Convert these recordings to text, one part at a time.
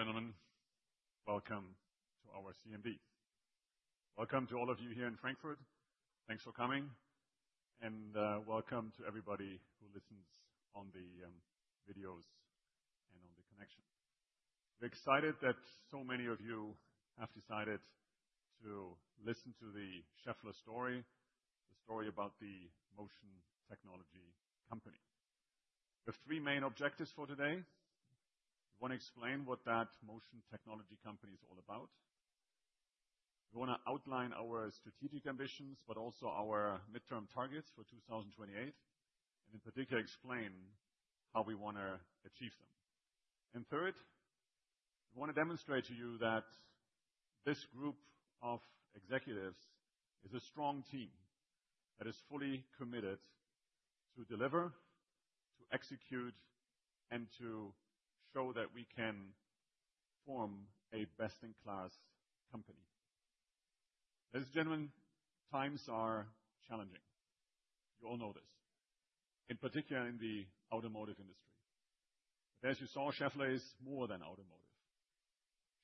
Ladies and gentlemen, welcome to our CMD. Welcome to all of you here in Frankfurt. Thanks for coming, and welcome to everybody who listens on the videos and on the connection. We're excited that so many of you have decided to listen to the Schaeffler story, the story about the motion technology company. We have three main objectives for today. We want to explain what that motion technology company is all about. We want to outline our strategic ambitions, but also our midterm targets for 2028, and in particular, explain how we want to achieve them, and third, we want to demonstrate to you that this group of executives is a strong team that is fully committed to deliver, to execute, and to show that we can form a best-in-class company. Ladies and gentlemen, times are challenging. You all know this, in particular in the automotive industry. But as you saw, Schaeffler is more than automotive.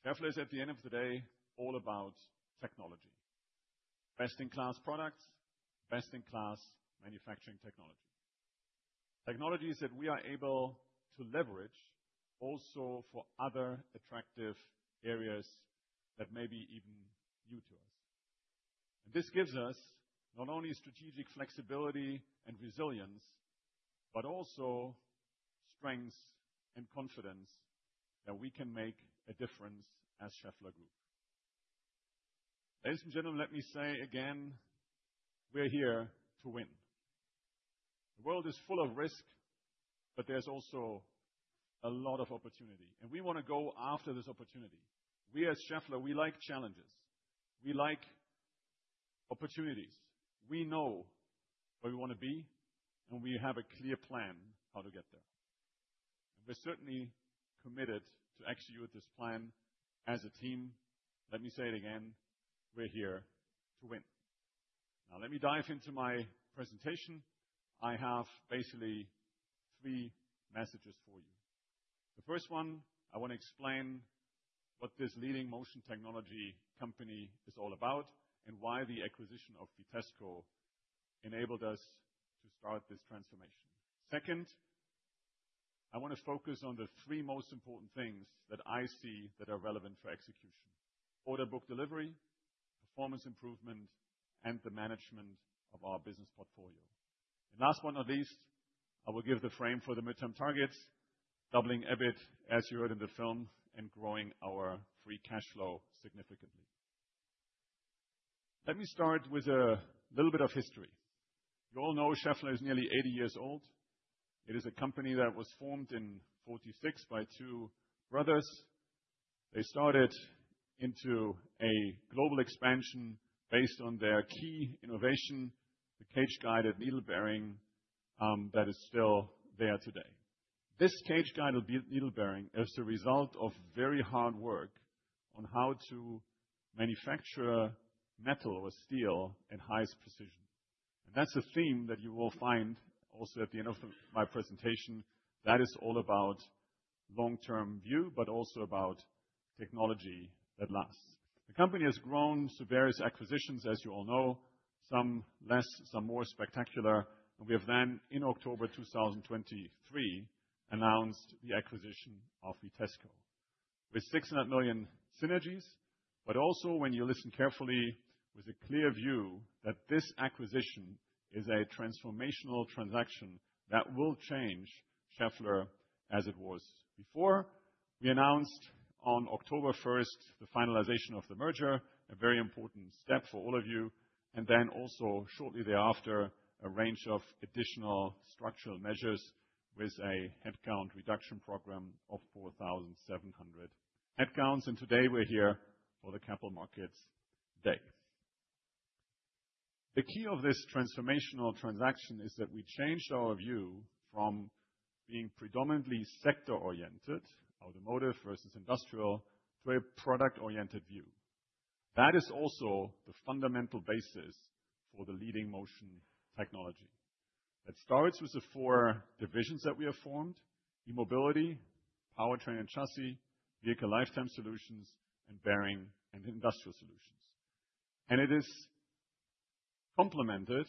Schaeffler is, at the end of the day, all about technology. Best-in-class products, best-in-class manufacturing technology. Technologies that we are able to leverage also for other attractive areas that may be even new to us. And this gives us not only strategic flexibility and resilience, but also strengths and confidence that we can make a difference as Schaeffler Group. Ladies and gentlemen, let me say again, we're here to win. The world is full of risk, but there's also a lot of opportunity. And we want to go after this opportunity. We at Schaeffler, we like challenges. We like opportunities. We know where we want to be, and we have a clear plan how to get there. And we're certainly committed to execute this plan as a team. Let me say it again, we're here to win. Now, let me dive into my presentation. I have basically three messages for you. The first one, I want to explain what this leading motion technology company is all about and why the acquisition of Vitesco enabled us to start this transformation. Second, I want to focus on the three most important things that I see that are relevant for execution: order book delivery, performance improvement, and the management of our business portfolio. And last but not least, I will give the frame for the midterm targets: doubling EBIT, as you heard in the film, and growing our free cash flow significantly. Let me start with a little bit of history. You all know Schaeffler is nearly 80 years old. It is a company that was formed in 1946 by two brothers. They started into a global expansion based on their key innovation, the cage-guided needle bearing that is still there today. This cage-guided needle bearing is the result of very hard work on how to manufacture metal or steel at highest precision. And that's a theme that you will find also at the end of my presentation. That is all about long-term view, but also about technology that lasts. The company has grown through various acquisitions, as you all know, some less, some more spectacular. And we have then, in October 2023, announced the acquisition of Vitesco. With 600 million synergies, but also when you listen carefully, with a clear view that this acquisition is a transformational transaction that will change Schaeffler as it was before. We announced on October 1st the finalization of the merger, a very important step for all of you. And then also shortly thereafter, a range of additional structural measures with a headcount reduction program of 4,700 headcounts. And today we're here for the Capital Markets Day. The key of this transformational transaction is that we changed our view from being predominantly sector-oriented, automotive versus industrial, to a product-oriented view. That is also the fundamental basis for the leading motion technology. That starts with the four divisions that we have formed: E-Mobility, Powertrain and Chassis, Vehicle Lifetime Solutions, and Bearing & Industrial Solutions. And it is complemented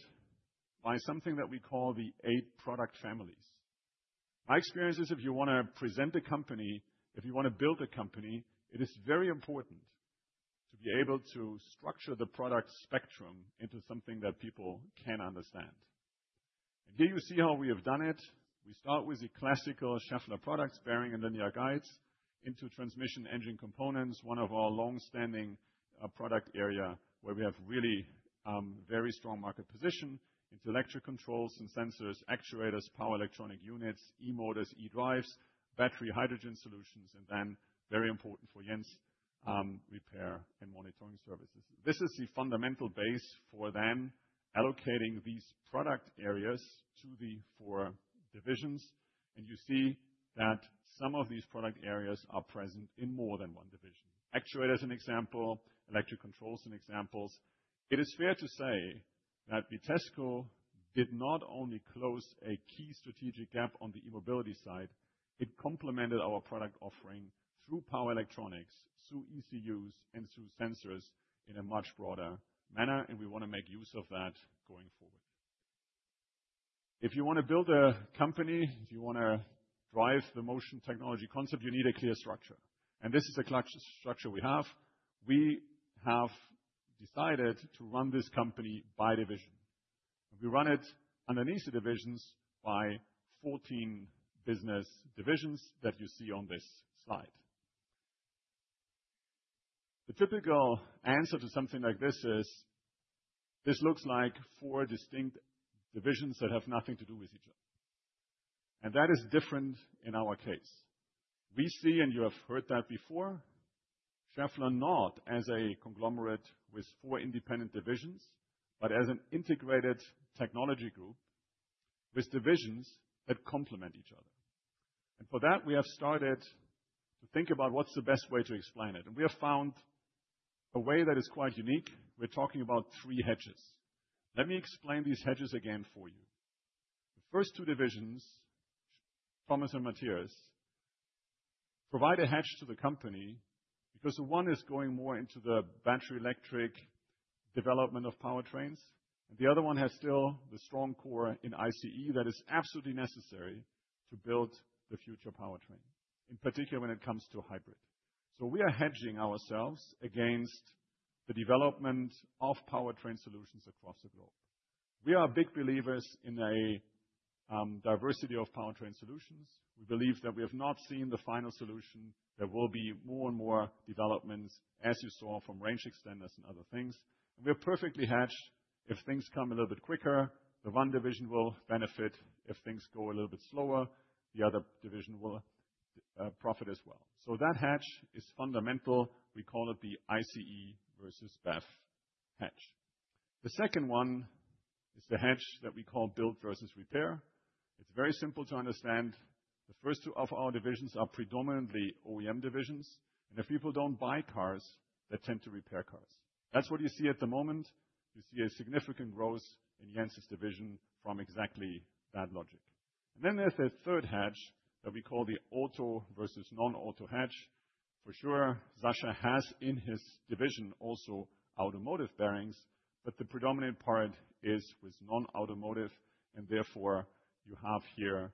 by something that we call the eight product families. My experience is if you want to present a company, if you want to build a company, it is very important to be able to structure the product spectrum into something that people can understand. And here you see how we have done it. We start with the classical Schaeffler products, bearing and linear guides, into transmission engine components, one of our long-standing product areas where we have really very strong market position, into electric controls and sensors, actuators, power electronic units, e-motors, e-drives, battery hydrogen solutions, and then, very important for Jens, repair and monitoring services. This is the fundamental base for them allocating these product areas to the four divisions. And you see that some of these product areas are present in more than one division. Actuators as an example, electric controls as an example. It is fair to say that Vitesco did not only close a key strategic gap on the e-mobility side, it complemented our product offering through power electronics, through ECUs, and through sensors in a much broader manner. And we want to make use of that going forward. If you want to build a company, if you want to drive the motion technology concept, you need a clear structure. And this is the structure we have. We have decided to run this company by division. We run it underneath the divisions by 14 business divisions that you see on this slide. The typical answer to something like this is, this looks like four distinct divisions that have nothing to do with each other. And that is different in our case. We see, and you have heard that before, Schaeffler not as a conglomerate with four independent divisions, but as an integrated technology group with divisions that complement each other. And for that, we have started to think about what's the best way to explain it. And we have found a way that is quite unique. We're talking about three hedges. Let me explain these hedges again for you. The first two divisions, Thomas and Matthias, provide a hedge to the company because one is going more into the battery electric development of powertrains, and the other one has still the strong core in ICE that is absolutely necessary to build the future powertrain, in particular when it comes to hybrid. So we are hedging ourselves against the development of powertrain solutions across the globe. We are big believers in a diversity of powertrain solutions. We believe that we have not seen the final solution. There will be more and more developments, as you saw from range extenders and other things. And we're perfectly hedged. If things come a little bit quicker, the one division will benefit. If things go a little bit slower, the other division will profit as well. So that hedge is fundamental. We call it the ICE versus BEV hedge. The second one is the hedge that we call build versus repair. It's very simple to understand. The first two of our divisions are predominantly OEM divisions. And if people don't buy cars, they tend to repair cars. That's what you see at the moment. You see a significant growth in Jens' division from exactly that logic. And then there's a third hedge that we call the auto versus non-auto hedge. For sure, Sascha has in his division also automotive bearings, but the predominant part is with non-automotive. And therefore, you have here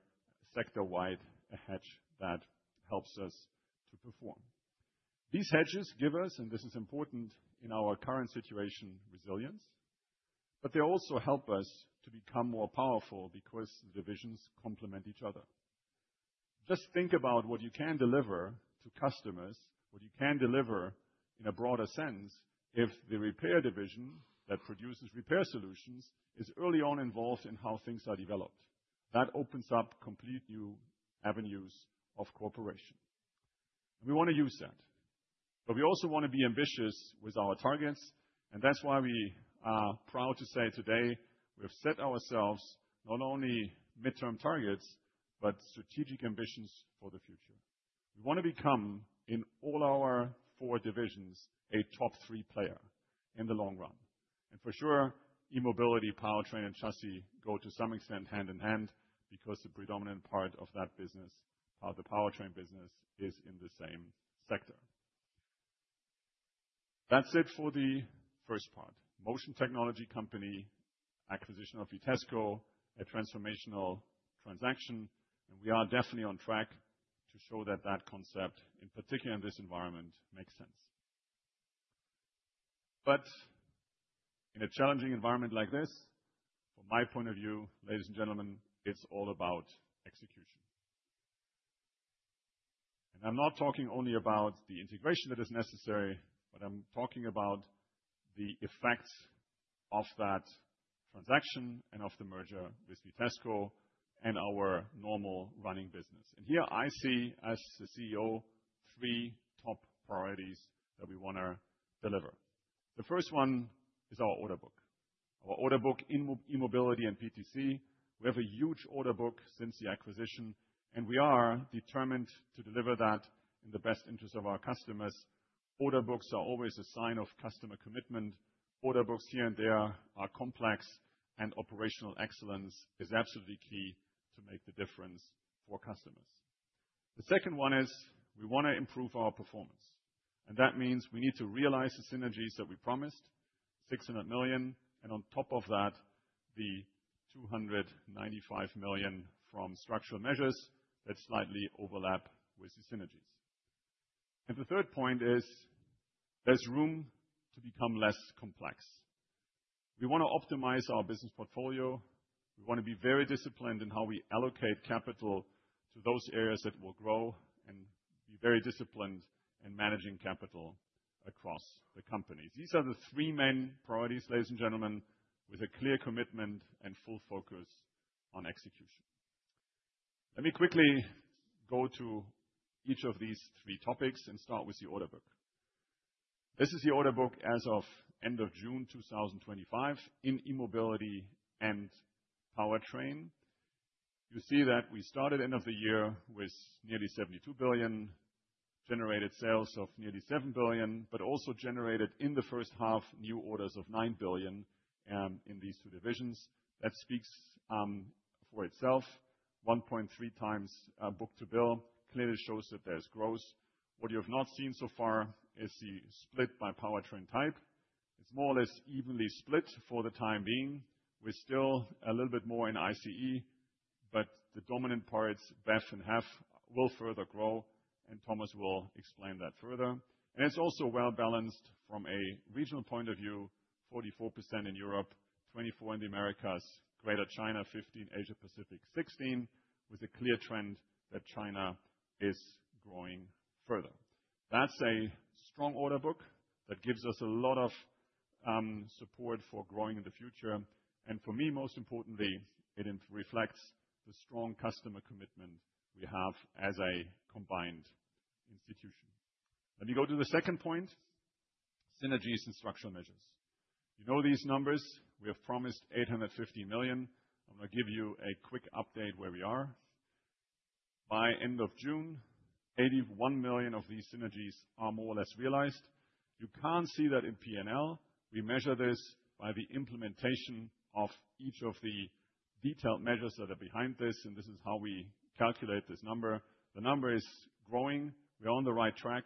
sector-wide a hedge that helps us to perform. These hedges give us, and this is important in our current situation, resilience, but they also help us to become more powerful because the divisions complement each other. Just think about what you can deliver to customers, what you can deliver in a broader sense if the repair division that produces repair solutions is early on involved in how things are developed. That opens up complete new avenues of cooperation. And we want to use that. But we also want to be ambitious with our targets. And that's why we are proud to say today we have set ourselves not only midterm targets, but strategic ambitions for the future. We want to become, in all our four divisions, a top three player in the long run. And for sure, E-Mobility, Powertrain, and Chassis go to some extent hand in hand because the predominant part of that business, the Powertrain business, is in the same sector. That's it for the first part. Motion technology company acquisition of Vitesco, a transformational transaction. We are definitely on track to show that that concept, in particular in this environment, makes sense. In a challenging environment like this, from my point of view, ladies and gentlemen, it's all about execution. I'm not talking only about the integration that is necessary, but I'm talking about the effects of that transaction and of the merger with Vitesco and our normal running business. Here I see, as the CEO, three top priorities that we want to deliver. The first one is our order book. Our order book, e-mobility and PTC, we have a huge order book since the acquisition, and we are determined to deliver that in the best interest of our customers. Order books are always a sign of customer commitment. Order books here and there are complex, and operational excellence is absolutely key to make the difference for customers. The second one is we want to improve our performance, and that means we need to realize the synergies that we promised, 600 million, and on top of that, the 295 million from structural measures that slightly overlap with the synergies, and the third point is there's room to become less complex. We want to optimize our business portfolio. We want to be very disciplined in how we allocate capital to those areas that will grow and be very disciplined in managing capital across the company. These are the three main priorities, ladies and gentlemen, with a clear commitment and full focus on execution. Let me quickly go to each of these three topics and start with the order book. This is the order book as of end of June 2025 in E-Mobility and Powertrain. You see that we started end of the year with nearly 72 billion, generated sales of nearly 7 billion, but also generated in the first half new orders of 9 billion in these two divisions. That speaks for itself. 1.3x book to bill clearly shows that there's growth. What you have not seen so far is the split by powertrain type. It's more or less evenly split for the time being. We're still a little bit more in ICE, but the dominant parts, BEV and HEV, will further grow, and Thomas will explain that further. It's also well balanced from a regional point of view, 44% in Europe, 24% in the Americas, Greater China 15%, Asia-Pacific 16%, with a clear trend that China is growing further. That's a strong order book that gives us a lot of support for growing in the future. And for me, most importantly, it reflects the strong customer commitment we have as a combined institution. Let me go to the second point, synergies and structural measures. You know these numbers. We have promised 850 million. I'm going to give you a quick update where we are. By end of June, 81 million of these synergies are more or less realized. You can't see that in P&L. We measure this by the implementation of each of the detailed measures that are behind this. And this is how we calculate this number. The number is growing. We are on the right track.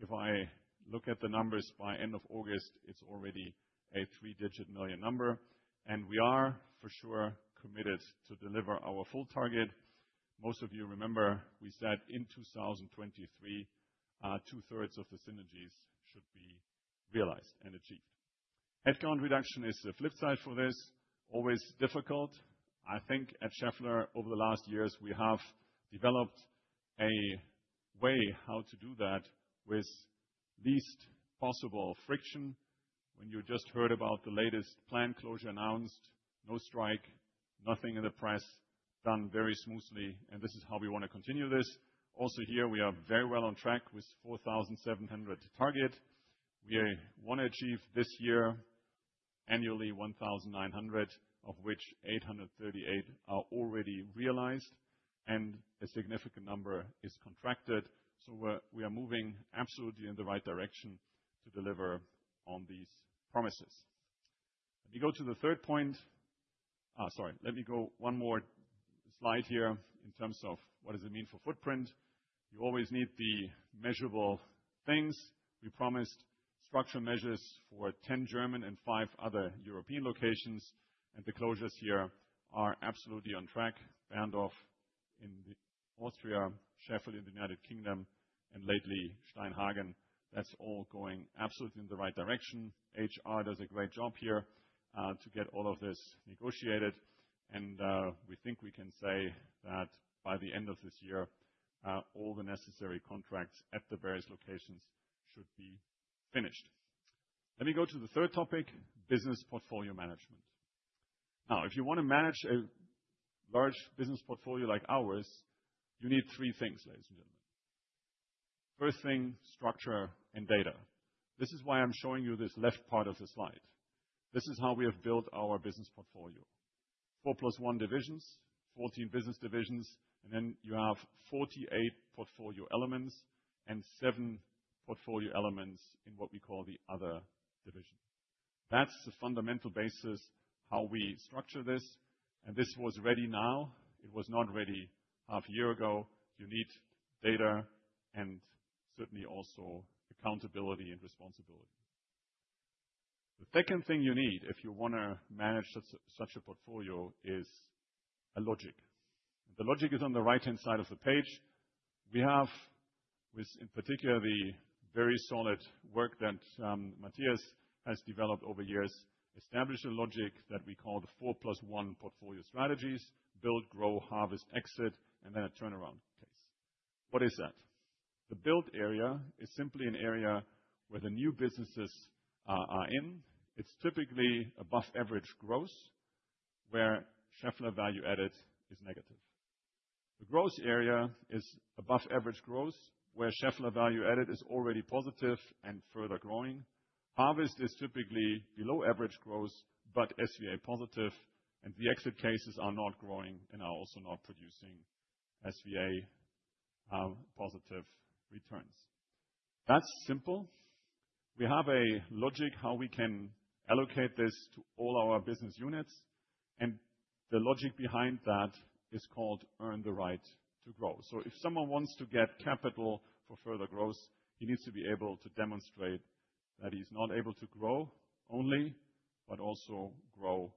If I look at the numbers by end of August, it's already a three-digit million EUR number. And we are for sure committed to deliver our full target. Most of you remember we said in 2023, two-thirds of the synergies should be realized and achieved. Headcount reduction is the flip side for this. Always difficult. I think at Schaeffler, over the last years, we have developed a way how to do that with least possible friction. When you just heard about the latest plant closure announced, no strike, nothing in the press, done very smoothly. And this is how we want to continue this. Also here, we are very well on track with 4,700 target. We want to achieve this year annually 1,900, of which 838 are already realized, and a significant number is contracted. So we are moving absolutely in the right direction to deliver on these promises. Let me go to the third point. Sorry, let me go one more slide here in terms of what does it mean for footprint. You always need the measurable things. We promised structural measures for 10 German and five other European locations. The closures here are absolutely on track. Berndorf in Austria, Sheffield in the United Kingdom, and lately Steinhagen. That's all going absolutely in the right direction. HR does a great job here to get all of this negotiated. We think we can say that by the end of this year, all the necessary contracts at the various locations should be finished. Let me go to the third topic, business portfolio management. Now, if you want to manage a large business portfolio like ours, you need three things, ladies and gentlemen. First thing, structure and data. This is why I'm showing you this left part of the slide. This is how we have built our business portfolio. 4 plus One divisions, 14 business divisions, and then you have 48 portfolio elements and seven portfolio elements in what we call the other division. That's the fundamental basis how we structure this. And this was ready now. It was not ready half a year ago. You need data and certainly also accountability and responsibility. The second thing you need if you want to manage such a portfolio is a logic. And the logic is on the right-hand side of the page. We have, in particular, the very solid work that Matthias has developed over years, established a logic that we call the 4 plus One portfolio strategies: build, grow, harvest, exit, and then a turnaround case. What is that? The build area is simply an area where the new businesses are in. It's typically above average growth where Schaeffler Value Added is negative. The growth area is above average growth where Schaeffler Value Added is already positive and further growing. Harvest is typically below average growth, but SVA positive. And the exit cases are not growing and are also not producing SVA positive returns. That's simple. We have a logic how we can allocate this to all our business units. And the logic behind that is called earn the right to grow. So if someone wants to get capital for further growth, he needs to be able to demonstrate that he's not able to grow only, but also grow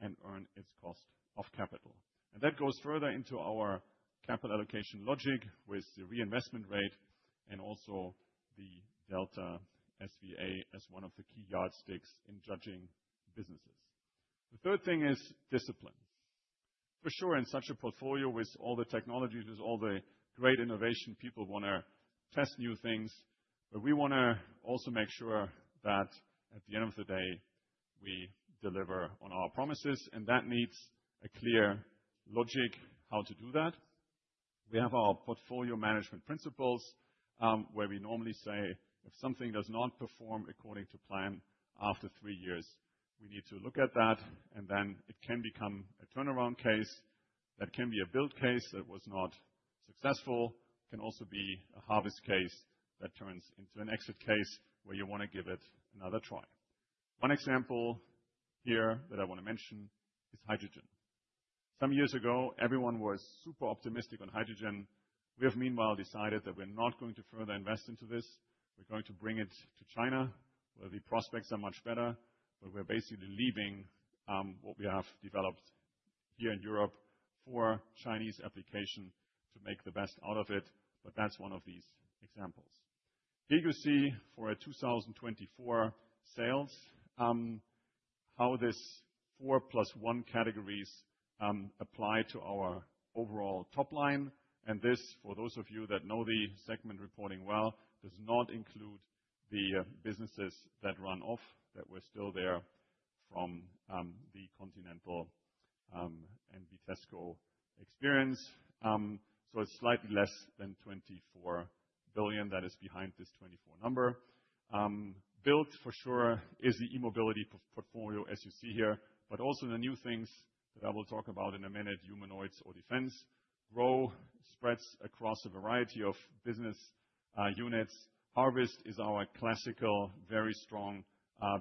and earn its cost of capital. And that goes further into our capital allocation logic with the reinvestment rate and also the delta SVA as one of the key yardsticks in judging businesses. The third thing is discipline. For sure, in such a portfolio with all the technologies, with all the great innovation, people want to test new things. But we want to also make sure that at the end of the day, we deliver on our promises. That needs a clear logic how to do that. We have our portfolio management principles where we normally say if something does not perform according to plan after three years, we need to look at that. And then it can become a turnaround case. That can be a build case that was not successful. It can also be a harvest case that turns into an exit case where you want to give it another try. One example here that I want to mention is hydrogen. Some years ago, everyone was super optimistic on hydrogen. We have meanwhile decided that we're not going to further invest into this. We're going to bring it to China where the prospects are much better. But we're basically leaving what we have developed here in Europe for Chinese application to make the best out of it. That's one of these examples. Here you see for 2024 sales how this 4 plus One categories apply to our overall top line. And this, for those of you that know the segment reporting well, does not include the businesses that run off that were still there from the Continental and Vitesco experience. So it's slightly less than 24 billion that is behind this 24 number. But for sure is the E-Mobility portfolio as you see here, but also the new things that I will talk about in a minute, humanoids or defense, growth spreads across a variety of business units. Harvest is our classic, very strong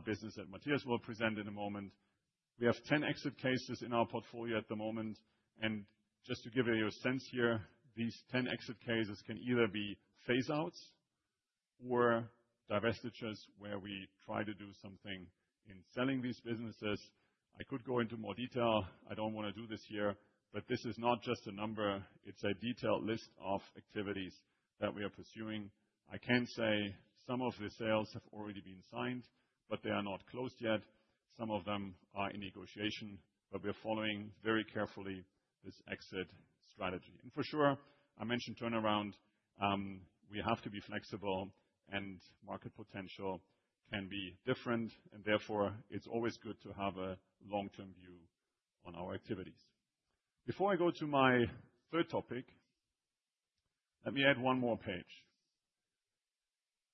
business that Matthias will present in a moment. We have 10 exit cases in our portfolio at the moment. And just to give you a sense here, these 10 exit cases can either be phaseouts or divestitures where we try to do something in selling these businesses. I could go into more detail. I don't want to do this here. But this is not just a number. It's a detailed list of activities that we are pursuing. I can say some of the sales have already been signed, but they are not closed yet. Some of them are in negotiation, but we're following very carefully this exit strategy. And for sure, I mentioned turnaround. We have to be flexible, and market potential can be different. And therefore, it's always good to have a long-term view on our activities. Before I go to my third topic, let me add one more page.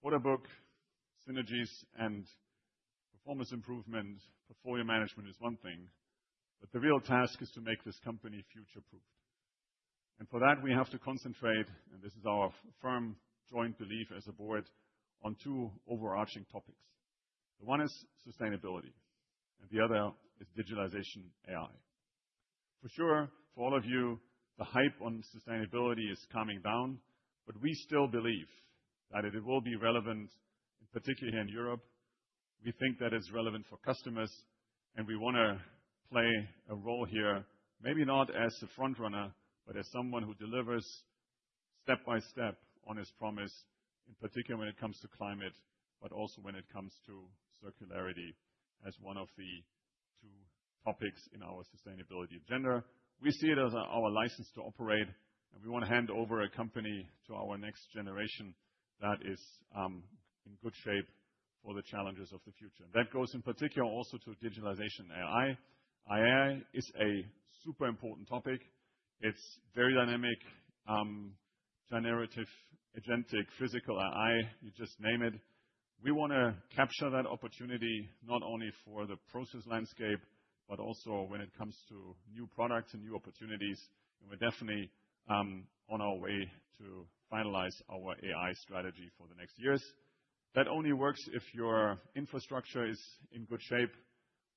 Order book, synergies, and performance improvement portfolio management is one thing, but the real task is to make this company future-proofed. And for that, we have to concentrate, and this is our firm joint belief as a board, on two overarching topics. The one is sustainability, and the other is digitalization, AI. For sure, for all of you, the hype on sustainability is coming down, but we still believe that it will be relevant, in particular here in Europe. We think that it's relevant for customers, and we want to play a role here, maybe not as a front runner, but as someone who delivers step by step on his promise, in particular when it comes to climate, but also when it comes to circularity as one of the two topics in our sustainability agenda. We see it as our license to operate, and we want to hand over a company to our next generation that is in good shape for the challenges of the future. And that goes in particular also to digitalization and AI. AI is a super important topic. It's very dynamic, generative, agentic, physical AI, you just name it. We want to capture that opportunity not only for the process landscape, but also when it comes to new products and new opportunities. And we're definitely on our way to finalize our AI strategy for the next years. That only works if your infrastructure is in good shape.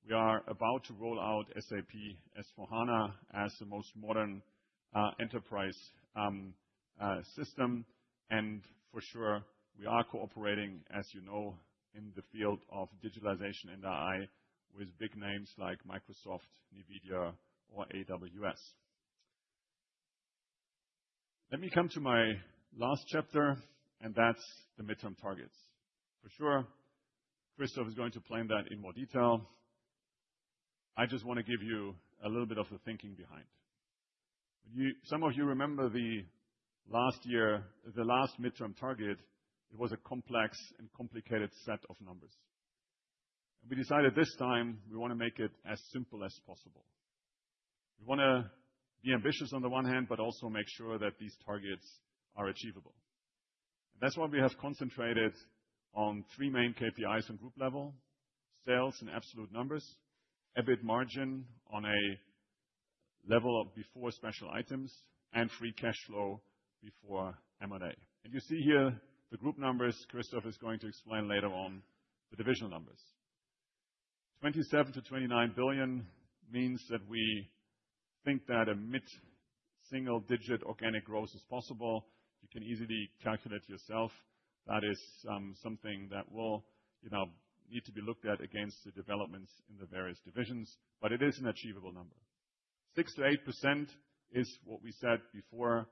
We are about to roll out SAP S/4HANA as the most modern enterprise system. And for sure, we are cooperating, as you know, in the field of digitalization and AI with big names like Microsoft, NVIDIA, or AWS. Let me come to my last chapter, and that's the midterm targets. For sure, Christoph is going to explain that in more detail. I just want to give you a little bit of the thinking behind. Some of you remember the last year, the last midterm target; it was a complex and complicated set of numbers, and we decided this time we want to make it as simple as possible. We want to be ambitious on the one hand, but also make sure that these targets are achievable, and that's why we have concentrated on three main KPIs on group level: sales in absolute numbers, EBIT margin on a level before special items, and free cash flow before M&A, and you see here the group numbers Christoph is going to explain later on, the divisional numbers. €27-€29 billion means that we think that a mid-single-digit organic growth is possible. You can easily calculate yourself. That is something that will need to be looked at against the developments in the various divisions, but it is an achievable number. 6%-8% is what we said before.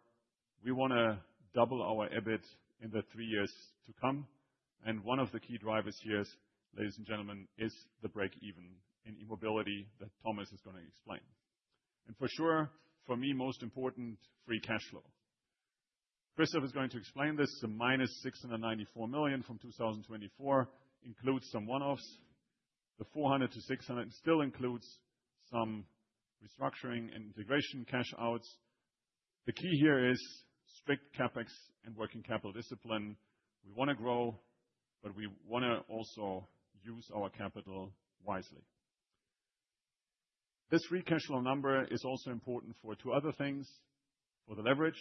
We want to double our EBIT in the three years to come. And one of the key drivers here, ladies and gentlemen, is the break-even in E-Mobility that Thomas is going to explain. And for sure, for me, most important free cash flow. Christoph is going to explain this. The -694 million from 2024 includes some one-offs. The 400 million-600 million still includes some restructuring and integration cash outs. The key here is strict CapEx and working capital discipline. We want to grow, but we want to also use our capital wisely. This free cash flow number is also important for two other things. For the leverage,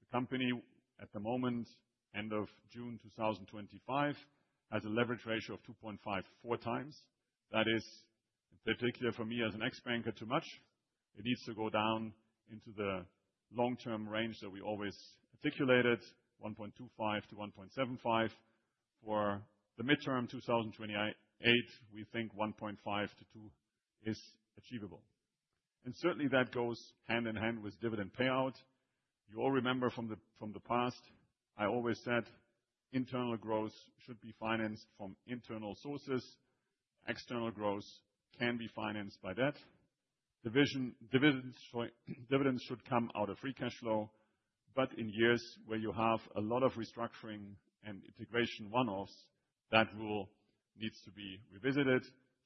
the company at the moment, end of June 2025, has a leverage ratio of 2.54x. That is, in particular for me as an ex-banker, too much. It needs to go down into the long-term range that we always articulated, 1.25 to 1.75. For the midterm 2028, we think 1.5 to 2 is achievable. And certainly, that goes hand in hand with dividend payout. You all remember from the past, I always said internal growth should be financed from internal sources. External growth can be financed by debt. Dividends should come out of free cash flow. But in years where you have a lot of restructuring and integration one-offs, that rule needs to be revisited.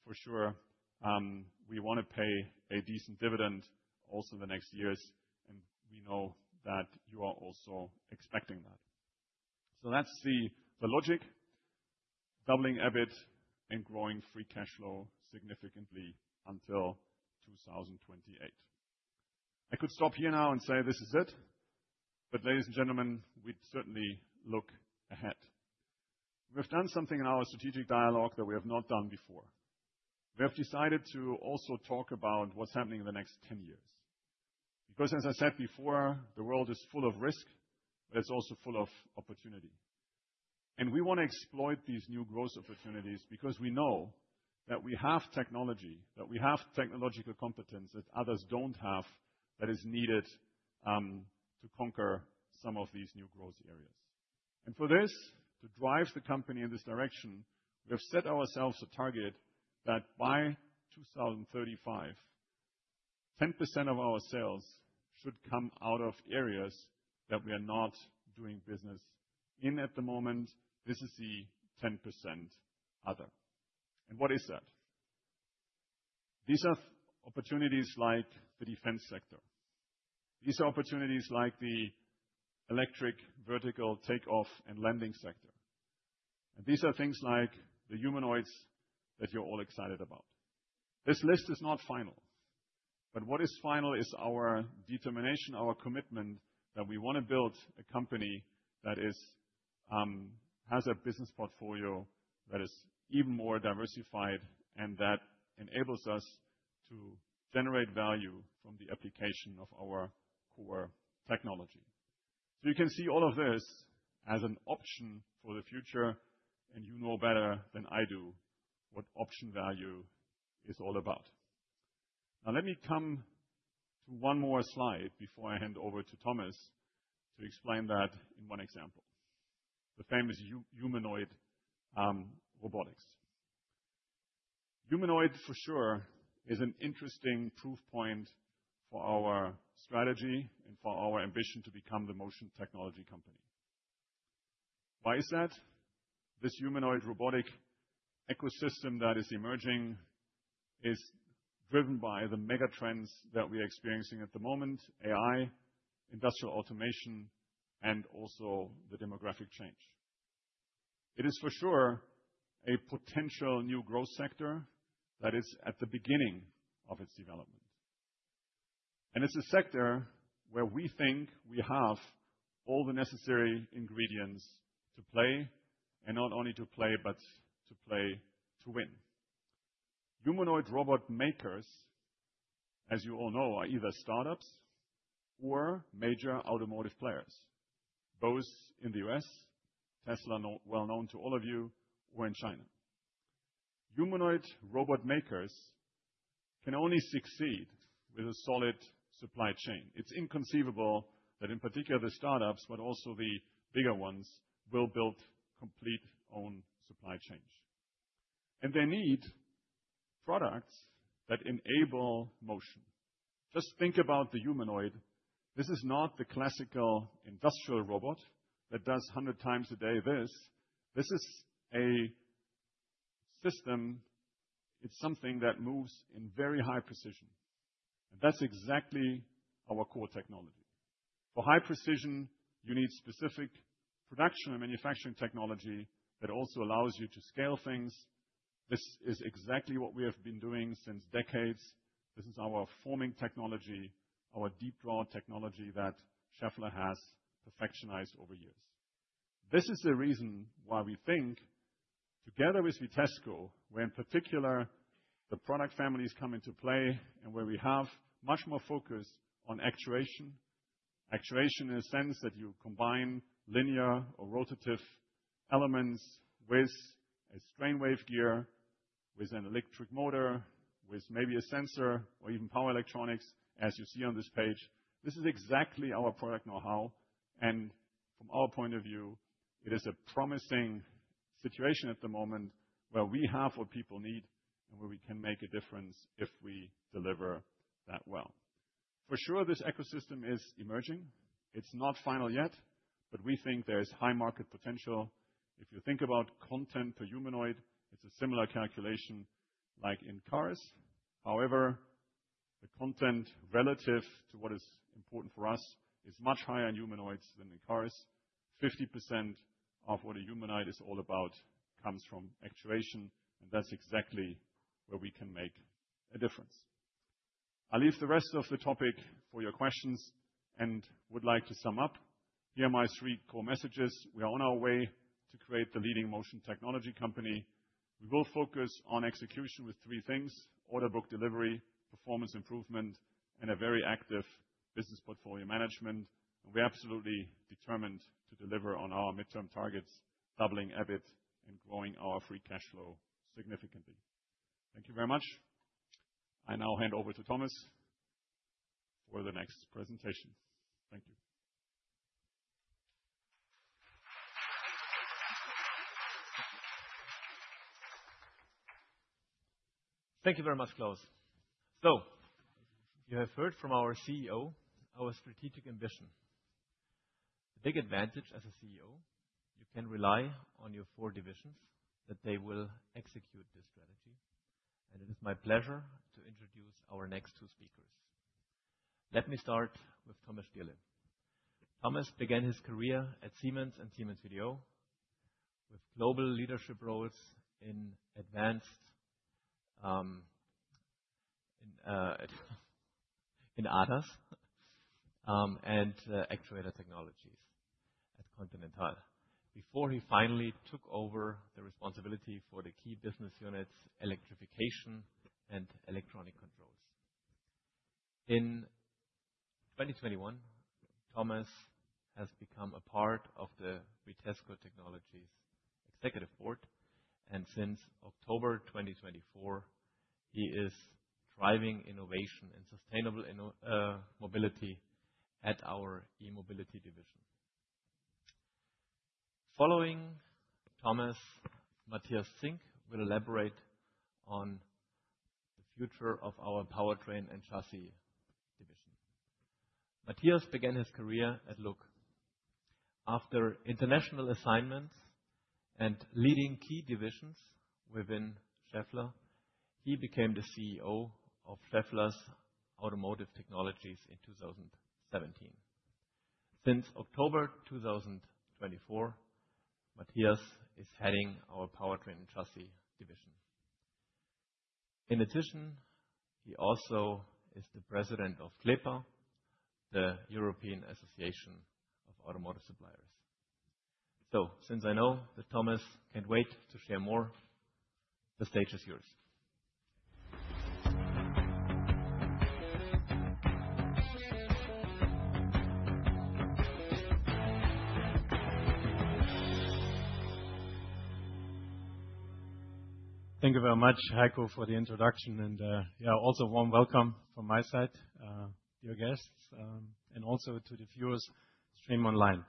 For sure, we want to pay a decent dividend also in the next years. And we know that you are also expecting that. So that's the logic: doubling EBIT and growing free cash flow significantly until 2028. I could stop here now and say this is it. But ladies and gentlemen, we'd certainly look ahead. We've done something in our strategic dialogue that we have not done before. We have decided to also talk about what's happening in the next 10 years. Because, as I said before, the world is full of risk, but it's also full of opportunity. And we want to exploit these new growth opportunities because we know that we have technology, that we have technological competence that others don't have that is needed to conquer some of these new growth areas. And for this to drive the company in this direction, we have set ourselves a target that by 2035, 10% of our sales should come out of areas that we are not doing business in at the moment. This is the 10% other. And what is that? These are opportunities like the defense sector. These are opportunities like the electric vertical takeoff and landing sector. These are things like the humanoids that you're all excited about. This list is not final. What is final is our determination, our commitment that we want to build a company that has a business portfolio that is even more diversified and that enables us to generate value from the application of our core technology. You can see all of this as an option for the future. And you know better than I do what option value is all about. Now, let me come to one more slide before I hand over to Thomas to explain that in one example, the famous humanoid robotics. Humanoid, for sure, is an interesting proof point for our strategy and for our ambition to become the motion technology company. Why is that? This humanoid robot ecosystem that is emerging is driven by the mega trends that we are experiencing at the moment: AI, industrial automation, and also the demographic change. It is for sure a potential new growth sector that is at the beginning of its development. And it's a sector where we think we have all the necessary ingredients to play and not only to play, but to play to win. Humanoid robot makers, as you all know, are either startups or major automotive players, both in the U.S., Tesla, well known to all of you, or in China. Humanoid robot makers can only succeed with a solid supply chain. It's inconceivable that, in particular, the startups, but also the bigger ones, will build complete own supply chains. And they need products that enable motion. Just think about the humanoid. This is not the classical industrial robot that does 100x a day this. This is a system. It's something that moves in very high precision, and that's exactly our core technology. For high precision, you need specific production and manufacturing technology that also allows you to scale things. This is exactly what we have been doing since decades. This is our forming technology, our deep draw technology that Schaeffler has perfected over years. This is the reason why we think together with Vitesco where, in particular, the product families come into play and where we have much more focus on actuation. Actuation in a sense that you combine linear or rotative elements with a strain wave gear, with an electric motor, with maybe a sensor or even power electronics, as you see on this page. This is exactly our product know-how. And from our point of view, it is a promising situation at the moment where we have what people need and where we can make a difference if we deliver that well. For sure, this ecosystem is emerging. It's not final yet, but we think there is high market potential. If you think about content per humanoid, it's a similar calculation like in cars. However, the content relative to what is important for us is much higher in humanoids than in cars. 50% of what a humanoid is all about comes from actuation. And that's exactly where we can make a difference. I'll leave the rest of the topic for your questions and would like to sum up here my three core messages. We are on our way to create the leading motion technology company. We will focus on execution with three things: order book delivery, performance improvement, and a very active business portfolio management, and we're absolutely determined to deliver on our midterm targets, doubling EBIT and growing our free cash flow significantly. Thank you very much. I now hand over to Thomas for the next presentation. Thank you. Thank you very much, Klaus. So you have heard from our CEO our strategic ambition. The big advantage as a CEO, you can rely on your four divisions that they will execute this strategy. And it is my pleasure to introduce our next two speakers. Let me start with Thomas Stierle. Thomas began his career at Siemens and Siemens VDO with global leadership roles in advanced in ADAS and actuator technologies at Continental before he finally took over the responsibility for the key business units, electrification and electronic controls. In 2021, Thomas has become a part of the Vitesco Technologies Executive Board. And since October 2024, he is driving innovation and sustainable mobility at our E-Mobility division. Following Thomas, Matthias Zink will elaborate on the future of our Powertrain and Chassis division. Matthias began his career at LuK. After international assignments and leading key divisions within Schaeffler, he became the CEO of Schaeffler's Automotive Technologies in 2017. Since October 2024, Matthias is heading our Powertrain & Chassis division. In addition, he also is the president of CLEPA, the European Association of Automotive Suppliers. So, since I know that Thomas can't wait to share more, the stage is yours. Thank you very much, Heiko, for the introduction. Yeah, also warm welcome from my side, dear guests, and also to the viewers streaming online.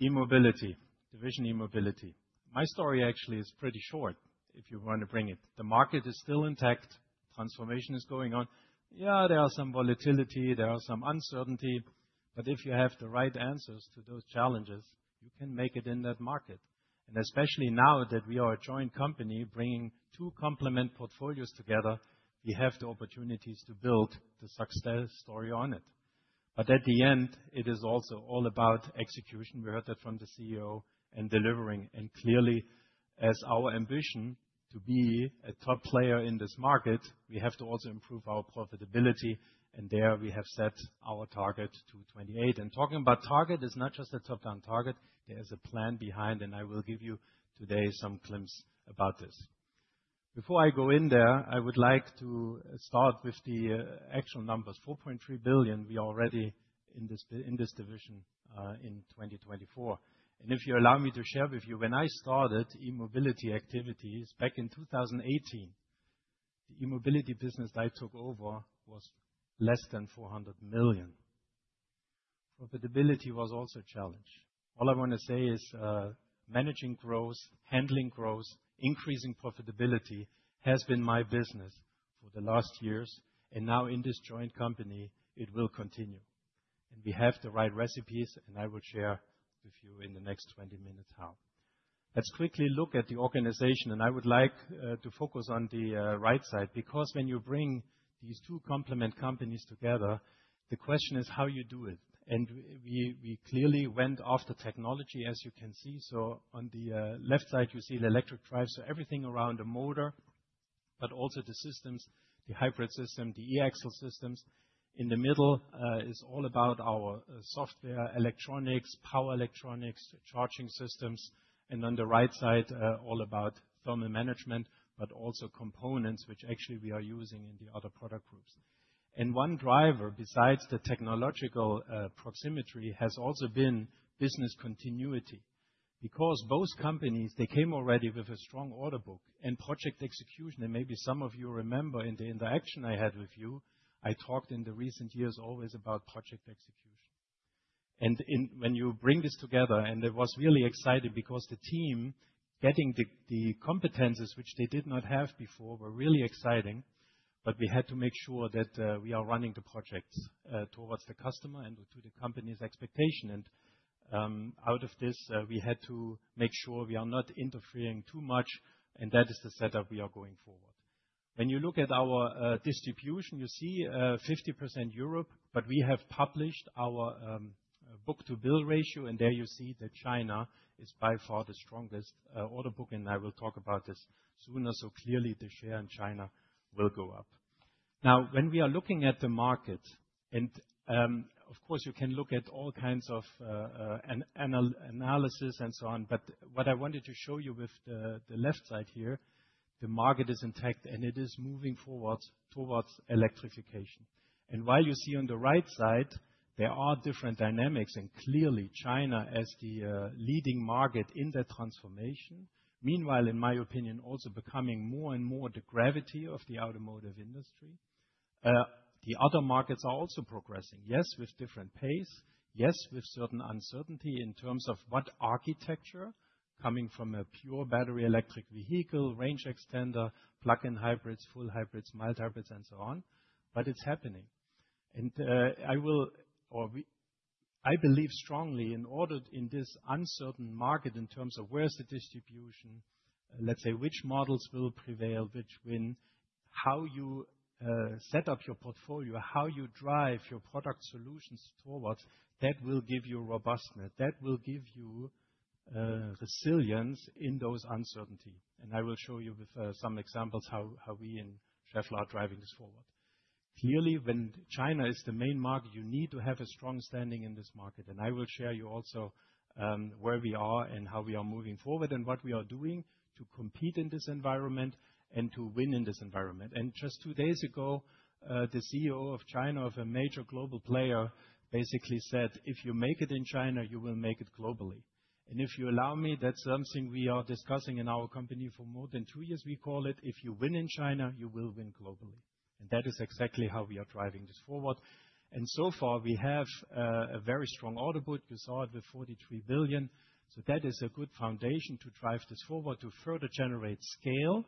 E-Mobility, E-Mobility division. My story actually is pretty short if you want to bring it. The market is still intact. Transformation is going on. Yeah, there are some volatility. There are some uncertainty, but if you have the right answers to those challenges, you can make it in that market. Especially now that we are a joint company bringing two complementary portfolios together, we have the opportunities to build the success story on it, but at the end, it is also all about execution. We heard that from the CEO and delivering. Clearly, as our ambition to be a top player in this market, we have to also improve our profitability. There we have set our target to 28%. Talking about target is not just a top-down target. There is a plan behind. I will give you today some glimpse about this. Before I go in there, I would like to start with the actual numbers. 4.3 billion, we are already in this division in 2024. If you allow me to share with you, when I started E-Mobility activities back in 2018, the E-Mobility business that I took over was less than 400 million. Profitability was also a challenge. All I want to say is managing growth, handling growth, increasing profitability has been my business for the last years. Now in this joint company, it will continue. We have the right recipes. I will share with you in the next 20 minutes how. Let's quickly look at the organization. I would like to focus on the right side. Because when you bring these two complementary companies together, the question is how you do it. And we clearly went after technology, as you can see. So on the left side, you see the electric drive. So everything around the motor, but also the systems, the hybrid system, the E-axle systems. In the middle is all about our software, electronics, power electronics, charging systems. And on the right side, all about thermal management, but also components, which actually we are using in the other product groups. And one driver besides the technological proximity has also been business continuity. Because both companies, they came already with a strong order book and project execution. And maybe some of you remember in the interaction I had with you, I talked in the recent years always about project execution. When you bring this together, it was really exciting because the team getting the competencies, which they did not have before, were really exciting. We had to make sure that we are running the projects towards the customer and to the company's expectation. Out of this, we had to make sure we are not interfering too much. That is the setup we are going forward. When you look at our distribution, you see 50% Europe. We have published our book-to-bill ratio. There you see that China is by far the strongest order book. I will talk about this sooner. Clearly, the share in China will go up. Now, when we are looking at the market, of course, you can look at all kinds of analysis and so on. But what I wanted to show you with the left side here, the market is intact. And it is moving forward towards electrification. And while you see on the right side, there are different dynamics. And clearly, China as the leading market in that transformation, meanwhile, in my opinion, also becoming more and more the gravity of the automotive industry. The other markets are also progressing. Yes, with different pace. Yes, with certain uncertainty in terms of what architecture coming from a pure battery electric vehicle, range extender, plug-in hybrids, full hybrids, mild hybrids, and so on. But it's happening. And I believe strongly in order in this uncertain market in terms of where's the distribution, let's say which models will prevail, which win, how you set up your portfolio, how you drive your product solutions forward, that will give you robustness. That will give you resilience in those uncertainties. I will show you with some examples how we in Schaeffler are driving this forward. Clearly, when China is the main market, you need to have a strong standing in this market. I will share you also where we are and how we are moving forward and what we are doing to compete in this environment and to win in this environment. Just two days ago, the CEO of China of a major global player basically said, "If you make it in China, you will make it globally." If you allow me, that's something we are discussing in our company for more than two years. We call it, "If you win in China, you will win globally." That is exactly how we are driving this forward. So far, we have a very strong order book. You saw it with 43 billion. That is a good foundation to drive this forward to further generate scale.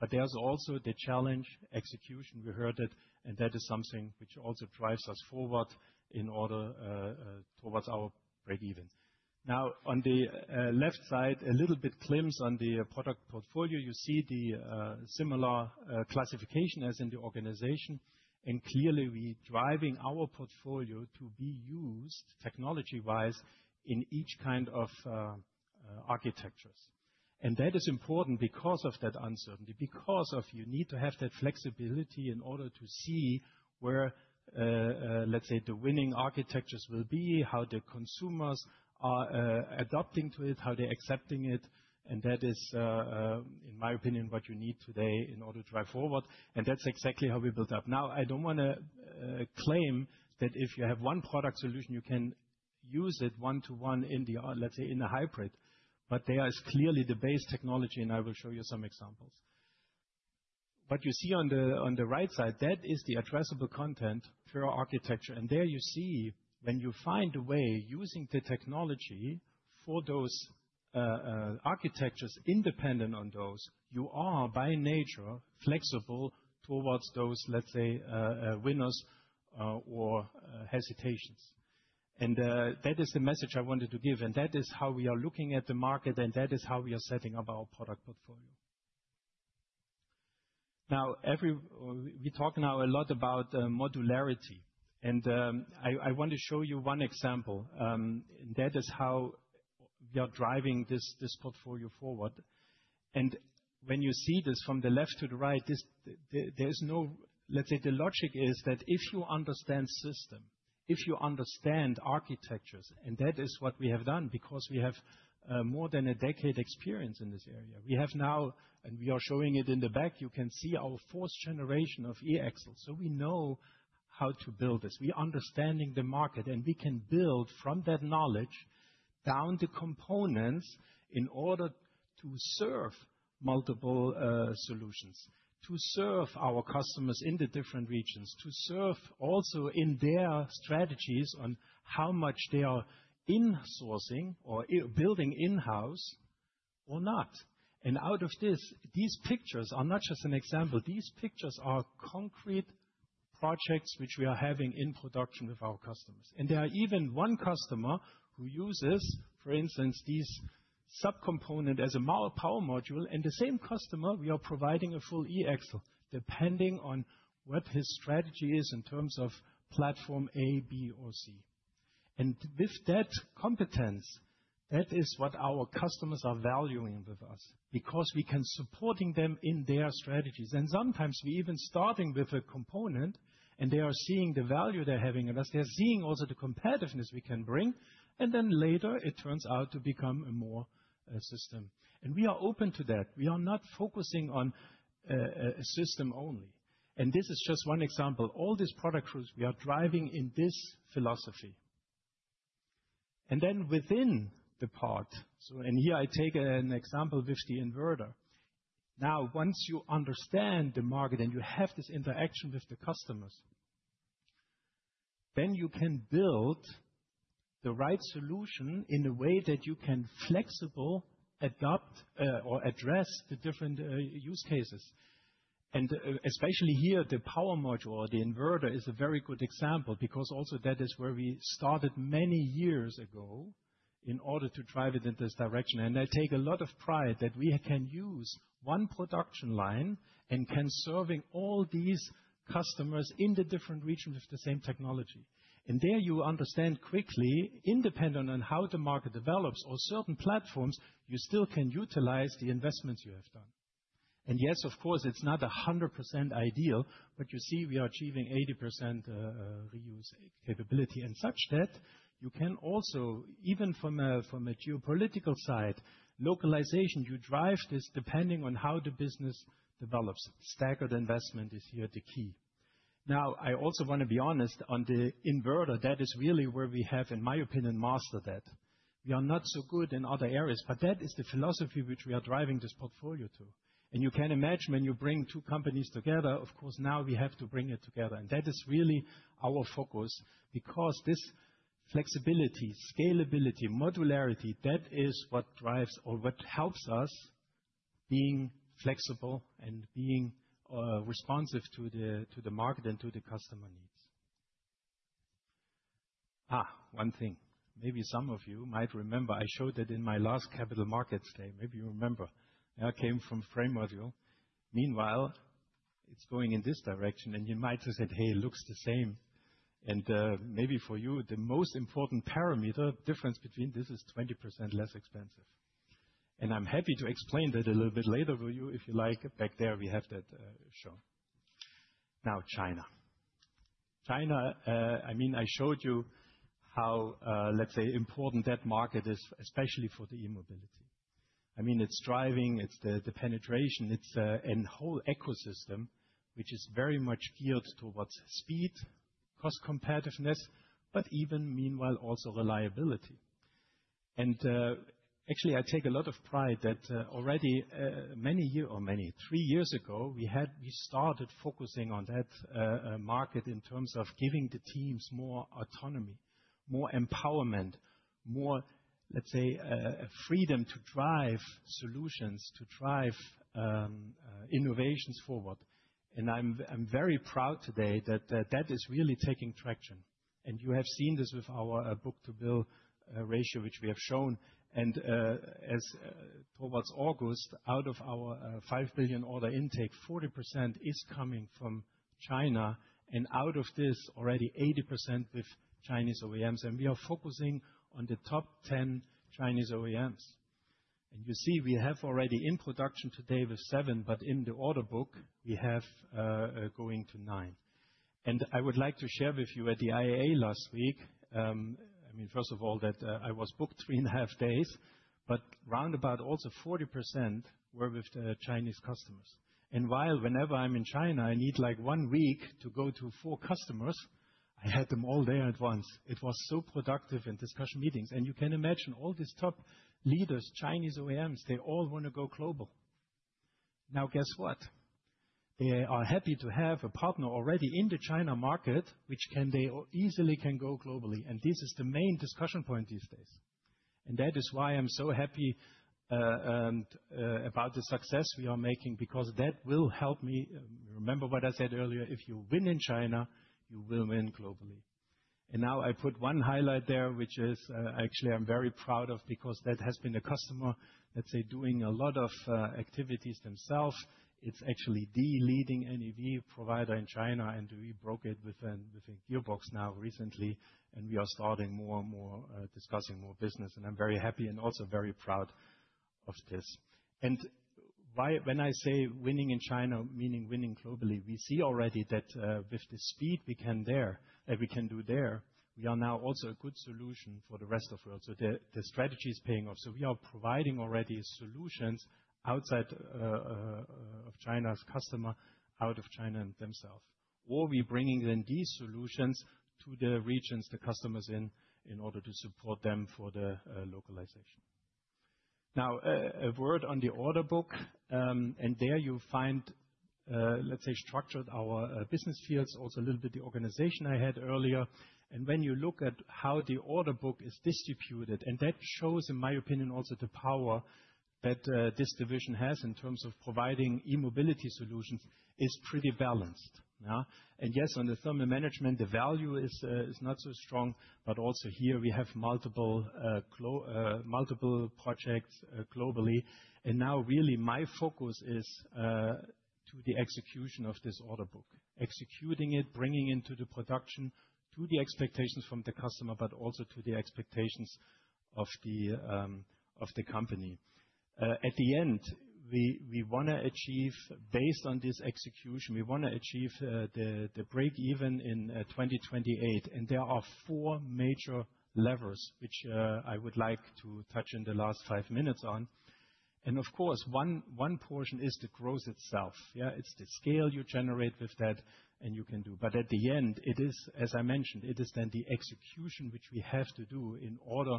But there's also the challenge execution. We heard it. And that is something which also drives us forward in order towards our break-even. Now, on the left side, a little bit glimpse on the product portfolio. You see the similar classification as in the organization. And clearly, we are driving our portfolio to be used technology-wise in each kind of architectures. And that is important because of that uncertainty, because you need to have that flexibility in order to see where, let's say, the winning architectures will be, how the consumers are adopting to it, how they're accepting it. And that is, in my opinion, what you need today in order to drive forward. And that's exactly how we built up. Now, I don't want to claim that if you have one product solution, you can use it one-to-one in the, let's say, in a hybrid. But there is clearly the base technology. And I will show you some examples. What you see on the right side, that is the addressable content for our architecture. And there you see, when you find a way using the technology for those architectures independent on those, you are by nature flexible towards those, let's say, winners or hesitations. And that is the message I wanted to give. And that is how we are looking at the market. And that is how we are setting up our product portfolio. Now, we talk now a lot about modularity. And I want to show you one example. And that is how we are driving this portfolio forward. And when you see this from the left to the right, there is no, let's say, the logic is that if you understand system, if you understand architectures, and that is what we have done because we have more than a decade experience in this area. We have now, and we are showing it in the back, you can see our fourth generation of e-axles. So we know how to build this. We are understanding the market. And we can build from that knowledge down to components in order to serve multiple solutions, to serve our customers in the different regions, to serve also in their strategies on how much they are in-sourcing or building in-house or not. And out of this, these pictures are not just an example. These pictures are concrete projects which we are having in production with our customers. And there are even one customer who uses, for instance, these sub-components as a power module. And the same customer, we are providing a full E-axle depending on what his strategy is in terms of platform A, B, or C. And with that competence, that is what our customers are valuing with us because we can support them in their strategies. And sometimes we're even starting with a component. And they are seeing the value they're having in us. They're seeing also the competitiveness we can bring. And then later, it turns out to become a more system. And we are open to that. We are not focusing on a system only. And this is just one example. All these product groups, we are driving in this philosophy. And then within the part, so and here I take an example with the inverter. Now, once you understand the market and you have this interaction with the customers, then you can build the right solution in a way that you can flexibly adapt or address the different use cases. And especially here, the power module or the inverter is a very good example because also that is where we started many years ago in order to drive it in this direction. And I take a lot of pride that we can use one production line and can serve all these customers in the different regions with the same technology. And there you understand quickly, independent on how the market develops or certain platforms, you still can utilize the investments you have done. And yes, of course, it's not 100% ideal. But you see we are achieving 80% reuse capability. Such that you can also, even from a geopolitical side, localization, you drive this depending on how the business develops. Stack of investment is here the key. Now, I also want to be honest on the inverter. That is really where we have, in my opinion, mastered that. We are not so good in other areas. But that is the philosophy which we are driving this portfolio to. And you can imagine when you bring two companies together, of course, now we have to bring it together. And that is really our focus because this flexibility, scalability, modularity, that is what drives or what helps us being flexible and being responsive to the market and to the customer needs. One thing. Maybe some of you might remember I showed that in my last Capital Markets Day. Maybe you remember. That came from frame module. Meanwhile, it's going in this direction. You might have said, "Hey, it looks the same." Maybe for you, the most important parameter difference between this is 20% less expensive. I'm happy to explain that a little bit later for you if you like. Back there, we have that shown. Now, China. China, I mean, I showed you how, let's say, important that market is, especially for the E-Mobility. I mean, it's driving, it's the penetration, it's a whole ecosystem which is very much geared towards speed, cost competitiveness, but even, meanwhile, also reliability. Actually, I take a lot of pride that already many three years ago, we started focusing on that market in terms of giving the teams more autonomy, more empowerment, more, let's say, freedom to drive solutions, to drive innovations forward. I'm very proud today that that is really taking traction. You have seen this with our book-to-bill ratio, which we have shown. Towards August, out of our €5 billion order intake, 40% is coming from China. Out of this, already 80% with Chinese OEMs. We are focusing on the top 10 Chinese OEMs. You see we have already in production today with seven. But in the order book, we have going to nine. I would like to share with you at the IAA last week, I mean, first of all, that I was booked three and a half days. But roundabout also 40% were with Chinese customers. Whenever I'm in China, I need like one week to go to four customers. I had them all there at once. It was so productive in discussion meetings. You can imagine all these top leaders, Chinese OEMs, they all want to go global. Now, guess what? They are happy to have a partner already in the China market, which can help them easily go globally, and this is the main discussion point these days, and that is why I'm so happy about the success we are making because that will help. Remember what I said earlier. If you win in China, you will win globally. Now I put one highlight there, which is actually I'm very proud of because that has been a customer, let's say, doing a lot of activities themselves. It's actually the leading NEV provider in China, and we broke through with the gearbox now recently, and we are starting more and more discussing more business, and I'm very happy and also very proud of this. And when I say winning in China, meaning winning globally, we see already that with the speed we can do there, we are now also a good solution for the rest of the world. So the strategy is paying off. So we are providing already solutions outside of China, customer out of China themselves. Or we're bringing in these solutions to the regions the customer's in in order to support them for the localization. Now, a word on the order book. And there you find, let's say, structured our business fields, also a little bit the organization I had earlier. And when you look at how the order book is distributed, and that shows, in my opinion, also the power that this division has in terms of providing E-Mobility solutions is pretty balanced. And yes, on the thermal management, the value is not so strong. But also here, we have multiple projects globally. And now really my focus is to the execution of this order book, executing it, bringing into the production to the expectations from the customer, but also to the expectations of the company. At the end, we want to achieve, based on this execution, we want to achieve the break-even in 2028. And there are four major levers which I would like to touch in the last five minutes on. And of course, one portion is the growth itself. Yeah, it's the scale you generate with that and you can do. But at the end, it is, as I mentioned, it is then the execution which we have to do in order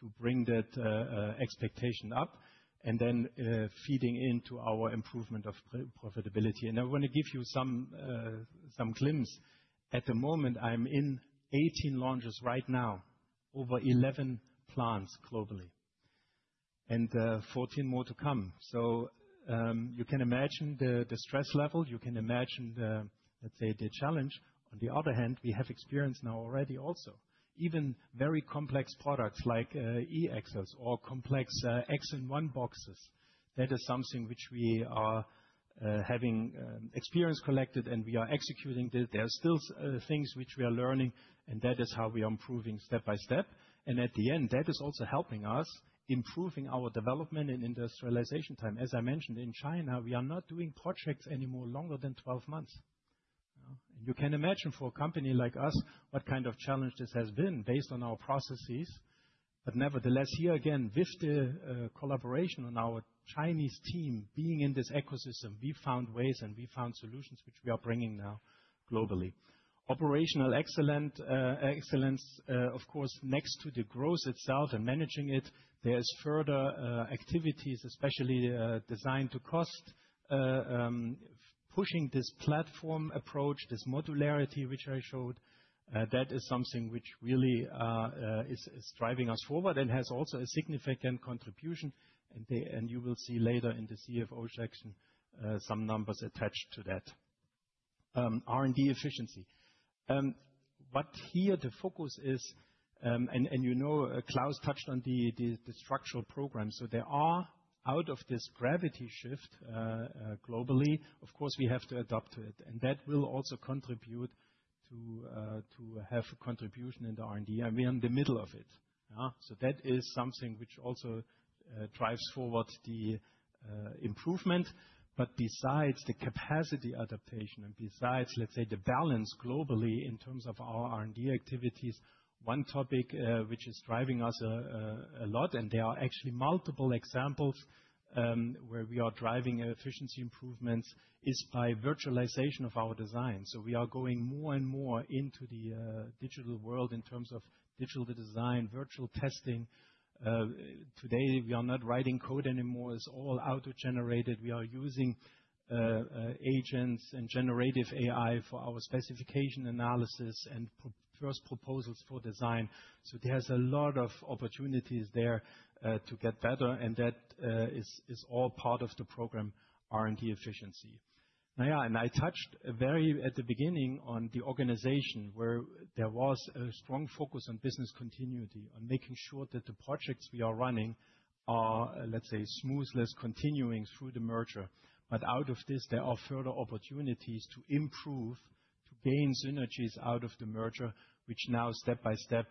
to bring that expectation up and then feeding into our improvement of profitability. And I want to give you some glimpse. At the moment, I'm in 18 launches right now, over 11 plants globally, and 14 more to come. So you can imagine the stress level. You can imagine, let's say, the challenge. On the other hand, we have experience now already also. Even very complex products like E-axles or complex X-in-1 boxes. That is something which we are having experience collected. And we are executing this. There are still things which we are learning. And that is how we are improving step by step. And at the end, that is also helping us improving our development and industrialization time. As I mentioned, in China, we are not doing projects anymore longer than 12 months. And you can imagine for a company like us what kind of challenge this has been based on our processes. But nevertheless, here again, with the collaboration on our Chinese team being in this ecosystem, we found ways and we found solutions which we are bringing now globally. Operational excellence, of course. Next to the growth itself and managing it, there is further activities, especially designed to cost, pushing this platform approach, this modularity which I showed. That is something which really is driving us forward and has also a significant contribution. And you will see later in the CFO section some numbers attached to that. R&D efficiency. What here the focus is, and you know Klaus touched on the structural program. So there are out of this gravity shift globally, of course, we have to adapt to it. And that will also contribute to have a contribution in the R&D. And we are in the middle of it. So that is something which also drives forward the improvement. But besides the capacity adaptation and besides, let's say, the balance globally in terms of our R&D activities, one topic which is driving us a lot, and there are actually multiple examples where we are driving efficiency improvements, is by virtualization of our design. So we are going more and more into the digital world in terms of digital design, virtual testing. Today, we are not writing code anymore. It's all auto-generated. We are using agents and generative AI for our specification analysis and first proposals for design. So there's a lot of opportunities there to get better. And that is all part of the program, R&D efficiency. Now, yeah, and I touched very at the beginning on the organization where there was a strong focus on business continuity, on making sure that the projects we are running are, let's say, smooth, less continuing through the merger. But out of this, there are further opportunities to improve, to gain synergies out of the merger, which now step by step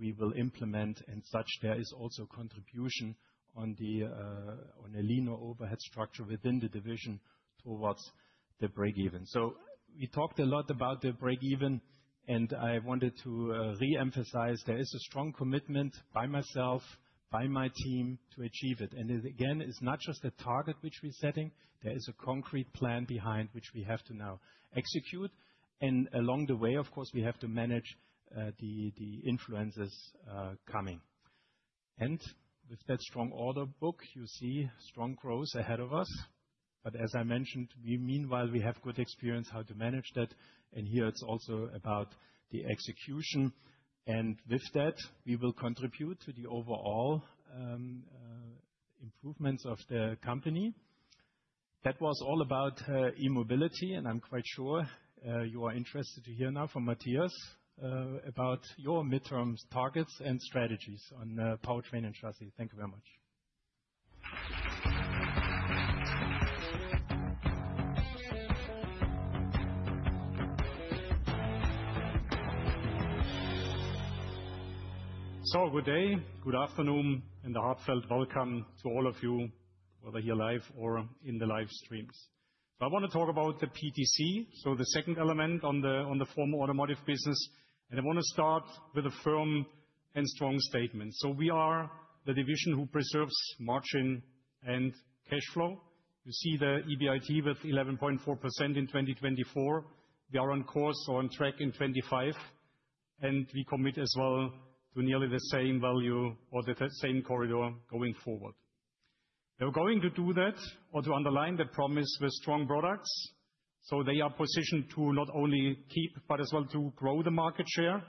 we will implement, and as such there is also contribution on the lean or overhead structure within the division towards the break-even, so we talked a lot about the break-even, and I wanted to re-emphasize there is a strong commitment by myself, by my team to achieve it, and again, it's not just a target which we're setting. There is a concrete plan behind which we have to now execute, and along the way, of course, we have to manage the influences coming, and with that strong order book, you see strong growth ahead of us, but as I mentioned, meanwhile, we have good experience how to manage that, and here it's also about the execution, and with that, we will contribute to the overall improvements of the company. That was all about E-Mobility, and I'm quite sure you are interested to hear now from Matthias about your midterm targets and strategies on powertrain and chassis. Thank you very much. Good day, good afternoon, and a heartfelt welcome to all of you, whether here live or in the live streams. I want to talk about the PTC, so the second element on the former automotive business. And I want to start with a firm and strong statement. We are the division who preserves margin and cash flow. You see the EBIT with 11.4% in 2024. We are on course or on track in 2025. And we commit as well to nearly the same value or the same corridor going forward. We're going to do that or to underline the promise with strong products. They are positioned to not only keep, but as well to grow the market share.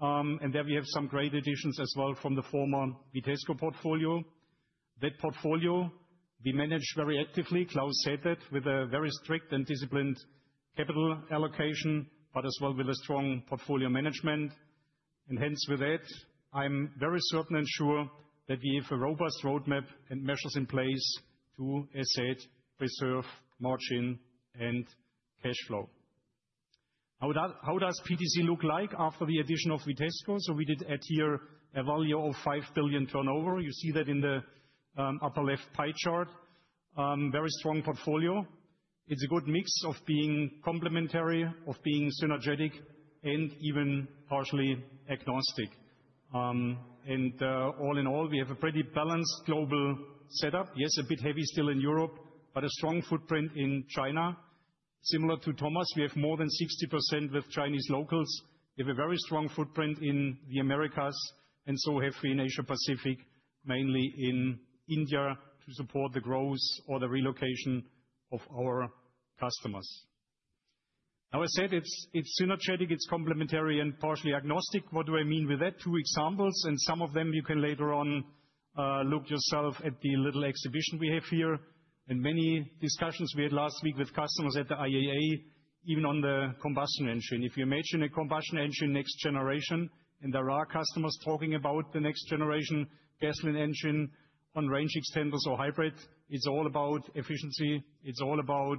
And there we have some great additions as well from the former Vitesco portfolio. That portfolio we manage very actively, Klaus said that, with a very strict and disciplined capital allocation, but as well with a strong portfolio management. And hence with that, I'm very certain and sure that we have a robust roadmap and measures in place to, as said, preserve margin and cash flow. How does PTC look like after the addition of Vitesco? So we did add here a value of 5 billion turnover. You see that in the upper left pie chart. Very strong portfolio. It's a good mix of being complementary, of being synergetic, and even partially agnostic. And all in all, we have a pretty balanced global setup. Yes, a bit heavy still in Europe, but a strong footprint in China. Similar to Thomas, we have more than 60% with Chinese locals. We have a very strong footprint in the Americas. And so have we in Asia-Pacific, mainly in India, to support the growth or the relocation of our customers. Now, I said it's synergetic, it's complementary, and partially agnostic. What do I mean with that? Two examples. And some of them you can later on look yourself at the little exhibition we have here and many discussions we had last week with customers at the IAA, even on the combustion engine. If you imagine a combustion engine next generation, and there are customers talking about the next generation gasoline engine on range extenders or hybrid, it's all about efficiency. It's all about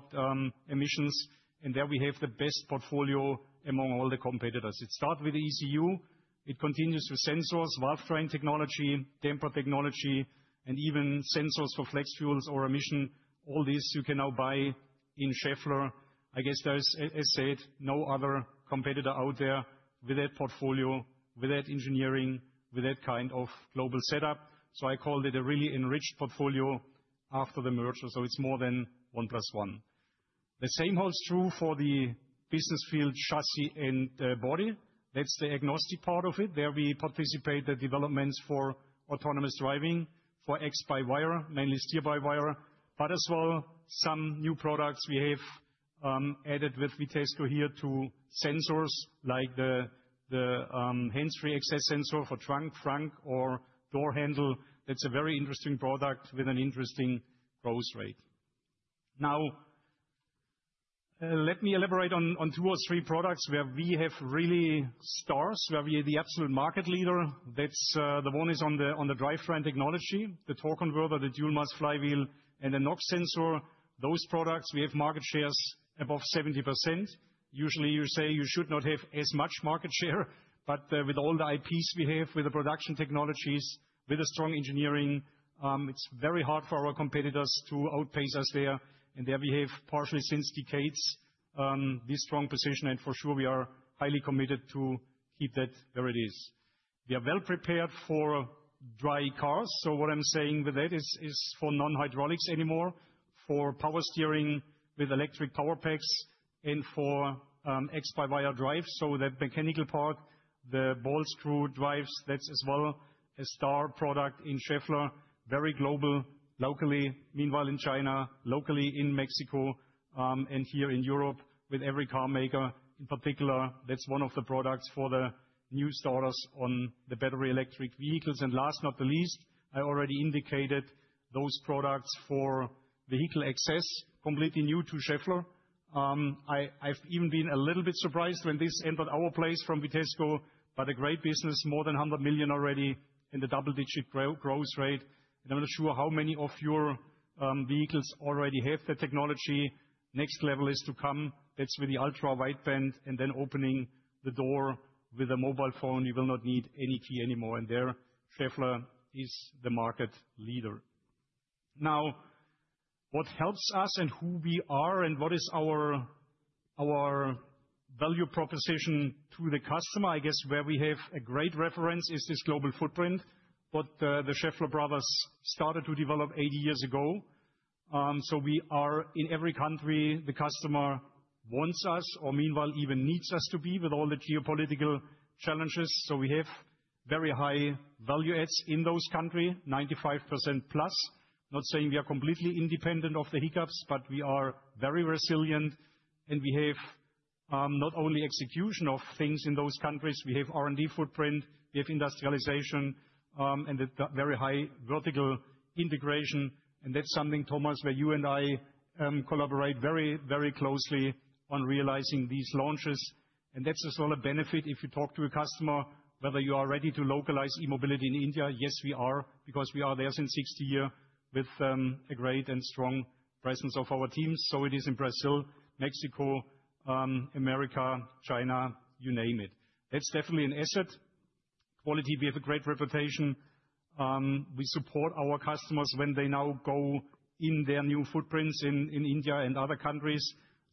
emissions. And there we have the best portfolio among all the competitors. It starts with the ECU. It continues with sensors, valvetrain technology, damper technology, and even sensors for flex fuels or emissions. All these you can now buy in Schaeffler. I guess there's, as said, no other competitor out there with that portfolio, with that engineering, with that kind of global setup. So I called it a really enriched portfolio after the merger. So it's more than 1+1. The same holds true for the business field, chassis and body. That's the agnostic part of it. There we participate in the developments for autonomous driving for X-by-wire, mainly steer-by-wire. But as well, some new products we have added with Vitesco here to sensors like the hands-free access sensor for trunk, frunk, or door handle. That's a very interesting product with an interesting growth rate. Now, let me elaborate on two or three products where we have really stars, where we are the absolute market leader. The one is on the drivetrain technology, the torque converter, the dual mass flywheel, and the knock sensor. Those products, we have market shares above 70%. Usually, you say you should not have as much market share. But with all the IPs we have, with the production technologies, with the strong engineering, it's very hard for our competitors to outpace us there. And there we have partially since decades this strong position. And for sure, we are highly committed to keep that where it is. We are well prepared for dry cars. So what I'm saying with that is for non-hydraulics anymore, for power steering with electric power packs, and for X-by-wire drives. So that mechanical part, the ball screw drives, that's as well a star product in Schaeffler, very global locally, meanwhile in China, locally in Mexico, and here in Europe with every car maker. In particular, that's one of the products for the new starters on the battery electric vehicles. And last but not the least, I already indicated those products for vehicle access, completely new to Schaeffler. I've even been a little bit surprised when this entered our place from Vitesco, but a great business, more than 100 million already in the double-digit growth rate. And I'm not sure how many of your vehicles already have that technology. Next level is to come. That's with the ultra-wideband and then opening the door with a mobile phone. You will not need any key anymore. And there, Schaeffler is the market leader. Now, what helps us and who we are and what is our value proposition to the customer? I guess where we have a great reference is this global footprint that the Schaeffler brothers started to develop 80 years ago. So we are in every country, the customer wants us or meanwhile even needs us to be with all the geopolitical challenges. So we have very high value adds in those countries, +95%. Not saying we are completely independent of the hiccups, but we are very resilient. And we have not only execution of things in those countries. We have R&D footprint, we have industrialization, and very high vertical integration. And that's something, Thomas, where you and I collaborate very, very closely on realizing these launches. And that's as well a benefit if you talk to a customer, whether you are ready to localize E-Mobility in India. Yes, we are, because we are there since 60 years with a great and strong presence of our teams. So it is in Brazil, Mexico, America, China, you name it. That's definitely an asset. Quality, we have a great reputation. We support our customers when they now go in their new footprints in India and other countries.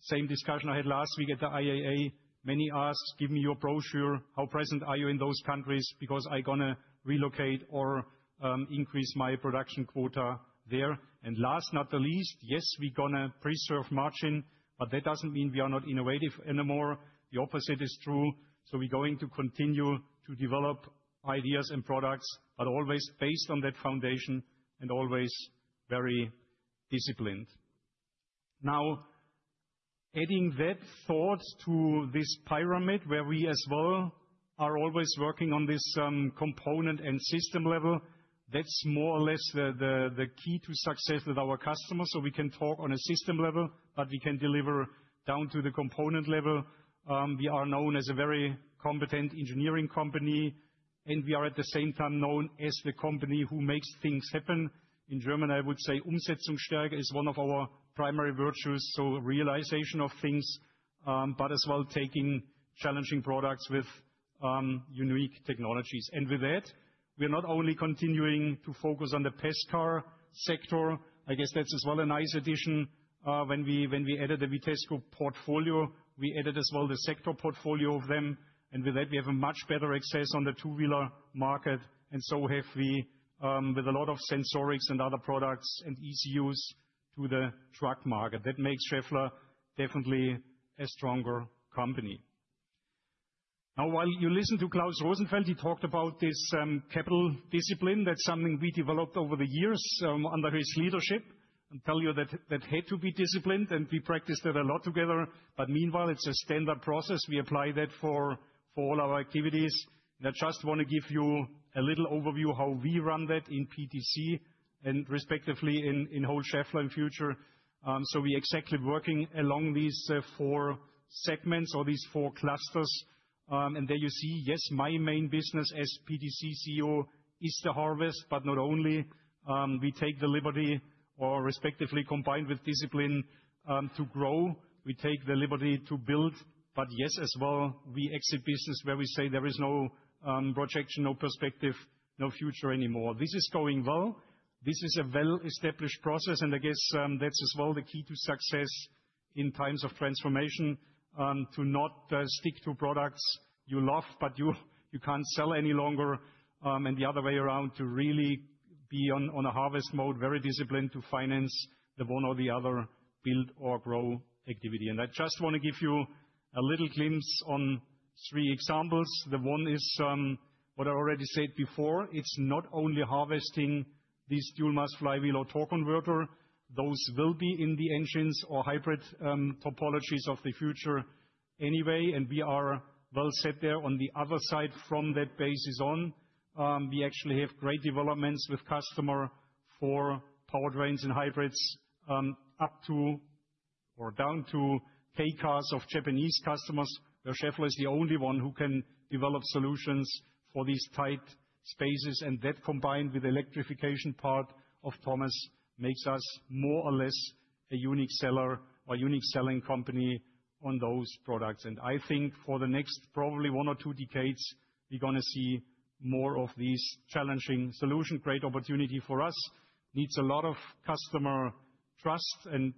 Same discussion I had last week at the IAA. Many asked, "Give me your brochure. How present are you in those countries? Because I'm going to relocate or increase my production quota there." And last but not the least, yes, we're going to preserve margin, but that doesn't mean we are not innovative anymore. The opposite is true. So we're going to continue to develop ideas and products, but always based on that foundation and always very disciplined. Now, adding that thought to this pyramid where we as well are always working on this component and system level, that's more or less the key to success with our customers. So we can talk on a system level, but we can deliver down to the component level. We are known as a very competent engineering company, and we are at the same time known as the company who makes things happen. In German, I would say, "Umsetzungsstärke" is one of our primary virtues, so realization of things, but as well taking challenging products with unique technologies. And with that, we are not only continuing to focus on the passenger car sector. I guess that's as well a nice addition. When we added the Vitesco portfolio, we added as well the sector portfolio of them. And with that, we have much better access on the two-wheeler market. And so have we with a lot of sensorics and other products and ECUs to the truck market. That makes Schaeffler definitely a stronger company. Now, while you listen to Klaus Rosenfeld, he talked about this capital discipline. That's something we developed over the years under his leadership. I'll tell you that that had to be disciplined, and we practiced it a lot together. But meanwhile, it's a standard process. We apply that for all our activities. And I just want to give you a little overview of how we run that in PTC and respectively in whole Schaeffler in future. So we're exactly working along these four segments or these four clusters. And there you see, yes, my main business as PTC CEO is the harvest, but not only. We take the liberty or respectively combined with discipline to grow. We take the liberty to build. But yes, as well, we exit business where we say there is no projection, no perspective, no future anymore. This is going well. This is a well-established process. And I guess that's as well the key to success in times of transformation, to not stick to products you love, but you can't sell any longer, and the other way around, to really be on a harvest mode, very disciplined to finance the one or the other build or grow activity. And I just want to give you a little glimpse on three examples. The one is what I already said before. It's not only harvesting this dual mass flywheel or torque converter. Those will be in the engines or hybrid topologies of the future anyway. And we are well set there on the other side from that basis on. We actually have great developments with customer for powertrains and hybrids up to or down to Kei cars of Japanese customers, where Schaeffler is the only one who can develop solutions for these tight spaces, that combined with the electrification part of Thomas makes us more or less a unique seller or unique selling company on those products. I think for the next probably one or two decades, we're going to see more of these challenging solutions. Great opportunity for us. Needs a lot of customer trust and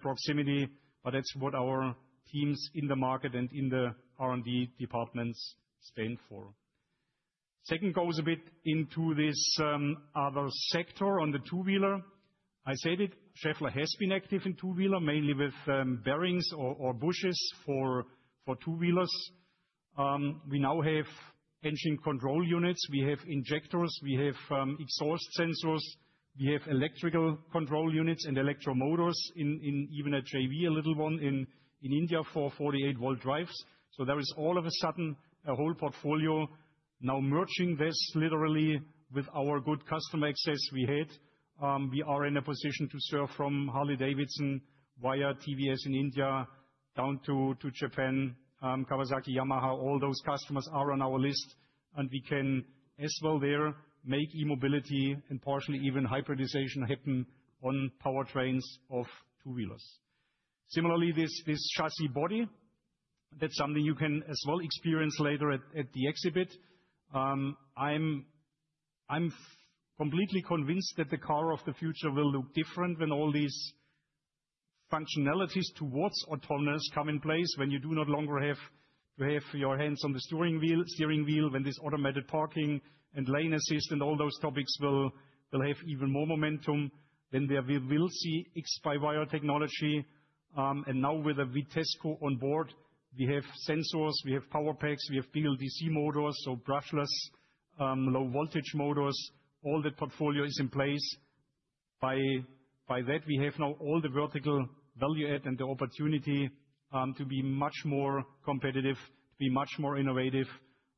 proximity, but that's what our teams in the market and in the R&D departments stand for. Second goes a bit into this other sector on the two-wheeler. I said it, Schaeffler has been active in two-wheeler, mainly with bearings or bushes for two-wheelers. We now have engine control units. We have injectors. We have exhaust sensors. We have electrical control units and electromotors in even a JV, a little one in India for 48-volt drives. So there is all of a sudden a whole portfolio now merging this literally with our good customer access we had. We are in a position to serve from Harley-Davidson via TVS in India down to Japan, Kawasaki, Yamaha. All those customers are on our list, and we can as well there make E-Mobility and partially even hybridization happen on powertrains of two-wheelers. Similarly, this chassis body, that's something you can as well experience later at the exhibit. I'm completely convinced that the car of the future will look different when all these functionalities towards autonomous come in place, when you no longer have to have your hands on the steering wheel, when this automated parking and lane assist and all those topics will have even more momentum. Then there we will see X-by-wire technology. And now with the Vitesco on board, we have sensors, we have power packs, we have BLDC motors, so brushless low-voltage motors. All that portfolio is in place. By that, we have now all the vertical value add and the opportunity to be much more competitive, to be much more innovative.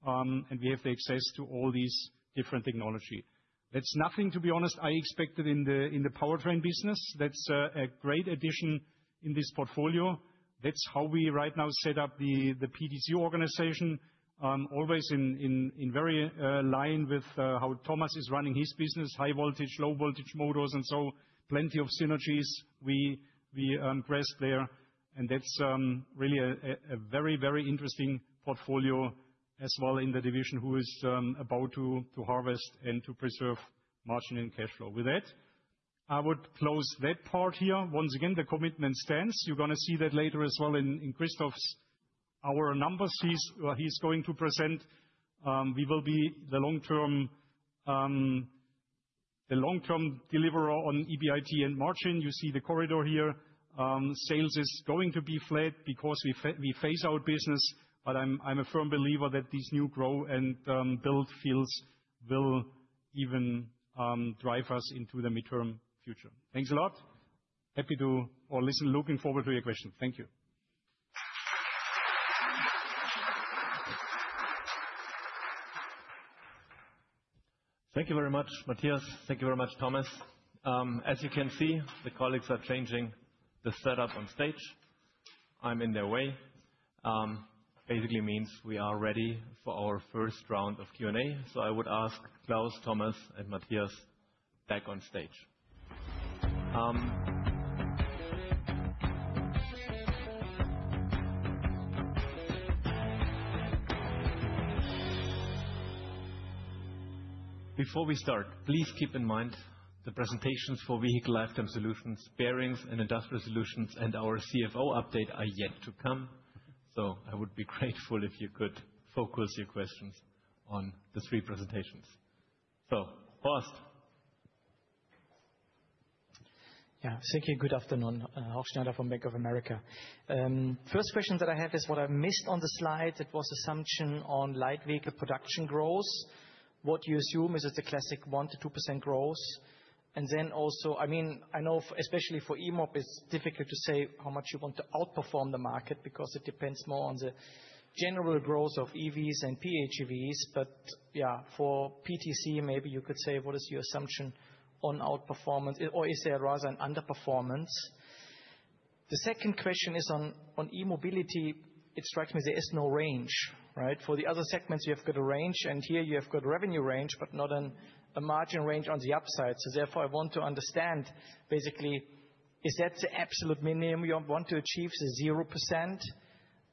And we have the access to all these different technology. That's nothing, to be honest, I expected in the Powertrain business. That's a great addition in this portfolio. That's how we right now set up the PTC organization, always in line with how Thomas is running his business, high-voltage, low-voltage motors, and so plenty of synergies we grasp there. And that's really a very, very interesting portfolio as well in the division who is about to harvest and to preserve margin and cash flow. With that, I would close that part here. Once again, the commitment stands. You're going to see that later as well in Christoph's our numbers. He's going to present. We will be the long-term deliverer on EBIT and margin. You see the corridor here. Sales is going to be flat because we phase out business. But I'm a firm believer that these new grow and build fields will even drive us into the midterm future. Thanks a lot. Happy to listen. Looking forward to your question. Thank you. Thank you very much, Matthias. Thank you very much, Thomas. As you can see, the colleagues are changing the setup on stage. I'm in their way. Basically means we are ready for our first round of Q&A. So I would ask Klaus, Thomas, and Matthias back on stage. Before we start, please keep in mind the presentations for Vehicle Lifetime Solutions, Bearings and Industrial Solutions, and our CFO update are yet to come. So I would be grateful if you could focus your questions on the three presentations. So first. Yeah, thank you. Good afternoon. Horst Schneider from Bank of America. First question that I have is what I missed on the slide. It was assumption on light vehicle production growth. What do you assume? Is it the classic 1%-2% growth? And then also, I mean, I know especially for E-Mobility, it's difficult to say how much you want to outperform the market because it depends more on the general growth of EVs and PHEVs. But yeah, for PTC, maybe you could say, what is your assumption on outperformance? Or is there rather an underperformance? The second question is on E-Mobility. It strikes me there is no range, right? For the other segments, you have got a range, and here you have got revenue range, but not a margin range on the upside. So therefore, I want to understand basically, is that the absolute minimum you want to achieve, the 0%?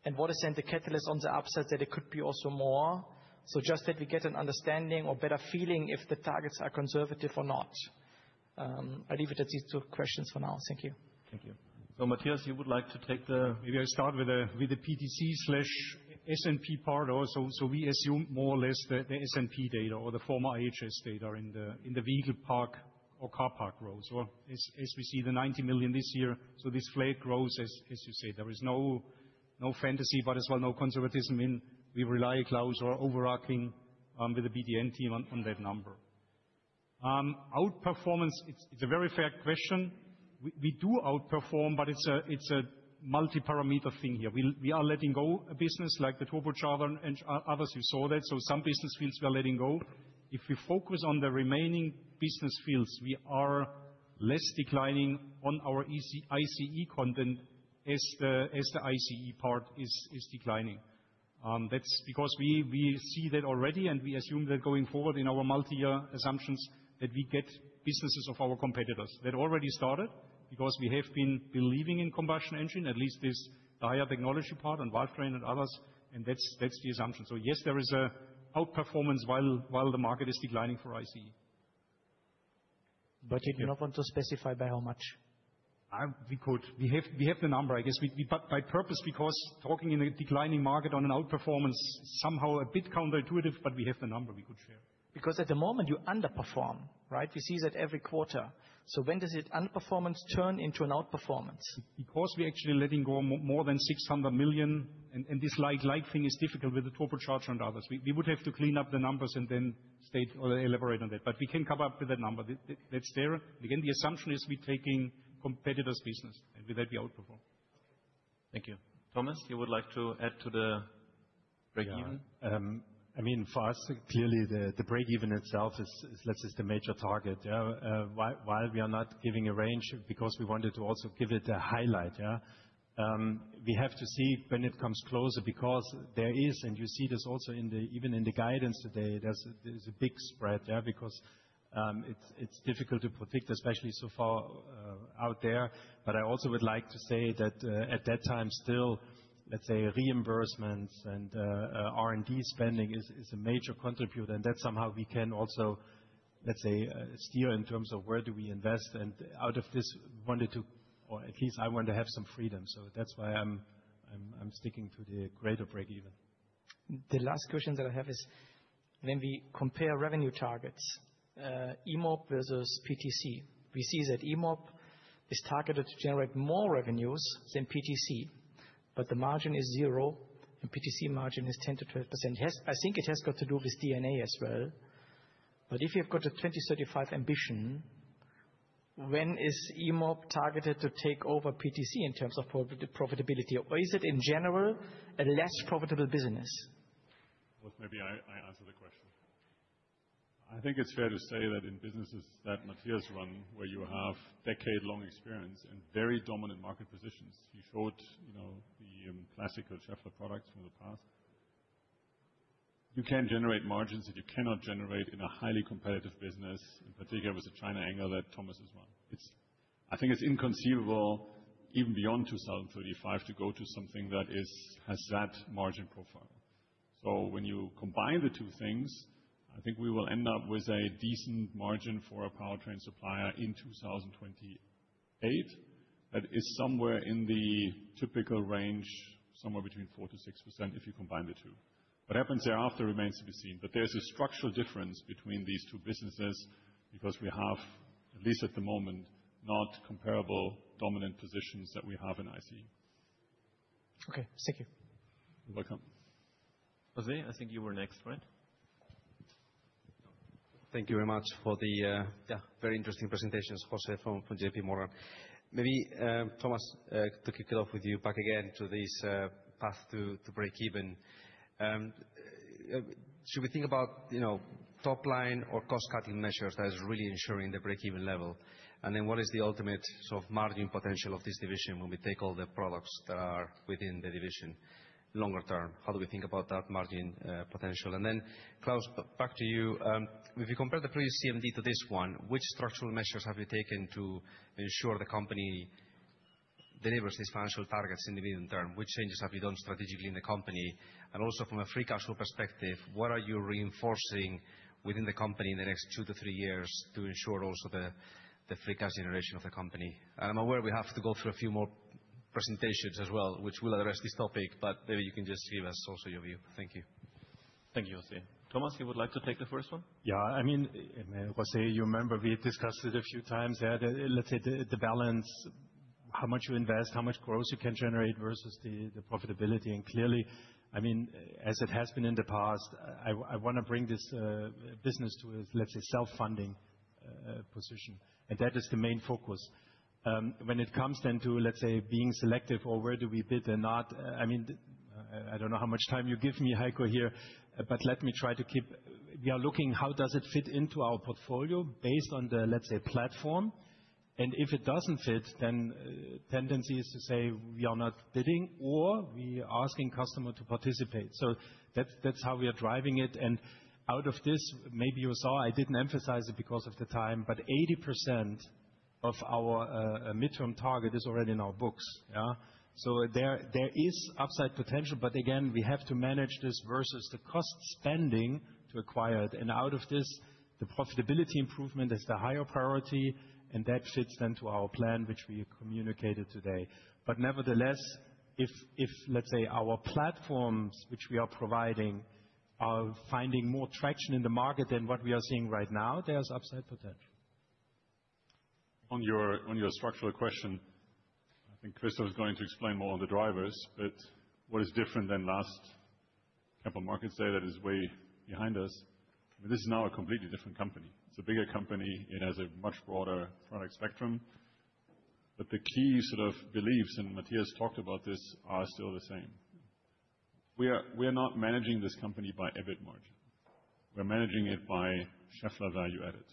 And what is then the catalyst on the upside that it could be also more? So just that we get an understanding or better feeling if the targets are conservative or not. I leave it at these two questions for now. Thank you. Thank you. So, Matthias, you would like to take the maybe I start with the PTC/S&P part also. So we assume more or less the S&P data or the former IHS data in the vehicle park or car park growth. So as we see the 90 million this year, so this flat growth, as you said, there is no fantasy, but as well no conservatism in we rely Klaus or overarching with the BDM team on that number. Outperformance, it's a very fair question. We do outperform, but it's a multi-parameter thing here. We are letting go of business like the turbocharger and others. You saw that. So some business fields we are letting go. If we focus on the remaining business fields, we are less declining on our ICE content as the ICE part is declining. That's because we see that already, and we assume that going forward in our multi-year assumptions that we get businesses of our competitors that already started because we have been believing in combustion engine, at least this drive technology part on valvetrain and others. And that's the assumption. So yes, there is an outperformance while the market is declining for ICE. But you do not want to specify by how much? We could. We have the number, I guess, by purpose, because talking in a declining market on an outperformance is somehow a bit counterintuitive, but we have the number we could share. Because at the moment you underperform, right? We see that every quarter. So when does it underperformance turn into an outperformance? Because we're actually letting go more than 600 million, and this light thing is difficult with the turbocharger and others. We would have to clean up the numbers and then state or elaborate on that, but we can come up with that number. That's there. Again, the assumption is we're taking competitors' business, and with that, we outperform. Thank you. Thomas, you would like to add to the break-even? I mean, for us, clearly, the break-even itself is the major target. While we are not giving a range because we wanted to also give it a highlight, we have to see when it comes closer because there is, and you see this also even in the guidance today, there's a big spread there because it's difficult to predict, especially so far out there. But I also would like to say that at that time still, let's say, reimbursements and R&D spending is a major contributor. And that's somehow we can also, let's say, steer in terms of where do we invest. And out of this, we wanted to, or at least I want to have some freedom. So that's why I'm sticking to the greater break-even. The last question that I have is when we compare revenue targets, EMOB versus PTC, we see that EMOB is targeted to generate more revenues than PTC, but the margin is zero and PTC margin is 10%-12%. I think it has got to do with DNA as well. But if you've got a 2035 ambition, when is EMOB targeted to take over PTC in terms of profitability? Or is it in general a less profitable business? Maybe I answer the question. I think it's fair to say that in businesses that Matthias run, where you have decade-long experience and very dominant market positions, you showed the classical Schaeffler products from the past, you can generate margins that you cannot generate in a highly competitive business, in particular with the China angle that Thomas is running. I think it's inconceivable even beyond 2035 to go to something that has that margin profile. So when you combine the two things, I think we will end up with a decent margin for a powertrain supplier in 2028 that is somewhere in the typical range, somewhere between 4%-6% if you combine the two. What happens thereafter remains to be seen. But there's a structural difference between these two businesses because we have, at least at the moment, not comparable dominant positions that we have in ICE. Okay. Thank you. You're welcome. José, I think you were next, right? Thank you very much for the very interesting presentations, José from J.P. Morgan. Maybe Thomas to kick it off with you back again to this path to break-even. Should we think about top-line or cost-cutting measures that are really ensuring the break-even level? And then what is the ultimate sort of margin potential of this division when we take all the products that are within the division longer term? How do we think about that margin potential? And then, Klaus, back to you. If you compare the previous CMD to this one, which structural measures have you taken to ensure the company delivers these financial targets in the medium term? Which changes have you done strategically in the company? Also from a Free Cash Flow perspective, what are you reinforcing within the company in the next two to three years to ensure also the Free Cash Flow generation of the company? I'm aware we have to go through a few more presentations as well, which will address this topic, but maybe you can just give us also your view. Thank you. Thank you, José. Thomas, you would like to take the first one? Yeah. I mean, José, you remember we discussed it a few times, let's say the balance, how much you invest, how much growth you can generate versus the profitability, and clearly, I mean, as it has been in the past, I want to bring this business to a, let's say, self-funding position, and that is the main focus. When it comes then to, let's say, being selective or where do we bid and not, I mean, I don't know how much time you give me, Heiko, here, but let me try to keep we are looking how does it fit into our portfolio based on the, let's say, platform, and if it doesn't fit, then tendency is to say we are not bidding or we are asking customer to participate. So that's how we are driving it. And out of this, maybe you saw, I didn't emphasize it because of the time, but 80% of our midterm target is already in our books. So there is upside potential, but again, we have to manage this versus the cost spending to acquire it. And out of this, the profitability improvement is the higher priority, and that fits then to our plan, which we communicated today. But nevertheless, if, let's say, our platforms, which we are providing, are finding more traction in the market than what we are seeing right now, there's upside potential. On your structural question, I think Christoph was going to explain more on the drivers, but what is different than last couple of markets there that is way behind us? I mean, this is now a completely different company. It's a bigger company. It has a much broader product spectrum. But the key sort of beliefs, and Matthias talked about this, are still the same. We are not managing this company by EBIT margin. We're managing it by Schaeffler Value Added.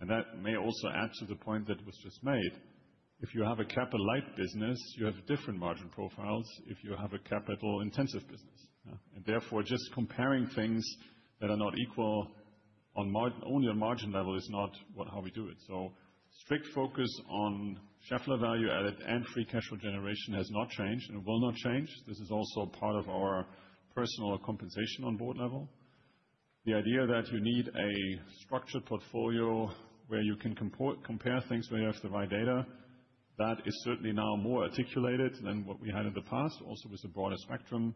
And that may also add to the point that was just made. If you have a capital-light business, you have different margin profiles if you have a capital-intensive business. And therefore, just comparing things that are not equal on only a margin level is not how we do it. So strict focus on Schaeffler Value Added and Free Cash Flow generation has not changed and will not change. This is also part of our personal compensation on board level. The idea that you need a structured portfolio where you can compare things where you have the right data, that is certainly now more articulated than what we had in the past, also with a broader spectrum.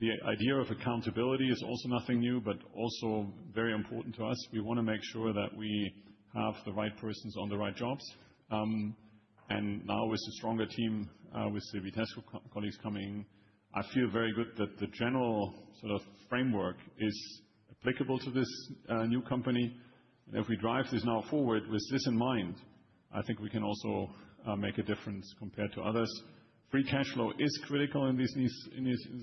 The idea of accountability is also nothing new, but also very important to us. We want to make sure that we have the right persons on the right jobs, and now with a stronger team, with the Vitesco colleagues coming, I feel very good that the general sort of framework is applicable to this new company, and if we drive this now forward with this in mind, I think we can also make a difference compared to others. Free Cash Flow is critical in these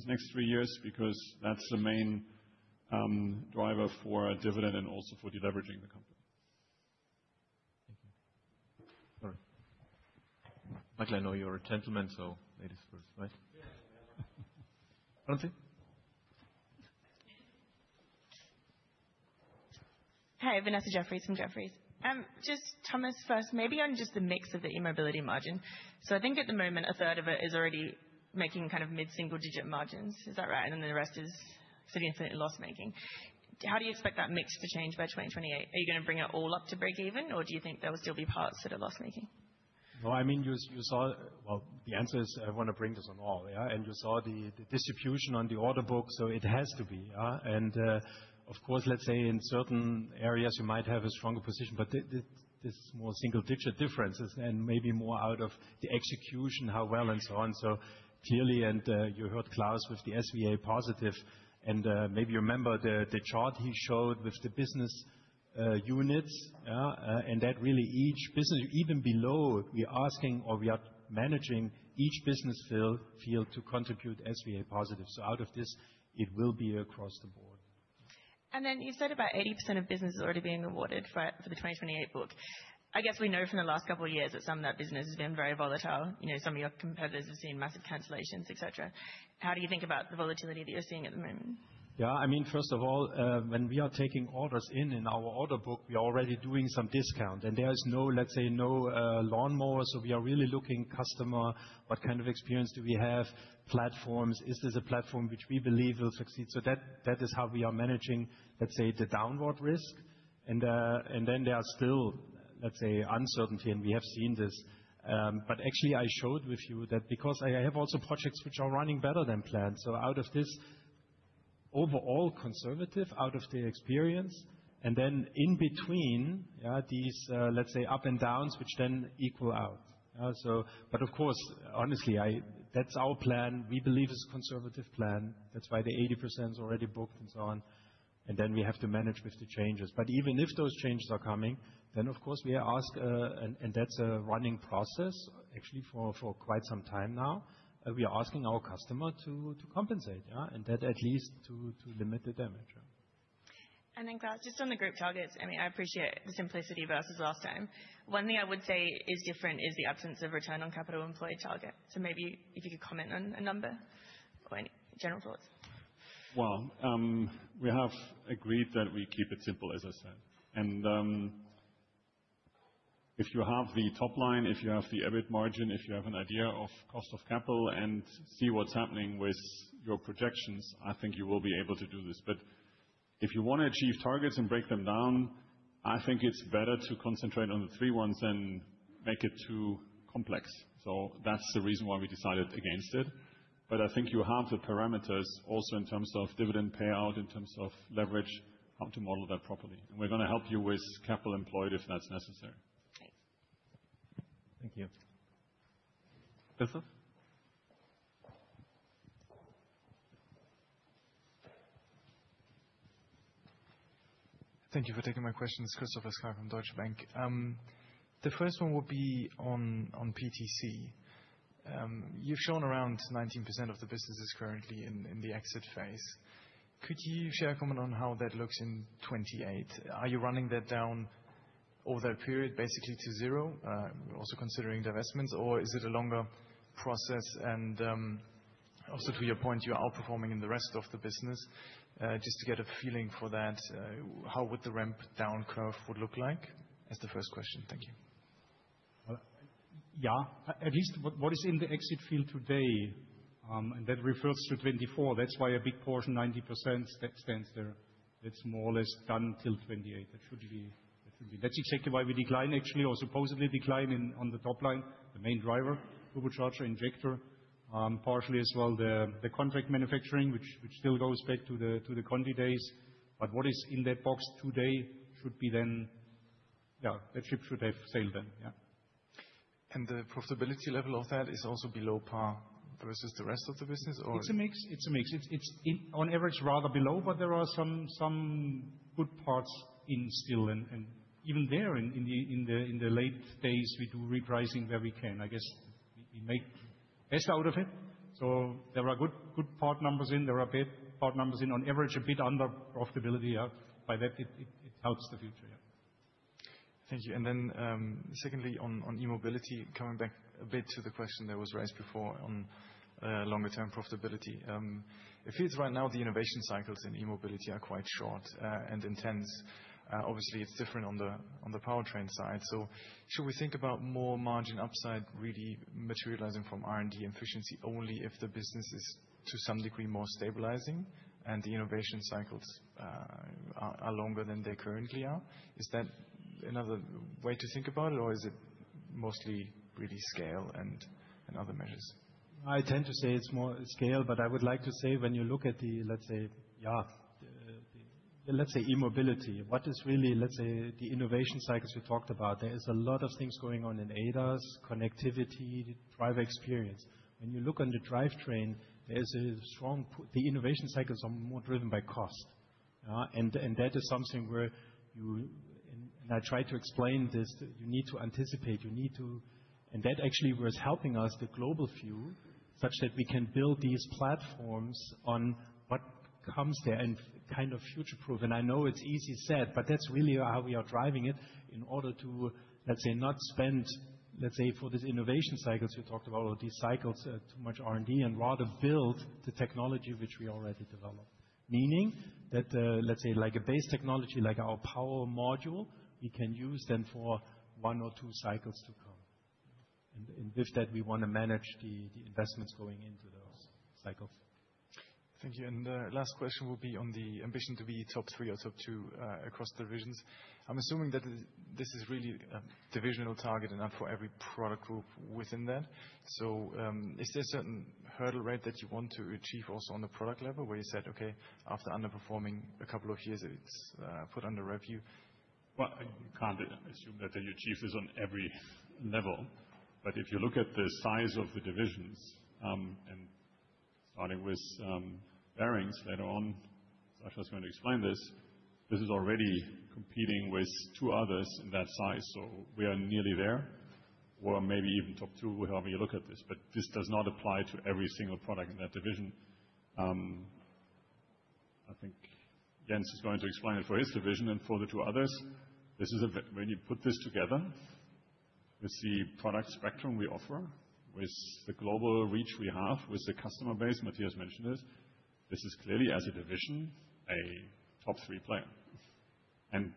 next three years because that's the main driver for dividend and also for deleveraging the company. Thank you. Michael, I know you're a gentleman, so ladies first, right? Yeah. Vannesa? Hi, Vanessa Jeffriess from Jefferies. Just Thomas first, maybe on just the mix of the E-Mobility margin. So I think at the moment, a third of it is already making kind of mid-single-digit margins, is that right? And then the rest is sort of infinite loss-making. How do you expect that mix to change by 2028? Are you going to bring it all up to break-even, or do you think there will still be parts that are loss-making? Well, I mean, you saw, well, the answer is I want to bring this on all, and you saw the distribution on the order book, so it has to be. And of course, let's say in certain areas, you might have a stronger position, but this is more single-digit differences and maybe more out of the execution, how well and so on. So clearly, and you heard Klaus with the SVA positive, and maybe you remember the chart he showed with the business units, and that really each business, even below, we are asking or we are managing each business field to contribute SVA positive, so out of this, it will be across the board. Then you said about 80% of business is already being awarded for the 2028 book. I guess we know from the last couple of years that some of that business has been very volatile. Some of your competitors have seen massive cancellations, etc. How do you think about the volatility that you're seeing at the moment? Yeah. I mean, first of all, when we are taking orders in our order book, we are already doing some discount. There is no, let's say, no low margin. We are really looking at the customer, what kind of experience do we have, platforms, is this a platform which we believe will succeed? That is how we are managing, let's say, the downward risk. Then there are still, let's say, uncertainty, and we have seen this. But actually, I showed you that because I also have projects which are running better than planned. Out of this, overall conservative outlook from the experience. Then in between these, let's say, ups and downs, which then even out. Of course, honestly, that's our plan. We believe it's a conservative plan. That's why the 80% is already booked and so on. And then we have to manage with the changes. But even if those changes are coming, then of course we ask, and that's a running process actually for quite some time now. We are asking our customer to compensate, and that at least to limit the damage. And then, Klaus, just on the group targets, I mean, I appreciate the simplicity versus last time. One thing I would say is different is the absence of return on capital employed target. So maybe if you could comment on a number or any general thoughts. We have agreed that we keep it simple, as I said, and if you have the top line, if you have the EBIT margin, if you have an idea of cost of capital and see what's happening with your projections, I think you will be able to do this, but if you want to achieve targets and break them down, I think it's better to concentrate on the three ones and make it too complex, so that's the reason why we decided against it, but I think you have the parameters also in terms of dividend payout, in terms of leverage, how to model that properly, and we're going to help you with capital employed if that's necessary. Thank you. Christoph? Thank you for taking my questions, Christoph Laskawi from Deutsche Bank. The first one would be on PTC. You've shown around 19% of the businesses currently in the exit phase. Could you share a comment on how that looks in 2028? Are you running that down over that period basically to zero, also considering divestments, or is it a longer process? And also to your point, you're outperforming in the rest of the business. Just to get a feeling for that, how would the ramp-down curve look like is the first question. Thank you. Yeah. At least what is in the exit field today, and that refers to 2024. That's why a big portion, 90%, stands there. That's more or less done till 2028. That should be. That's exactly why we decline, actually, or supposedly decline on the top line, the main driver, turbocharger, injector, partially as well the contract manufacturing, which still goes back to the Conti days. But what is in that box today should be then. Yeah, that ship should have sailed then. Yeah. The profitability level of that is also below par versus the rest of the business, or? It's a mix. It's on average rather below, but there are some good parts in still, and even there in the late days, we do repricing where we can. I guess we make the best out of it, so there are good part numbers in. There are bad part numbers in. On average, a bit under profitability. By that, it helps the future. Yeah. Thank you. And then secondly, on E-Mobility, coming back a bit to the question that was raised before on longer-term profitability. It feels right now the innovation cycles in E-Mobility are quite short and intense. Obviously, it's different on the powertrain side. So should we think about more margin upside really materializing from R&D efficiency only if the business is to some degree more stabilizing and the innovation cycles are longer than they currently are? Is that another way to think about it, or is it mostly really scale and other measures? I tend to say it's more scale, but I would like to say when you look at the, let's say, yeah, let's say E-Mobility, what is really, let's say, the innovation cycles we talked about, there is a lot of things going on in ADAS, connectivity, driver experience. When you look on the drivetrain, there is a strong the innovation cycles are more driven by cost. And that is something where you, and I tried to explain this, you need to anticipate. And that actually was helping us, the global view, such that we can build these platforms on what comes there and kind of future-proof. And I know it's easily said, but that's really how we are driving it in order to, let's say, not spend, let's say, for the innovation cycles you talked about or these cycles, too much R&D and rather build the technology which we already developed. Meaning that, let's say, like a base technology, like our power module, we can use then for one or two cycles to come. And with that, we want to manage the investments going into those cycles. Thank you. And the last question will be on the ambition to be top three or top two across divisions. I'm assuming that this is really a divisional target and not for every product group within that. So is there a certain hurdle rate that you want to achieve also on the product level where you said, okay, after underperforming a couple of years, it's put under review? You can't assume that you achieve this on every level. If you look at the size of the divisions, and starting with bearings later on, Sascha is going to explain this, this is already competing with two others in that size. We are nearly there, or maybe even top two when you look at this. This does not apply to every single product in that division. I think Jens is going to explain it for his division and for the two others. When you put this together with the product spectrum we offer, with the global reach we have with the customer base, Matthias mentioned this, this is clearly, as a division, a top three player.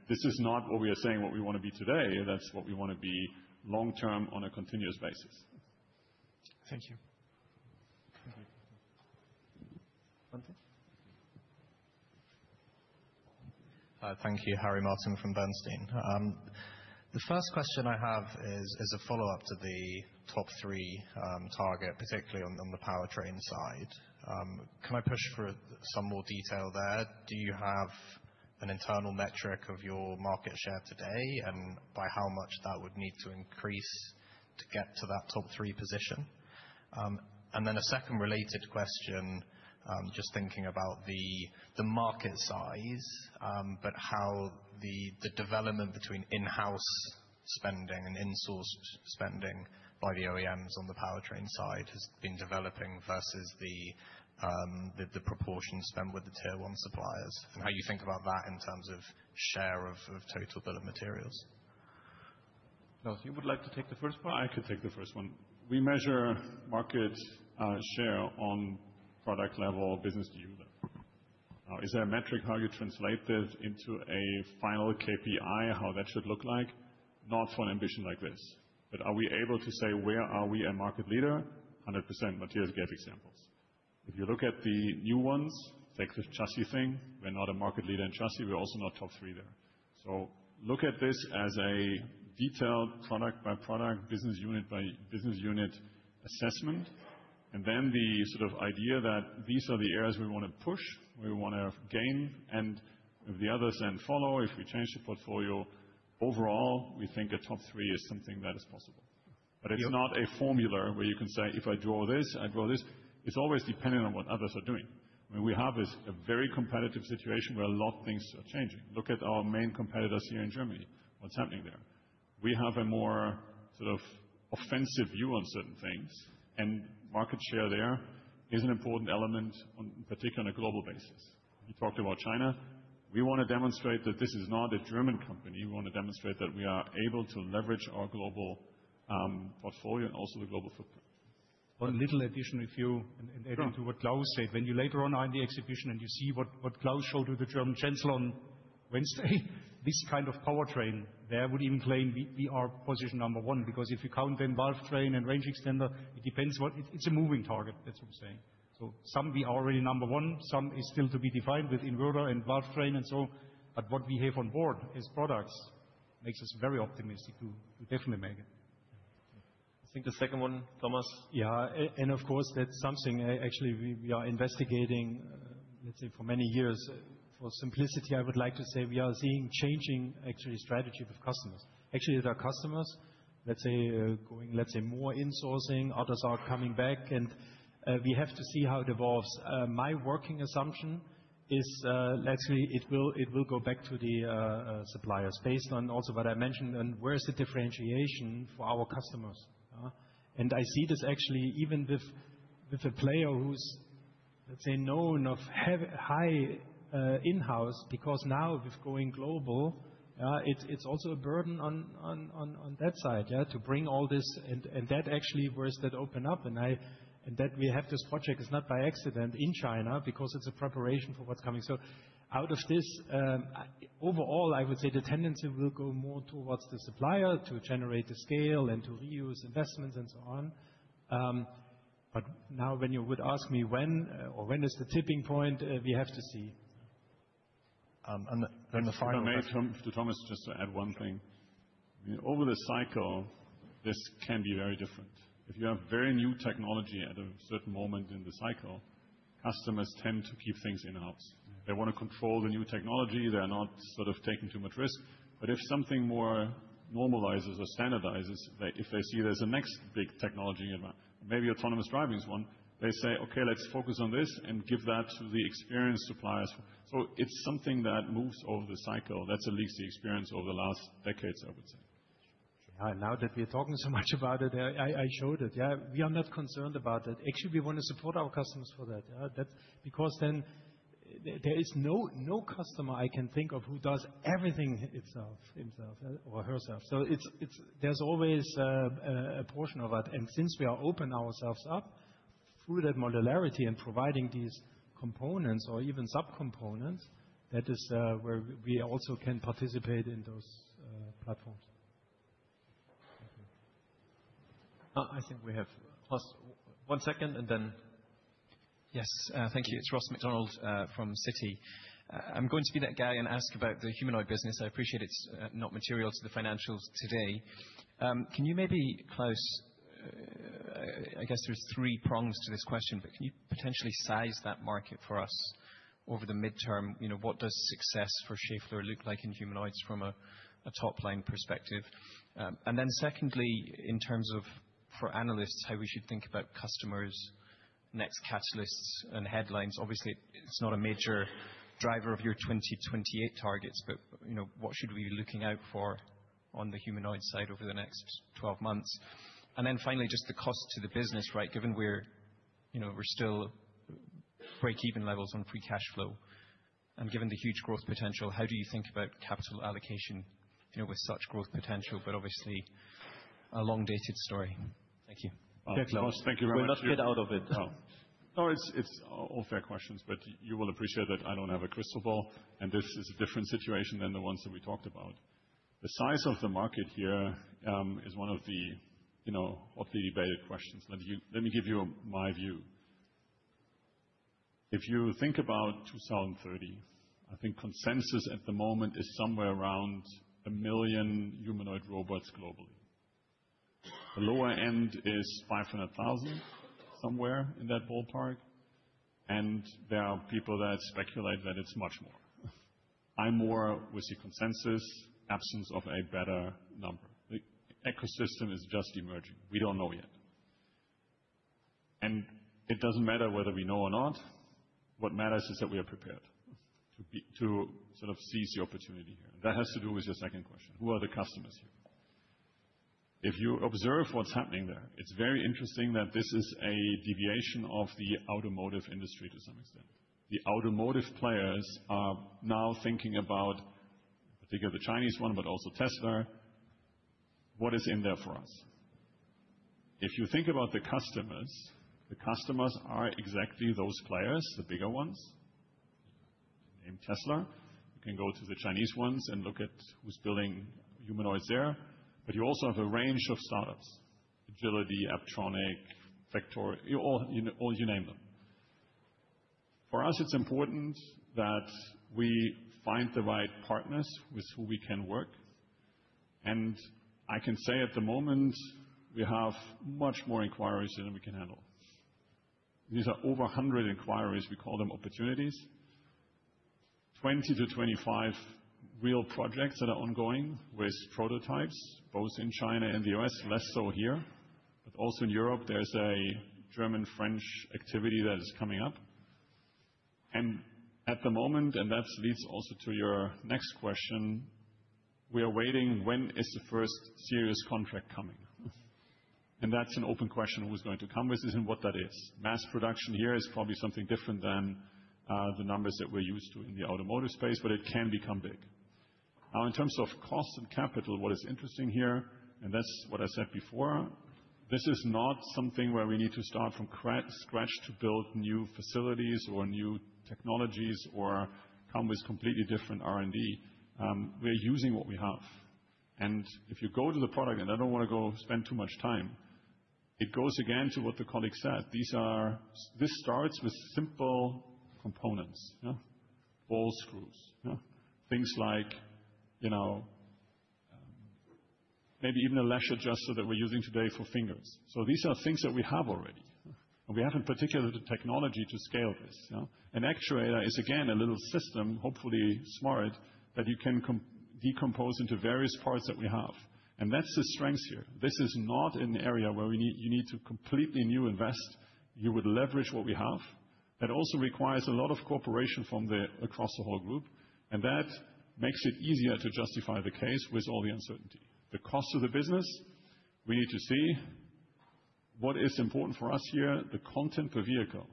This is not what we are saying what we want to be today. That's what we want to be long-term on a continuous basis. Thank you. Harry? Thank you, Harry Martin from Bernstein. The first question I have is a follow-up to the top three target, particularly on the Powertrain side. Can I push for some more detail there? Do you have an internal metric of your market share today and by how much that would need to increase to get to that top three position? And then a second related question, just thinking about the market size, but how the development between in-house spending and in-source spending by the OEMs on the Powertrain side has been developing versus the proportion spent with the tier one suppliers? And how do you think about that in terms of share of total bill of materials? Klaus, you would like to take the first part? I could take the first one. We measure market share on product level, business to user. Now, is there a metric how you translate this into a final KPI, how that should look like? Not for an ambition like this. But are we able to say where are we a market leader? 100%, Matthias gave examples. If you look at the new ones, it's like the chassis thing. We're not a market leader in chassis. We're also not top three there. So look at this as a detailed product-by-product, business unit-by-business unit assessment, and then the sort of idea that these are the areas we want to push, we want to gain, and if the others then follow, if we change the portfolio, overall, we think a top three is something that is possible, but it's not a formula where you can say, if I draw this, I draw this. It's always dependent on what others are doing. I mean, we have a very competitive situation where a lot of things are changing. Look at our main competitors here in Germany, what's happening there. We have a more sort of offensive view on certain things, and market share there is an important element, particularly on a global basis. You talked about China. We want to demonstrate that this is not a German company. We want to demonstrate that we are able to leverage our global portfolio and also the global footprint. One little additional view, adding to what Klaus said. When you later on are in the exhibition and you see what Klaus showed to the German chancellor on Wednesday, this kind of powertrain, there we would even claim we are position number one because if you count then valve train and range extender, it depends what it's a moving target, that's what I'm saying, so some we are already number one, some is still to be defined with inverter and valve train and so on, but what we have on board as products makes us very optimistic to definitely make it. I think the second one, Thomas. Yeah, and of course, that's something actually we are investigating, let's say, for many years. For simplicity, I would like to say we are seeing changing, actually, strategy with customers. Actually, there are customers, let's say, going, let's say, more in-sourcing. Others are coming back, and we have to see how it evolves. My working assumption is, let's say, it will go back to the suppliers based on also what I mentioned and where is the differentiation for our customers. I see this actually even with a player who's, let's say, known for high in-house because now with going global, it's also a burden on that side to bring all this. And that, actually, where does that open up? And that we have this project is not by accident in China because it's a preparation for what's coming. So out of this, overall, I would say the tendency will go more towards the supplier to generate the scale and to reuse investments and so on. But now when you would ask me when or when is the tipping point, we have to see. And then the final. To Thomas, just to add one thing. Over the cycle, this can be very different. If you have very new technology at a certain moment in the cycle, customers tend to keep things in-house. They want to control the new technology. They're not sort of taking too much risk. But if something more normalizes or standardizes, if they see there's a next big technology, maybe autonomous driving is one, they say, okay, let's focus on this and give that to the experienced suppliers. So it's something that moves over the cycle. That's at least the experience over the last decades, I would say. Now that we are talking so much about it, I showed it. We are not concerned about that. Actually, we want to support our customers for that. Because then there is no customer I can think of who does everything itself or herself. So there's always a portion of that, and since we are opening ourselves up through that modularity and providing these components or even sub-components, that is where we also can participate in those platforms. I think we have one second and then. Yes. Thank you. It's Ross MacDonald from Citi. I'm going to be that guy and ask about the humanoid business. I appreciate it's not material to the financials today. Can you maybe, Klaus, I guess there's three prongs to this question, but can you potentially size that market for us over the midterm? What does success for Schaeffler look like in humanoids from a top-line perspective? And then secondly, in terms of for analysts, how we should think about customers, next catalysts, and headlines. Obviously, it's not a major driver of your 2028 targets, but what should we be looking out for on the humanoid side over the next 12 months? And then finally, just the cost to the business, right? Given we're still break-even levels on free cash flow, and given the huge growth potential, how do you think about capital allocation with such growth potential, but obviously a long-dated story? Thank you. Yeah, Ross, thank you very much. We'll get out of it now. No, it's all fair questions, but you will appreciate that I don't have a crystal ball, and this is a different situation than the ones that we talked about. The size of the market here is one of the hotly debated questions. Let me give you my view. If you think about 2030, I think consensus at the moment is somewhere around a million humanoid robots globally. The lower end is 500,000 somewhere in that ballpark. And there are people that speculate that it's much more. I'm more with the consensus absence of a better number. The ecosystem is just emerging. We don't know yet. And it doesn't matter whether we know or not. What matters is that we are prepared to sort of seize the opportunity here. And that has to do with your second question. Who are the customers here? If you observe what's happening there, it's very interesting that this is a deviation of the automotive industry to some extent. The automotive players are now thinking about, I think of the Chinese one, but also Tesla, what is in there for us? If you think about the customers, the customers are exactly those players, the bigger ones, named Tesla. You can go to the Chinese ones and look at who's building humanoids there. But you also have a range of startups: Agility, Apptronik, Vector, all you name them. For us, it's important that we find the right partners with whom we can work. And I can say at the moment, we have much more inquiries than we can handle. These are over 100 inquiries. We call them opportunities. 20 to 25 real projects that are ongoing with prototypes, both in China and the U.S., less so here. But also in Europe, there's a German-French activity that is coming up. And at the moment, and that leads also to your next question, we are waiting when is the first serious contract coming? And that's an open question who's going to come with this and what that is. Mass production here is probably something different than the numbers that we're used to in the automotive space, but it can become big. Now, in terms of cost and capital, what is interesting here, and that's what I said before, this is not something where we need to start from scratch to build new facilities or new technologies or come with completely different R&D. We're using what we have. And if you go to the product, and I don't want to go spend too much time, it goes again to what the colleague said. This starts with simple components, ball screws, things like maybe even a lash adjuster that we're using today for fingers. So these are things that we have already. And we have in particular the technology to scale this. An actuator is again a little system, hopefully smart, that you can decompose into various parts that we have. And that's the strength here. This is not an area where you need to completely new invest. You would leverage what we have. That also requires a lot of cooperation from across the whole group. And that makes it easier to justify the case with all the uncertainty. The cost of the business, we need to see what is important for us here. The content per vehicle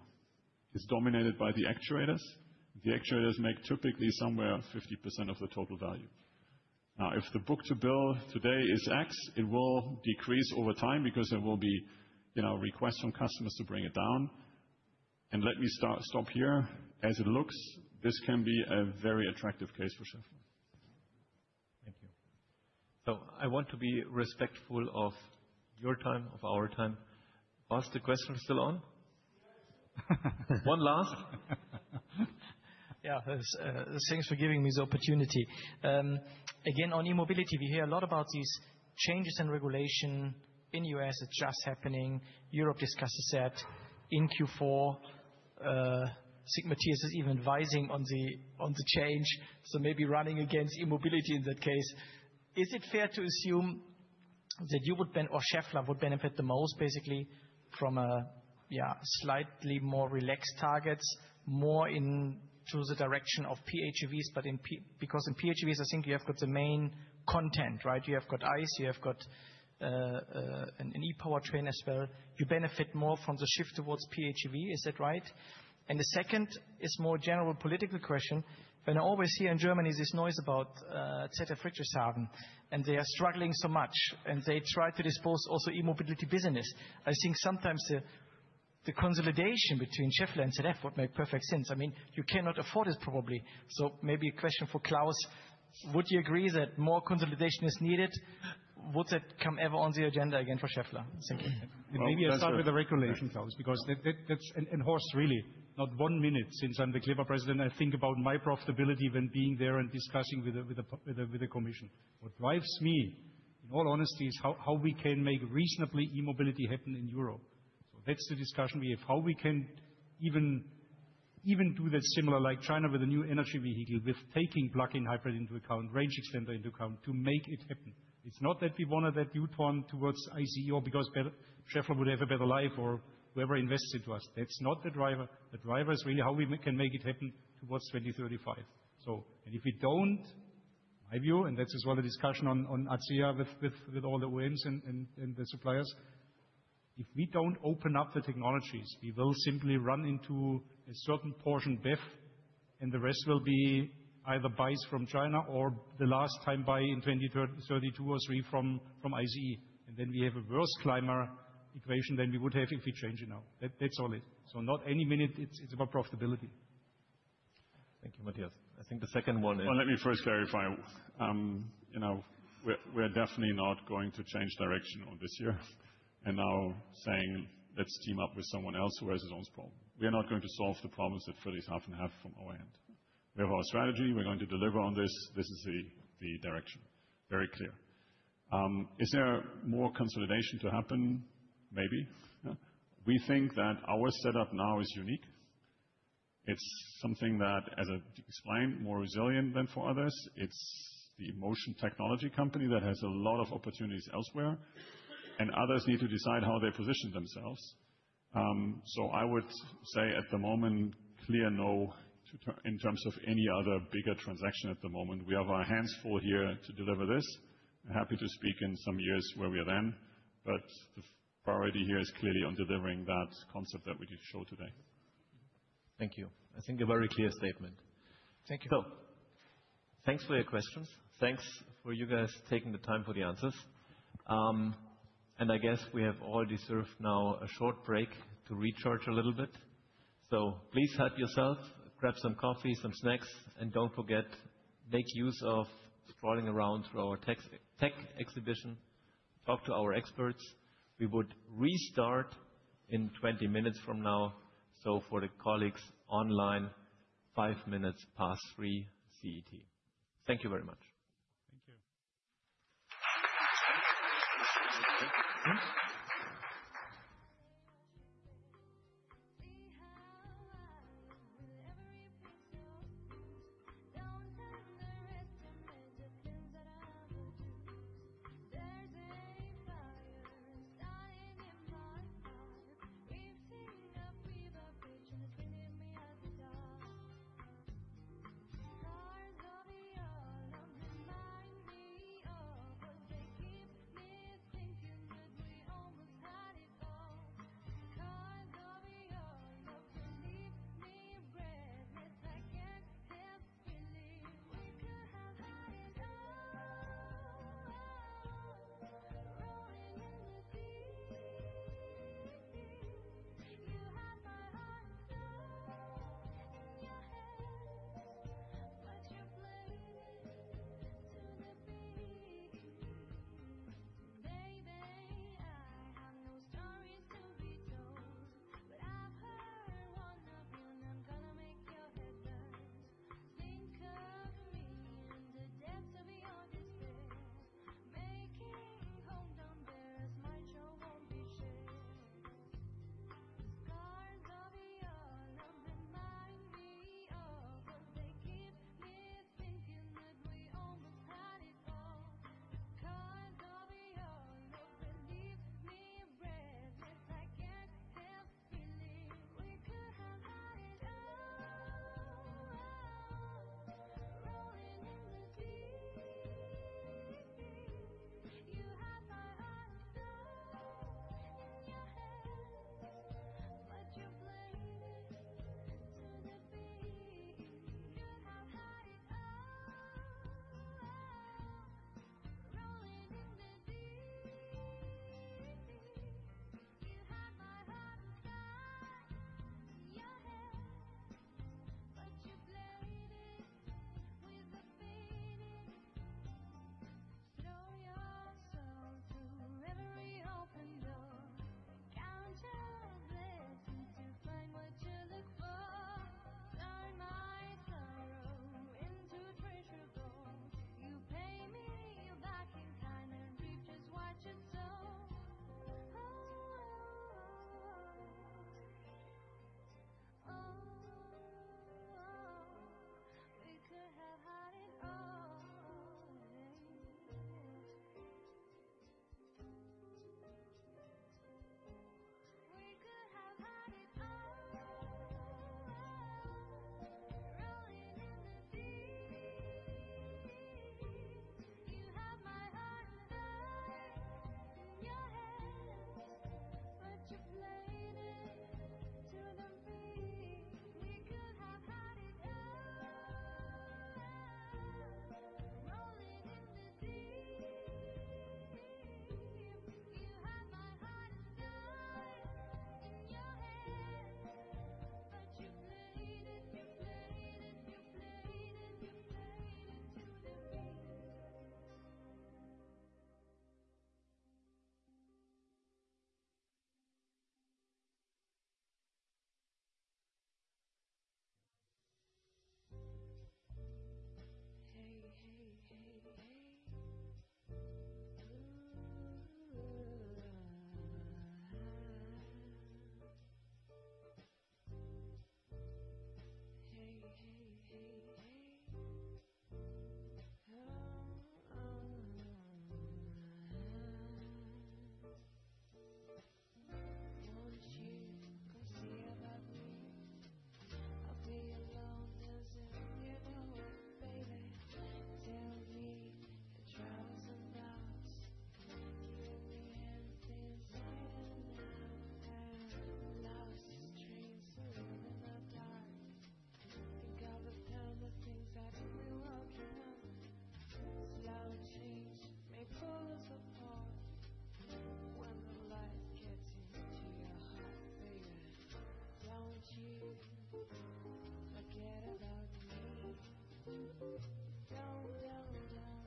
is dominated by the actuators. The actuators make typically somewhere 50% of the total value. Now, if the book to bill today is X, it will decrease over time because there will be requests from customers to bring it down, and let me stop here. As it looks, this can be a very attractive case for Schaeffler. Thank you. So I want to be respectful of your time, of our time. Horst, the question is still on? One last. Yeah. Thanks for giving me the opportunity. Again, on E-Mobility, we hear a lot about these changes in regulation in the U.S. that are just happening. Europe discusses that in Q4. [Sigrid] is even advising on the change. So maybe running against E-Mobility in that case. Is it fair` to assume that you would benefit, or Schaeffler would benefit the most, basically, from slightly more relaxed targets, more into the direction of PHEVs? Because in PHEVs, I think you have got the main content, right? You have got ICE, you have got an e-powertrain as well. You benefit more from the shift towards PHEV, is that right? And the second is more general political question. When I always hear in Germany this noise about ZF Friedrichshafen, and they are struggling so much, and they try to dispose also E-Mobility business, I think sometimes the consolidation between Schaeffler and ZF would make perfect sense. I mean, you cannot afford it probably. So maybe a question for Klaus. Would you agree that more consolidation is needed? Would that come ever on the agenda again for Schaeffler? Maybe I'll start with the regulation, Horst, because that's in force really not one minute since I'm the CLEPA president. I think about my profitability when being there and discussing with the commission. What drives me, in all honesty, is how we can make reasonable e-mobility happen in Europe. So that's the discussion we have. How we can even do that similarly, like China with a new energy vehicle, with taking plug-in hybrid into account, range extender into account to make it happen. It's not that we wanted that U-turn towards ICE or because Schaeffler would have a better life or whoever invests into us. That's not the driver. The driver is really how we can make it happen towards 2035. And if we don't, in my view, and that's as well the discussion at ACEA with all the OEMs and the suppliers, if we don't open up the technologies, we will simply run into a certain portion BEV, and the rest will be either buys from China or the last-time buy in 2032 or 2033 from ICE. And then we have a worse climate equation than we would have if we change it now. That's all it. So not any minute, it's about profitability. Thank you, Matthias. I think the second one is. Well, let me first clarify. We're definitely not going to change direction on this year. And now saying, let's team up with someone else who has his own problem. We are not going to solve the problems that Friedrichshafen have from our end. We have our strategy. We're going to deliver on this. This is the direction. Very clear. Is there more consolidation to happen? Maybe. We think that our setup now is unique. It's something that, as I explained, more resilient than for others. It's the motion technology company that has a lot of opportunities elsewhere. And others need to decide how they position themselves. So I would say at the moment, clear no in terms of any other bigger transaction at the moment. We have our hands full here to deliver this. I'm happy to speak in some years where we are then. But the priority here is clearly on delivering that concept that we did show today. Thank you. I think a very clear statement. Thank you. So thanks for your questions. Thanks for you guys taking the time for the answers. And I guess we have all deserved now a short break to recharge a little bit. So please help yourself, grab some coffee, some snacks, and don't forget, make use of strolling around through our tech exhibition. Talk to our experts. We would restart in 20 minutes from now. So for the colleagues online, five minutes past 3:00 P.M. CET. Thank you very much.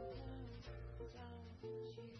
Thank you.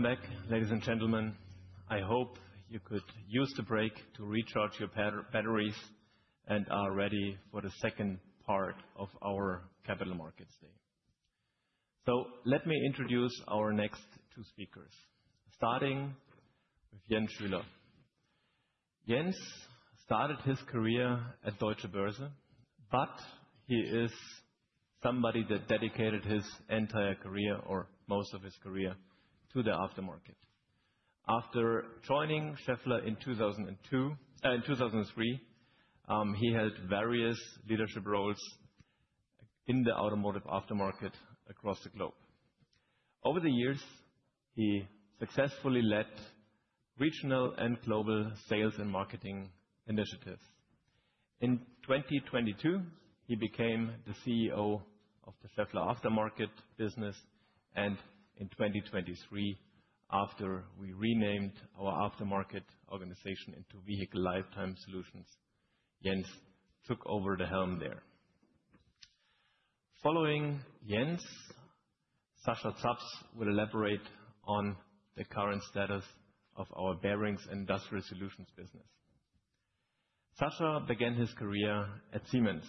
Welcome back, ladies and gentlemen. I hope you could use the break to recharge your batteries and are ready for the second part of our Capital Markets Day. So let me introduce our next two speakers, starting with Jens Schüler. Jens started his career at Deutsche Börse, but he is somebody that dedicated his entire career, or most of his career, to the aftermarket. After joining Schaeffler in 2003, he held various leadership roles in the automotive aftermarket across the globe. Over the years, he successfully led regional and global sales and marketing initiatives. In 2022, he became the CEO of the Schaeffler aftermarket business, and in 2023, after we renamed our aftermarket organization into Vehicle Lifetime Solutions, Jens took over the helm there. Following Jens, Sascha Zaps will elaborate on the current status of our bearings and industrial solutions business. Sascha began his career at Siemens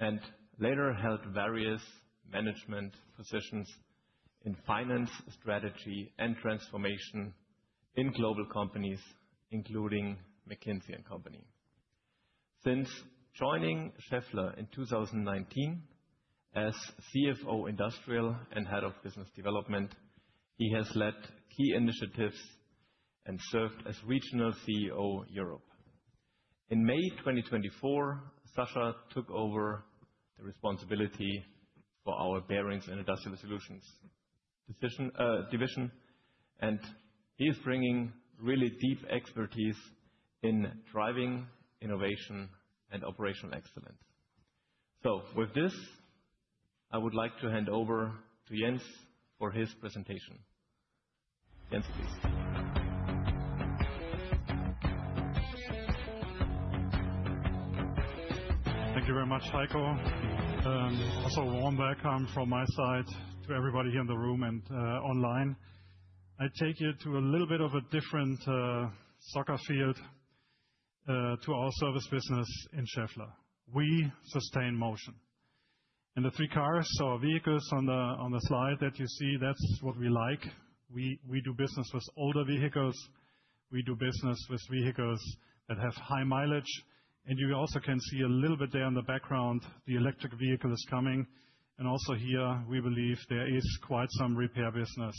and later held various management positions in finance, strategy, and transformation in global companies, including McKinsey and Company. Since joining Schaeffler in 2019 as CFO Industrial and Head of Business Development, he has led key initiatives and served as Regional CEO Europe. In May 2024, Sascha took over the responsibility for our bearings and industrial solutions division, and he is bringing really deep expertise in driving innovation and operational excellence. So with this, I would like to hand over to Jens for his presentation. Jens, please. Thank you very much, Heiko. Also, a warm welcome from my side to everybody here in the room and online. I take you to a little bit of a different soccer field to our service business in Schaeffler. We sustain motion. And the three cars, so our vehicles on the slide that you see, that's what we like. We do business with older vehicles. We do business with vehicles that have high mileage. And you also can see a little bit there in the background, the electric vehicle is coming. And also here, we believe there is quite some repair business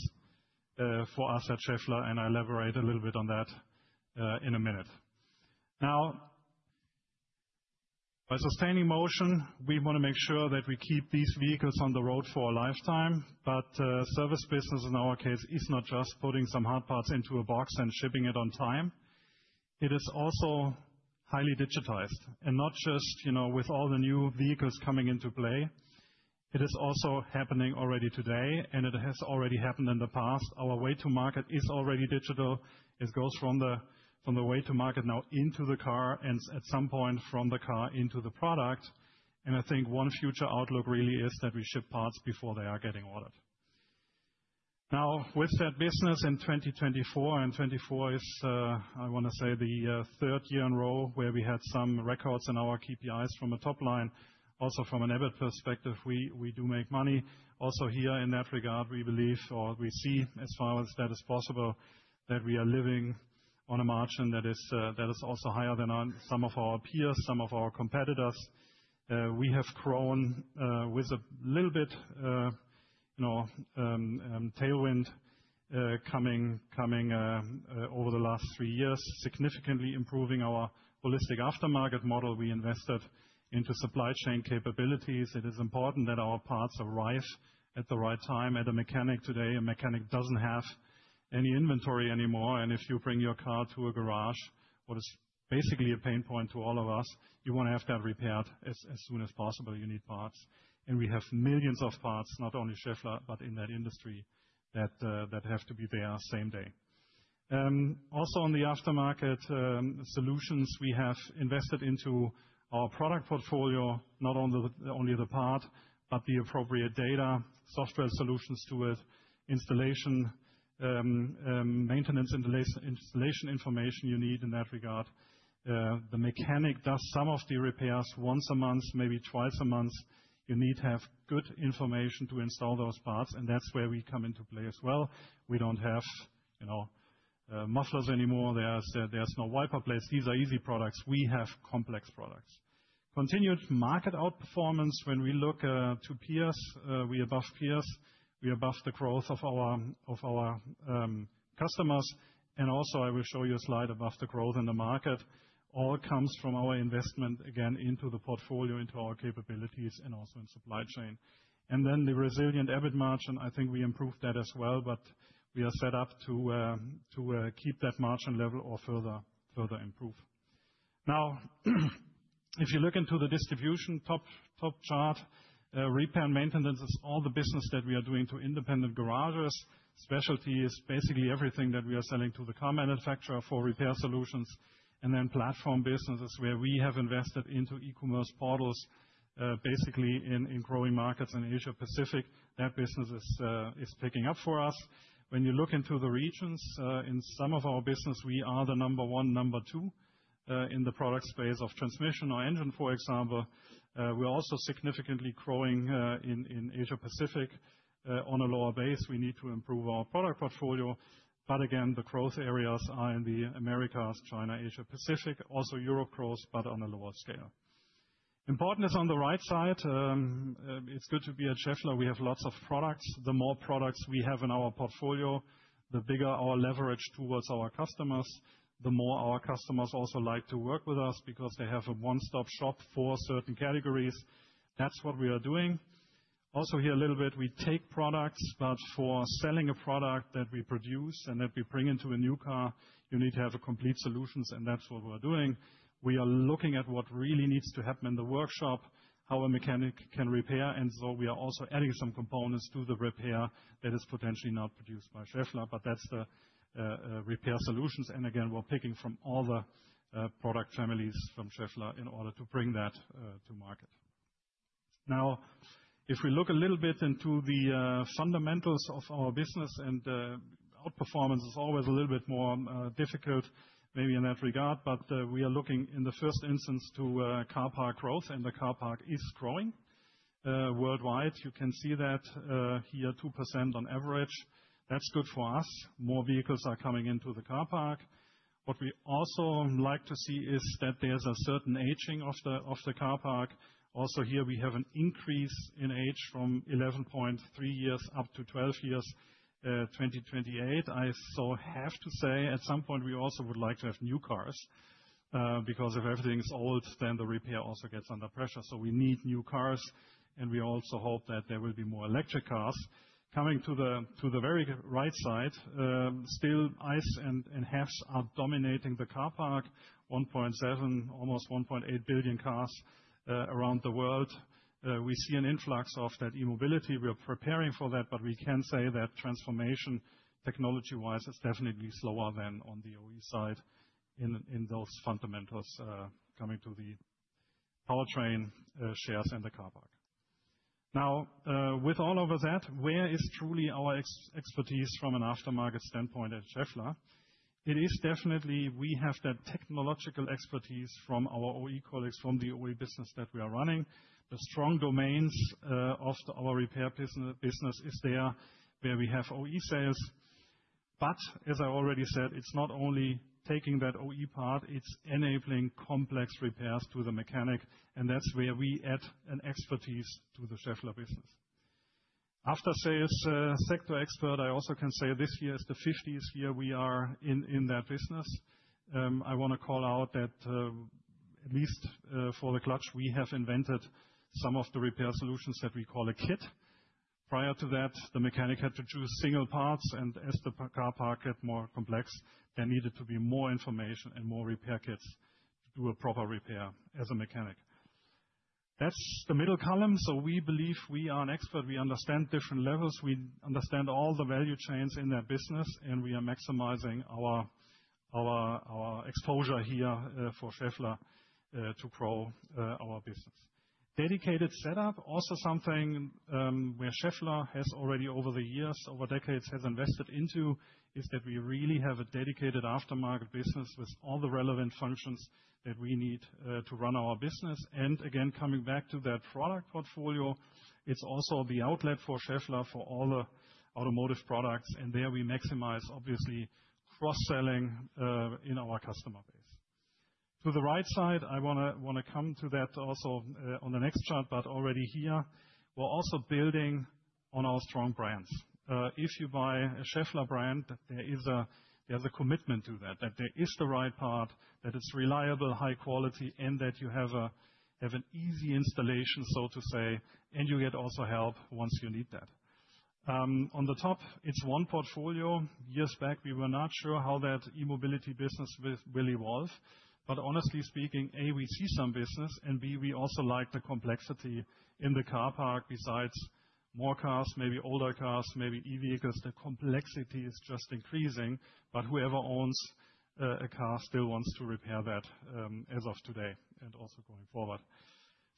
for us at Schaeffler, and I'll elaborate a little bit on that in a minute. Now, by sustaining motion, we want to make sure that we keep these vehicles on the road for a lifetime. But service business, in our case, is not just putting some hard parts into a box and shipping it on time. It is also highly digitized. And not just with all the new vehicles coming into play. It is also happening already today, and it has already happened in the past. Our way to market is already digital. It goes from the way to market now into the car, and at some point from the car into the product. And I think one future outlook really is that we ship parts before they are getting ordered. Now, with that business in 2024, and 2024 is, I want to say, the third year in a row where we had some records in our KPIs from a top line. Also, from an EBIT perspective, we do make money. Also here, in that regard, we believe, or we see, as far as that is possible, that we are living on a margin that is also higher than some of our peers, some of our competitors. We have grown with a little bit of tailwind coming over the last three years, significantly improving our holistic aftermarket model. We invested into supply chain capabilities. It is important that our parts arrive at the right time. At a mechanic today, a mechanic doesn't have any inventory anymore. And if you bring your car to a garage, what is basically a pain point to all of us, you want to have that repaired as soon as possible. You need parts. And we have millions of parts, not only Schaeffler, but in that industry, that have to be there same day. Also, on the aftermarket solutions, we have invested into our product portfolio, not only the part, but the appropriate data, software solutions to it, installation, maintenance, and installation information you need in that regard. The mechanic does some of the repairs once a month, maybe twice a month. You need to have good information to install those parts. And that's where we come into play as well. We don't have mufflers anymore. There's no wiper blades. These are easy products. We have complex products. Continued market outperformance, when we look to peers, we are above peers. We are above the growth of our customers. And also, I will show you a slide about the growth in the market. All comes from our investment, again, into the portfolio, into our capabilities, and also in supply chain. And then the resilient EBIT margin, I think we improved that as well, but we are set up to keep that margin level or further improve. Now, if you look into the distribution top chart, repair and maintenance is all the business that we are doing to independent garages. Specialty is basically everything that we are selling to the car manufacturer for repair solutions. And then platform businesses where we have invested into e-commerce portals, basically in growing markets in Asia-Pacific. That business is picking up for us. When you look into the regions, in some of our business, we are the number one, number two in the product space of transmission or engine, for example. We're also significantly growing in Asia-Pacific on a lower base. We need to improve our product portfolio. But again, the growth areas are in the Americas, China, Asia-Pacific. Also Europe grows, but on a lower scale. Important is on the right side. It's good to be at Schaeffler. We have lots of products. The more products we have in our portfolio, the bigger our leverage towards our customers, the more our customers also like to work with us because they have a one-stop shop for certain categories. That's what we are doing. Also here, a little bit, we take products, but for selling a product that we produce and that we bring into a new car, you need to have complete solutions, and that's what we're doing. We are looking at what really needs to happen in the workshop, how a mechanic can repair, and so we are also adding some components to the repair that is potentially not produced by Schaeffler, but that's the repair solutions. And again, we're picking from all the product families from Schaeffler in order to bring that to market. Now, if we look a little bit into the fundamentals of our business and outperformance is always a little bit more difficult, maybe in that regard, but we are looking in the first instance to car park growth, and the car park is growing worldwide. You can see that here, 2% on average. That's good for us. More vehicles are coming into the car park. What we also like to see is that there's a certain aging of the car park. Also here, we have an increase in age from 11.3 years up to 12 years. 2028, so I have to say, at some point, we also would like to have new cars because if everything is old, then the repair also gets under pressure. So we need new cars, and we also hope that there will be more electric cars. Coming to the very right side, still ICE and HEVs are dominating the car park. 1.7, almost 1.8 billion cars around the world. We see an influx of that E-Mobility. We're preparing for that, but we can say that transformation technology-wise is definitely slower than on the OE side. In those fundamentals coming to the powertrain shares and the car park. Now, with all of that, where is truly our expertise from an aftermarket standpoint at Schaeffler? It is definitely we have that technological expertise from our OE colleagues, from the OE business that we are running. The strong domains of our repair business is there where we have OE sales. But as I already said, it's not only taking that OE part, it's enabling complex repairs to the mechanic, and that's where we add an expertise to the Schaeffler business. After-sales sector expert, I also can say this year is the 50th year we are in that business. I want to call out that at least for the clutch, we have invented some of the repair solutions that we call a kit. Prior to that, the mechanic had to choose single parts, and as the car park got more complex, there needed to be more information and more repair kits to do a proper repair as a mechanic. That's the middle column, so we believe we are an expert. We understand different levels. We understand all the value chains in that business, and we are maximizing our exposure here for Schaeffler to grow our business. Dedicated setup, also something where Schaeffler has already over the years, over decades, has invested into, is that we really have a dedicated aftermarket business with all the relevant functions that we need to run our business. And again, coming back to that product portfolio, it's also the outlet for Schaeffler for all the automotive products, and there we maximize, obviously, cross-selling in our customer base. To the right side, I want to come to that also on the next chart, but already here, we're also building on our strong brands. If you buy a Schaeffler brand, there is a commitment to that, that there is the right part, that it's reliable, high quality, and that you have an easy installation, so to say, and you get also help once you need that. On the top, it's one portfolio. Years back, we were not sure how that E-Mobility business will evolve, but honestly speaking, A, we see some business, and B, we also like the complexity in the car park besides more cars, maybe older cars, maybe e-vehicles. The complexity is just increasing, but whoever owns a car still wants to repair that as of today and also going forward.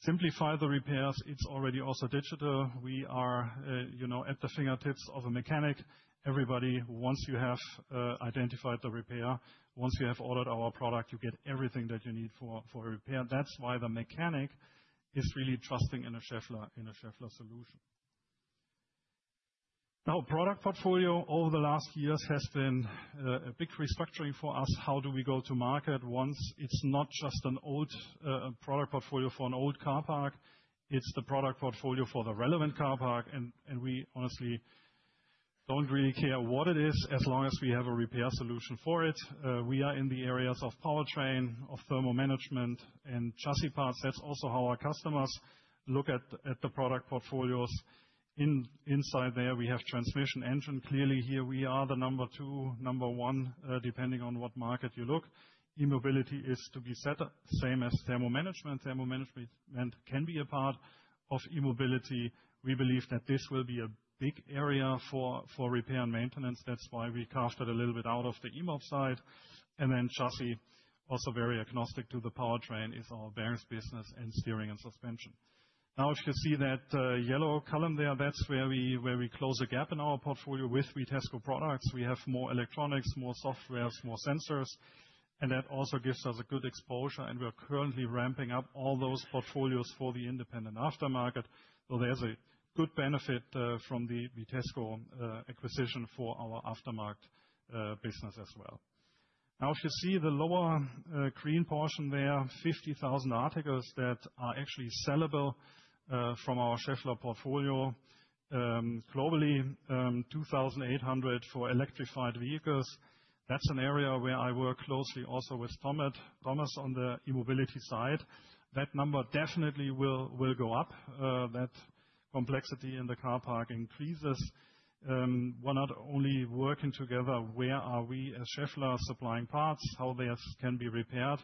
Simplify the repairs. It's already also digital. We are at the fingertips of a mechanic. Everybody, once you have identified the repair, once you have ordered our product, you get everything that you need for a repair. That's why the mechanic is really trusting in a Schaeffler solution. Now, product portfolio over the last years has been a big restructuring for us. How do we go to market once it's not just an old product portfolio for an old car park? It's the product portfolio for the relevant car park, and we honestly don't really care what it is as long as we have a repair solution for it. We are in the areas of powertrain, of thermal management, and chassis parts. That's also how our customers look at the product portfolios. Inside there, we have transmission, engine. Clearly, here we are the number two, number one, depending on what market you look. E-Mobility is to be said, same as thermal management. Thermal management can be a part of E-Mobility. We believe that this will be a big area for repair and maintenance. That's why we crafted a little bit out of the E-Mobility side. And then chassis, also very agnostic to the powertrain, is our bearings business and steering and suspension. Now, if you see that yellow column there, that's where we close a gap in our portfolio with Vitesco products. We have more electronics, more software, more sensors, and that also gives us a good exposure, and we're currently ramping up all those portfolios for the independent aftermarket. So there's a good benefit from the Vitesco acquisition for our aftermarket business as well. Now, if you see the lower green portion there, 50,000 articles that are actually sellable from our Schaeffler portfolio. Globally, 2,800 for electrified vehicles. That's an area where I work closely also with Thomas on the E-Mobility side. That number definitely will go up. That complexity in the car park increases. We're not only working together, where are we as Schaeffler supplying parts, how they can be repaired.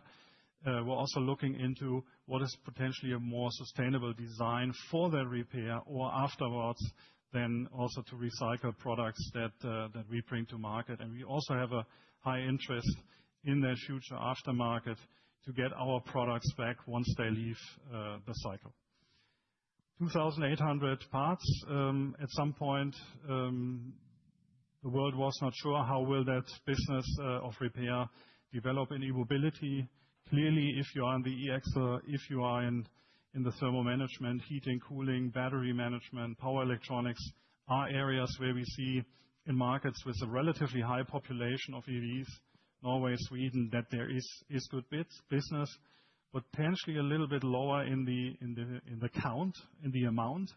We're also looking into what is potentially a more sustainable design for the repair or afterwards, then also to recycle products that we bring to market, and we also have a high interest in that future aftermarket to get our products back once they leave the cycle. 2,800 parts. At some point, the world was not sure how will that business of repair develop in E-Mobility. Clearly, if you are in the e-axle, if you are in the thermal management, heating, cooling, battery management, power electronics are areas where we see in markets with a relatively high population of EVs, Norway, Sweden, that there is good business, but potentially a little bit lower in the count, in the amount,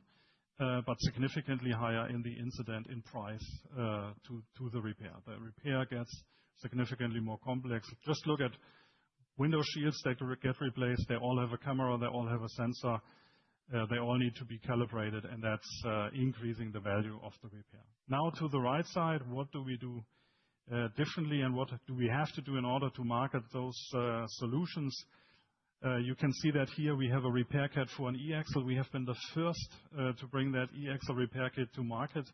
but significantly higher in the incidence, in price to the repair. The repair gets significantly more complex. Just look at windshields that get replaced. They all have a camera. They all have a sensor. They all need to be calibrated, and that's increasing the value of the repair. Now, to the right side, what do we do differently and what do we have to do in order to market those solutions? You can see that here we have a repair kit for an E-axle. We have been the first to bring that E-axle repair kit to market.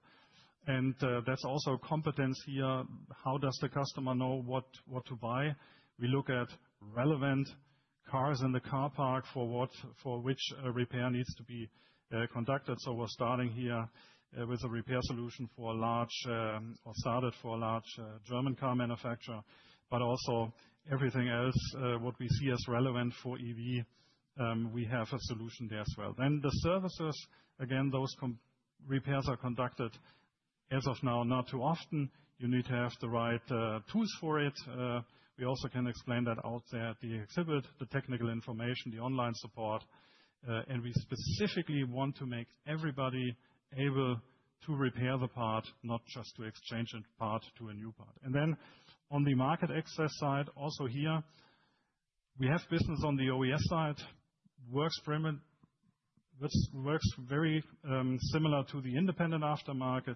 And that's also a competence here. How does the customer know what to buy? We look at relevant cars in the car park for which repair needs to be conducted. So we're starting here with a repair solution for a large OEM started for a large German car manufacturer, but also everything else what we see as relevant for EV, we have a solution there as well. Then the services, again, those repairs are conducted as of now not too often. You need to have the right tools for it. We also can explain that out there at the exhibit, the technical information, the online support, and we specifically want to make everybody able to repair the part, not just to exchange a part to a new part, and then on the market access side, also here, we have business on the OES side. Works very similar to the independent aftermarket.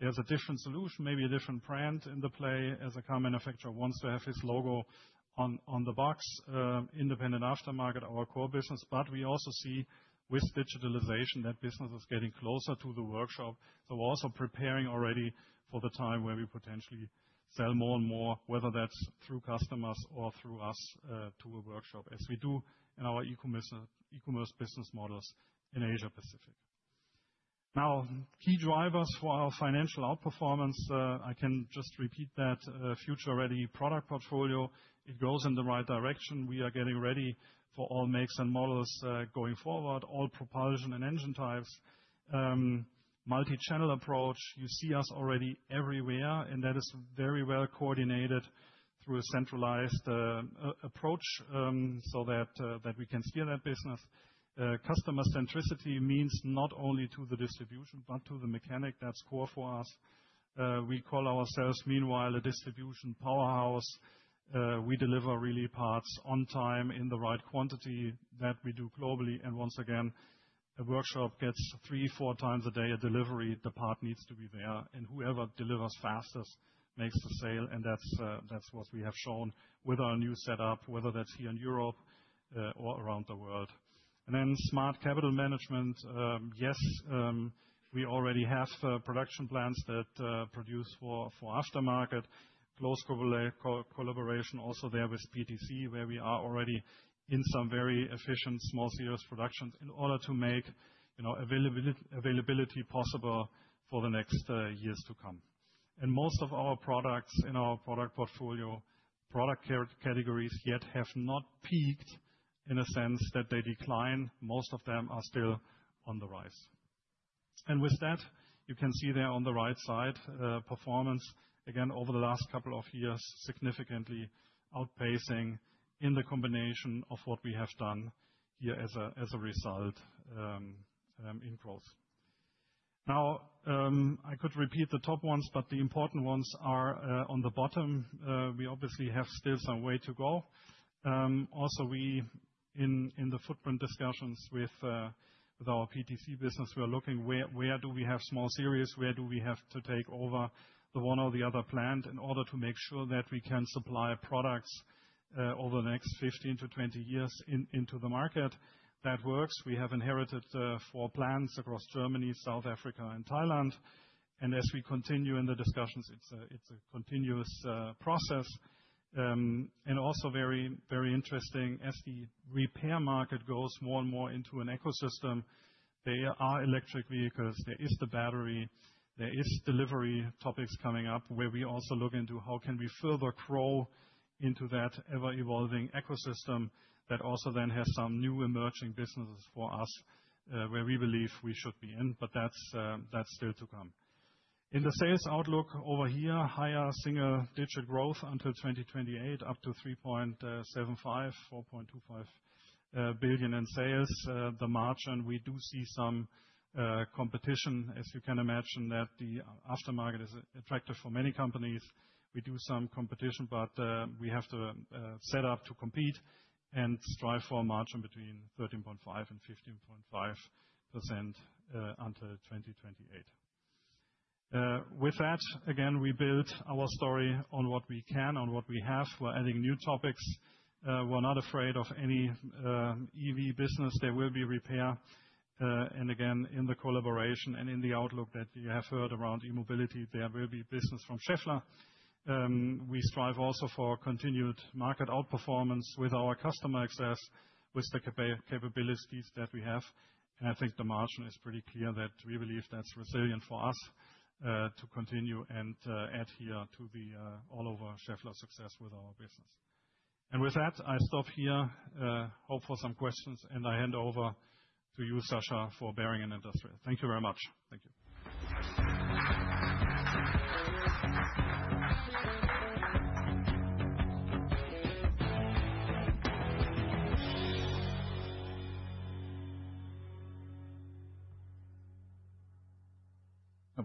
There's a different solution, maybe a different brand in the play as a car manufacturer wants to have his logo on the box. Independent aftermarket, our core business, but we also see with digitalization that business is getting closer to the workshop, so we're also preparing already for the time where we potentially sell more and more, whether that's through customers or through us to a workshop, as we do in our e-commerce business models in Asia-Pacific. Now, key drivers for our financial outperformance. I can just repeat that future-ready product portfolio. It goes in the right direction. We are getting ready for all makes and models going forward, all propulsion and engine types, multi-channel approach. You see us already everywhere, and that is very well coordinated through a centralized approach so that we can scale that business. Customer centricity means not only to the distribution, but to the mechanic. That's core for us. We call ourselves, meanwhile, a distribution powerhouse. We deliver really parts on time in the right quantity that we do globally. And once again, a workshop gets three, 4x a day a delivery. The part needs to be there, and whoever delivers fastest makes the sale, and that's what we have shown with our new setup, whether that's here in Europe or around the world. And then smart capital management. Yes, we already have production plants that produce for aftermarket. Close collaboration also there with PTC, where we are already in some very efficient small-series production in order to make availability possible for the next years to come, and most of our products in our product portfolio, product categories yet have not peaked in a sense that they decline. Most of them are still on the rise, and with that, you can see there on the right side, performance, again, over the last couple of years, significantly outpacing in the combination of what we have done here as a result in growth. Now, I could repeat the top ones, but the important ones are on the bottom. We obviously have still some way to go. Also, in the footprint discussions with our PTC business, we are looking where do we have small series, where do we have to take over the one or the other plant in order to make sure that we can supply products over the next 15-20 years into the market. That works. We have inherited four plants across Germany, South Africa, and Thailand. And as we continue in the discussions, it's a continuous process. And also very interesting, as the repair market goes more and more into an ecosystem, there are electric vehicles, there is the battery, there are delivery topics coming up where we also look into how can we further grow into that ever-evolving ecosystem that also then has some new emerging businesses for us where we believe we should be in, but that's still to come. In the sales outlook over here, higher single-digit growth until 2028, up to 3.75-4.25 billion in sales. The margin, we do see some competition, as you can imagine that the aftermarket is attractive for many companies. We do some competition, but we have to set up to compete and strive for a margin between 13.5% and 15.5% until 2028. With that, again, we build our story on what we can, on what we have. We're adding new topics. We're not afraid of any EV business. There will be repair. And again, in the collaboration and in the outlook that you have heard around E-Mobility, there will be business from Schaeffler. We strive also for continued market outperformance with our customer access, with the capabilities that we have. I think the margin is pretty clear that we believe that's resilient for us to continue and add here to the all-over Schaeffler success with our business. With that, I stop here, hope for some questions, and I hand over to you, Sascha, for Bearing & Industrial. Thank you very much. Thank you.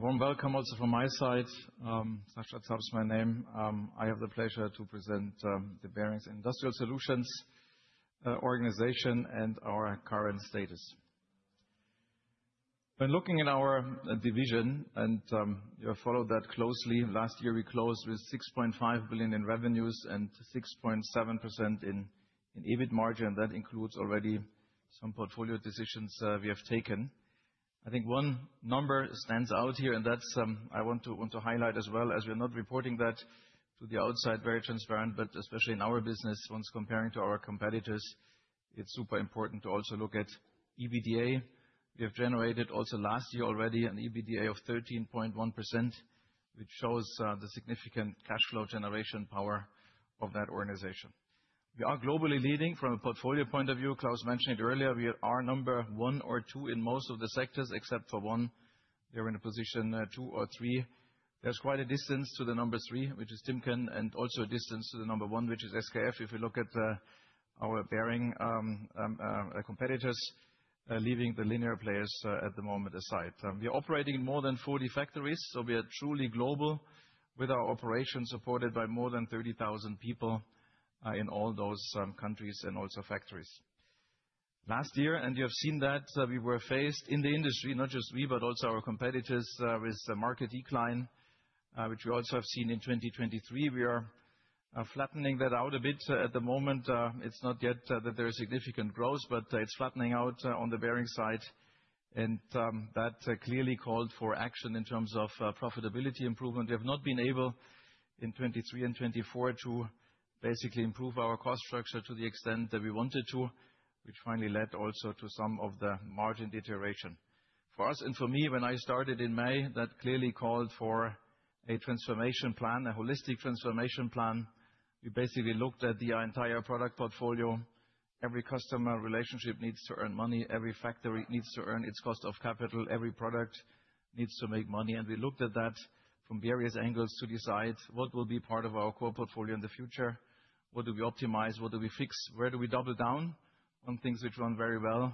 A warm welcome also from my side. Sascha Zaps is my name. I have the pleasure to present the Bearings Industrial Solutions organization and our current status. When looking at our division, and you have followed that closely, last year we closed with 6.5 billion in revenues and 6.7% in EBIT margin, and that includes already some portfolio decisions we have taken. I think one number stands out here, and that's what I want to highlight as well, as we're not reporting that to the outside, very transparent, but especially in our business, when comparing to our competitors, it's super important to also look at EBITDA. We have generated also last year already an EBITDA of 13.1%, which shows the significant cash flow generation power of that organization. We are globally leading from a portfolio point of view. Klaus mentioned earlier, we are number one or two in most of the sectors, except for one. They're in a position two or three. There's quite a distance to the number three, which is Timken, and also a distance to the number one, which is SKF. If you look at our bearing competitors, leaving the linear players at the moment aside. We are operating in more than 40 factories, so we are truly global with our operations supported by more than 30,000 people in all those countries and also factories. Last year, and you have seen that we were faced in the industry, not just we, but also our competitors with market decline, which we also have seen in 2023. We are flattening that out a bit at the moment. It's not yet that there is significant growth, but it's flattening out on the bearing side, and that clearly called for action in terms of profitability improvement. We have not been able in 2023 and 2024 to basically improve our cost structure to the extent that we wanted to, which finally led also to some of the margin deterioration. For us and for me, when I started in May, that clearly called for a transformation plan, a holistic transformation plan. We basically looked at the entire product portfolio. Every customer relationship needs to earn money. Every factory needs to earn its cost of capital. Every product needs to make money, and we looked at that from various angles to decide what will be part of our core portfolio in the future. What do we optimize? What do we fix? Where do we double down on things which run very well,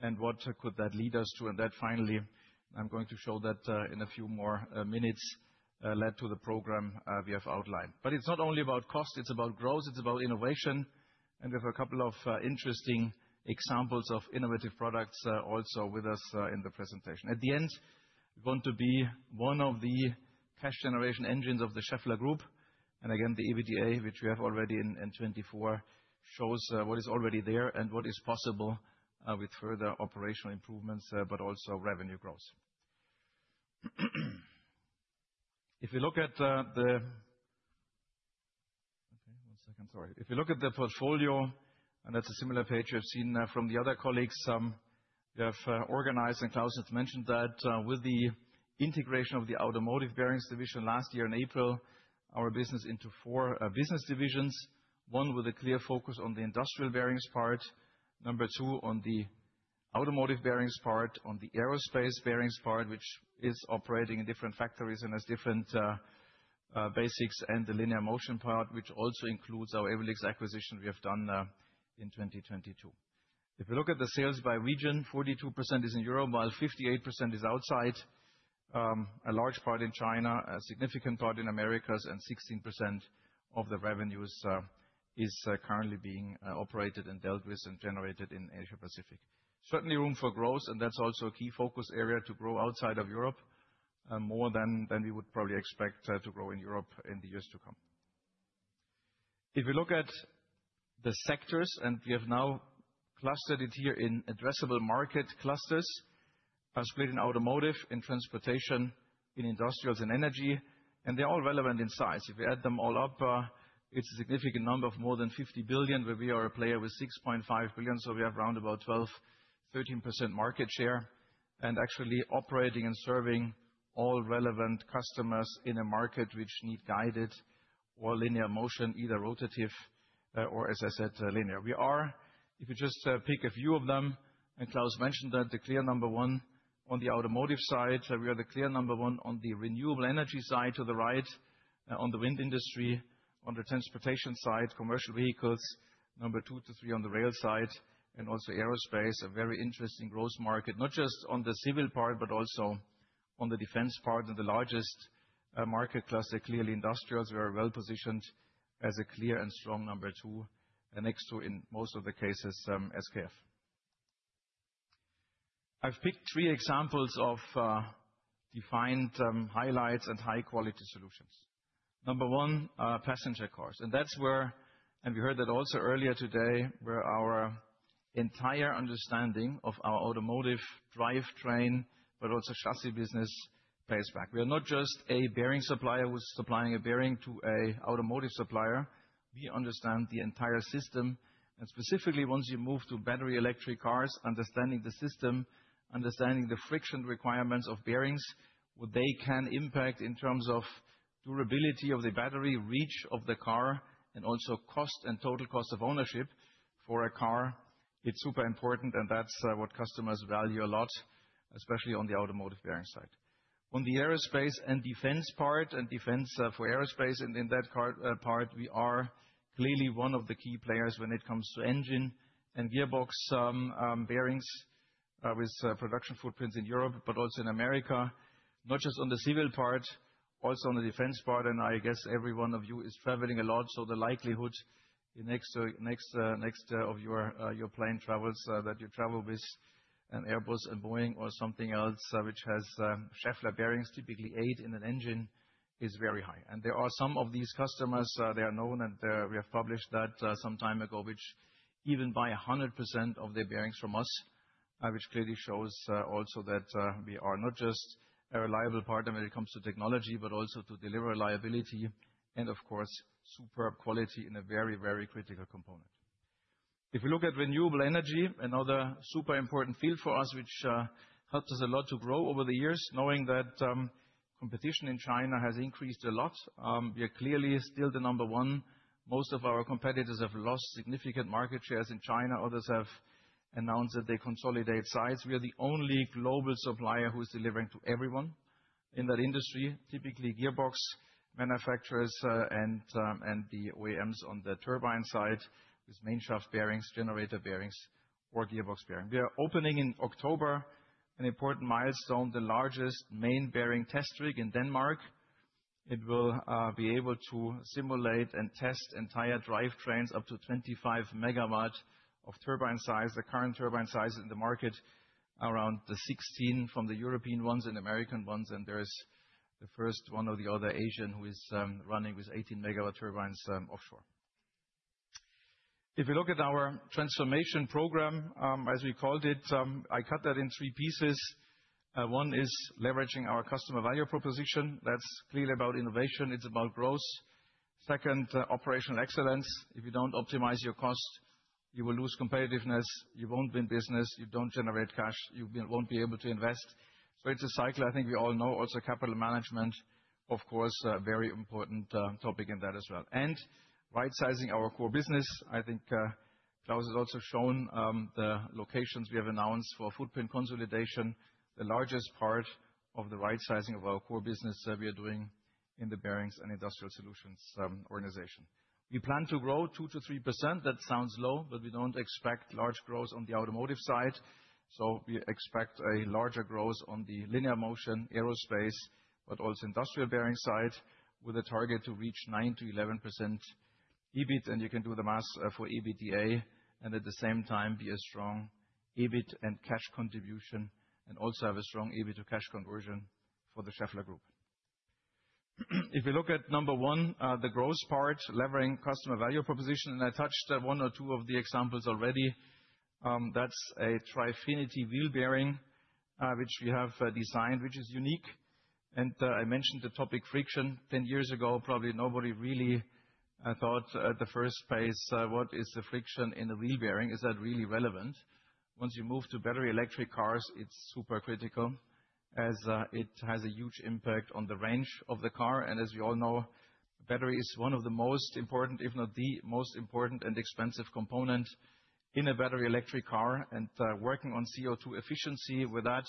and what could that lead us to? That finally, and I'm going to show that in a few more minutes, led to the program we have outlined, but it's not only about cost, it's about growth, it's about innovation, and we have a couple of interesting examples of innovative products also with us in the presentation. At the end, we want to be one of the cash generation engines of the Schaeffler Group. Again, the EBITDA, which we have already in 2024, shows what is already there and what is possible with further operational improvements, but also revenue growth. If you look at the portfolio, and that's a similar page you've seen from the other colleagues, we have organized, and Klaus has mentioned that with the integration of the Automotive Bearings division last year in April, our business into four business divisions, one with a clear focus on the Industrial Bearings part, number two on the Automotive Bearings part, on the Aerospace Bearings part, which is operating in different factories and has different basics, and the linear motion part, which also includes our Ewellix acquisition we have done in 2022. If you look at the sales by region, 42% is in Europe, while 58% is outside, a large part in China, a significant part in Americas, and 16% of the revenues is currently being operated and dealt with and generated in Asia-Pacific. Certainly room for growth, and that's also a key focus area to grow outside of Europe more than we would probably expect to grow in Europe in the years to come. If we look at the sectors, and we have now clustered it here in addressable market clusters, as we did in automotive, in transportation, in industrials, and energy, and they're all relevant in size. If we add them all up, it's a significant number of more than 50 billion, where we are a player with 6.5 billion, so we have around about 12%-13% market share, and actually operating and serving all relevant customers in a market which need guided or linear motion, either rotative or, as I said, linear. We are, if you just pick a few of them, and Klaus mentioned that the clear number one on the automotive side, we are the clear number one on the renewable energy side to the right, on the wind industry, on the transportation side, commercial vehicles, number two to three on the rail side, and also aerospace, a very interesting growth market, not just on the civil part, but also on the defense part, and the largest market cluster, clearly industrials. We are well positioned as a clear and strong number two, and next to, in most of the cases, SKF. I've picked three examples of defined highlights and high-quality solutions. Number one, passenger cars, and that's where, and we heard that also earlier today, where our entire understanding of our automotive drivetrain, but also chassis business, plays back. We are not just a bearing supplier who's supplying a bearing to an automotive supplier. We understand the entire system. And specifically, once you move to battery electric cars, understanding the system, understanding the friction requirements of bearings, what they can impact in terms of durability of the battery, reach of the car, and also cost and total cost of ownership for a car, it's super important, and that's what customers value a lot, especially on the Automotive Bearing side. On the aerospace and defense part, and defense for aerospace, and in that part, we are clearly one of the key players when it comes to engine and gearbox bearings with production footprints in Europe, but also in America, not just on the civil part, also on the defense part, and I guess every one of you is traveling a lot, so the likelihood the next of your plane travels that you travel with an Airbus and Boeing or something else which has Schaeffler Bearings, typically eight in an engine, is very high. There are some of these customers; they are known, and we have published that some time ago, which even buy 100% of their bearings from us, which clearly shows also that we are not just a reliable partner when it comes to technology, but also to deliver reliability and, of course, superb quality in a very, very critical component. If we look at renewable energy, another super important field for us, which helped us a lot to grow over the years, knowing that competition in China has increased a lot. We are clearly still the number one. Most of our competitors have lost significant market shares in China. Others have announced that they consolidate sites. We are the only global supplier who is delivering to everyone in that industry, typically gearbox manufacturers and the OEMs on the turbine side with main shaft bearings, generator bearings, or gearbox bearings. We are opening in October an important milestone, the largest main bearing test rig in Denmark. It will be able to simulate and test entire drivetrains up to 25 megawatts of turbine size. The current turbine size in the market is around the 16 from the European ones and American ones, and there is the first one or the other Asian who is running with 18 megawatts turbines offshore. If we look at our transformation program, as we called it, I cut that in three pieces. One is leveraging our customer value proposition. That's clearly about innovation. It's about growth. Second, operational excellence. If you don't optimize your cost, you will lose competitiveness. You won't win business. You don't generate cash. You won't be able to invest. So it's a cycle. I think we all know also capital management, of course, a very important topic in that as well. Right-sizing our core business. I think Klaus has also shown the locations we have announced for footprint consolidation, the largest part of the right-sizing of our core business that we are doing in the Bearings and Industrial Solutions organization. We plan to grow 2-3%. That sounds low, but we don't expect large growth on the automotive side. So we expect a larger growth on the linear motion, aerospace, but also industrial bearing side, with a target to reach 9-11% EBIT, and you can do the math for EBITDA, and at the same time, be a strong EBIT and cash contribution, and also have a strong EBIT to cash conversion for the Schaeffler Group. If we look at number one, the growth part, leveraging customer value proposition, and I touched on one or two of the examples already. That's a Trifinity wheel bearing, which we have designed, which is unique, and I mentioned the topic friction. Ten years ago, probably nobody really thought at the first place, what is the friction in a wheel bearing? Is that really relevant? Once you move to battery electric cars, it's super critical, as it has a huge impact on the range of the car, and as you all know, battery is one of the most important, if not the most important and expensive component in a battery electric car, and working on CO2 efficiency with that,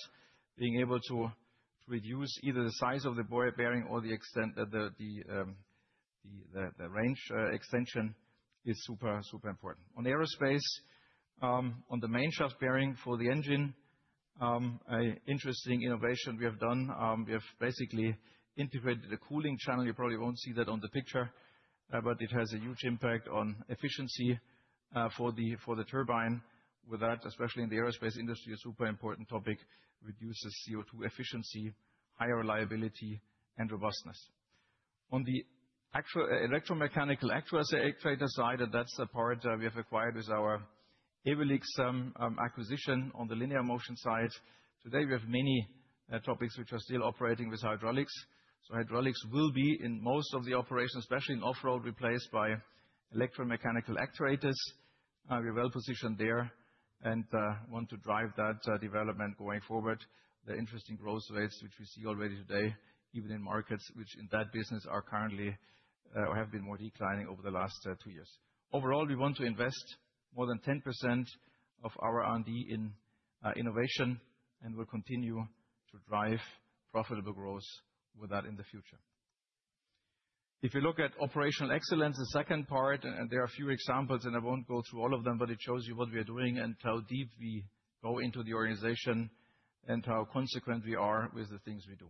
being able to reduce either the size of the bearing or the extent that the range extension is super, super important. On aerospace, on the main shaft bearing for the engine, an interesting innovation we have done. We have basically integrated a cooling channel. You probably won't see that on the picture, but it has a huge impact on efficiency for the turbine. With that, especially in the aerospace industry, a super important topic reduces CO2 efficiency, higher reliability, and robustness. On the actual electromechanical actuator side, and that's the part we have acquired with our Ewellix acquisition on the linear motion side. Today, we have many topics which are still operating with hydraulics. So hydraulics will be, in most of the operations, especially in off-road, replaced by electromechanical actuators. We are well positioned there and want to drive that development going forward. The interesting growth rates which we see already today, even in markets which in that business are currently or have been more declining over the last two years. Overall, we want to invest more than 10% of our R&D in innovation, and we'll continue to drive profitable growth with that in the future. If you look at operational excellence, the second part, and there are a few examples, and I won't go through all of them, but it shows you what we are doing and how deep we go into the organization and how consequent we are with the things we do.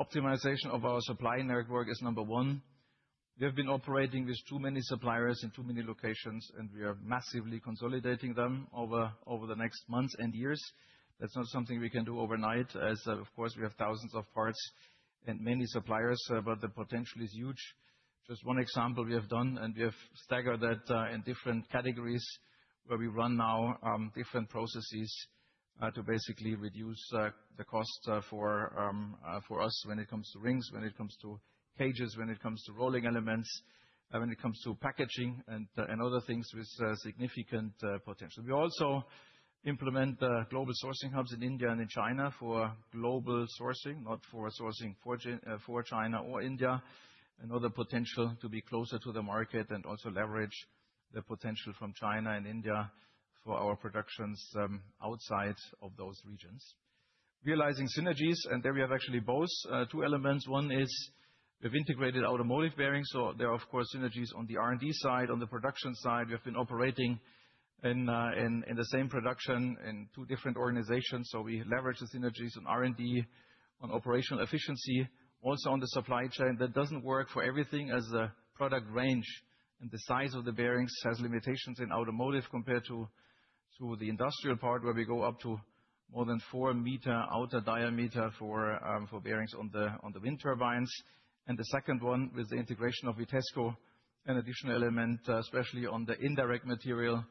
Optimization of our supply network is number one. We have been operating with too many suppliers in too many locations, and we are massively consolidating them over the next months and years. That's not something we can do overnight, as of course, we have thousands of parts and many suppliers, but the potential is huge. Just one example we have done, and we have staggered that in different categories where we run now different processes to basically reduce the cost for us when it comes to rings, when it comes to cages, when it comes to rolling elements, when it comes to packaging, and other things with significant potential. We also implement global sourcing hubs in India and in China for global sourcing, not for sourcing for China or India, and other potential to be closer to the market and also leverage the potential from China and India for our productions outside of those regions. Realizing synergies, and there we have actually both two elements. One is we have integrated automotive bearings, so there are, of course, synergies on the R&D side, on the production side. We have been operating in the same production in two different organizations, so we leverage the synergies on R&D, on operational efficiency, also on the supply chain. That doesn't work for everything as a product range, and the size of the bearings has limitations in automotive compared to the industrial part where we go up to more than four-meter outer diameter for bearings on the wind turbines. The second one with the integration of Vitesco and additional element, especially on the indirect material,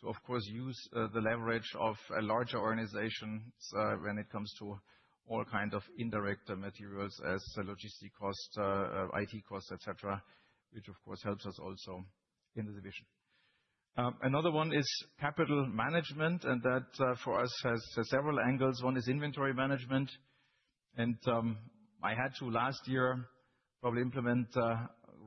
to, of course, use the leverage of a larger organization when it comes to all kinds of indirect materials as logistic cost, IT cost, etc., which, of course, helps us also in the division. Another one is capital management, and that for us has several angles. One is inventory management, and I had to last year probably implement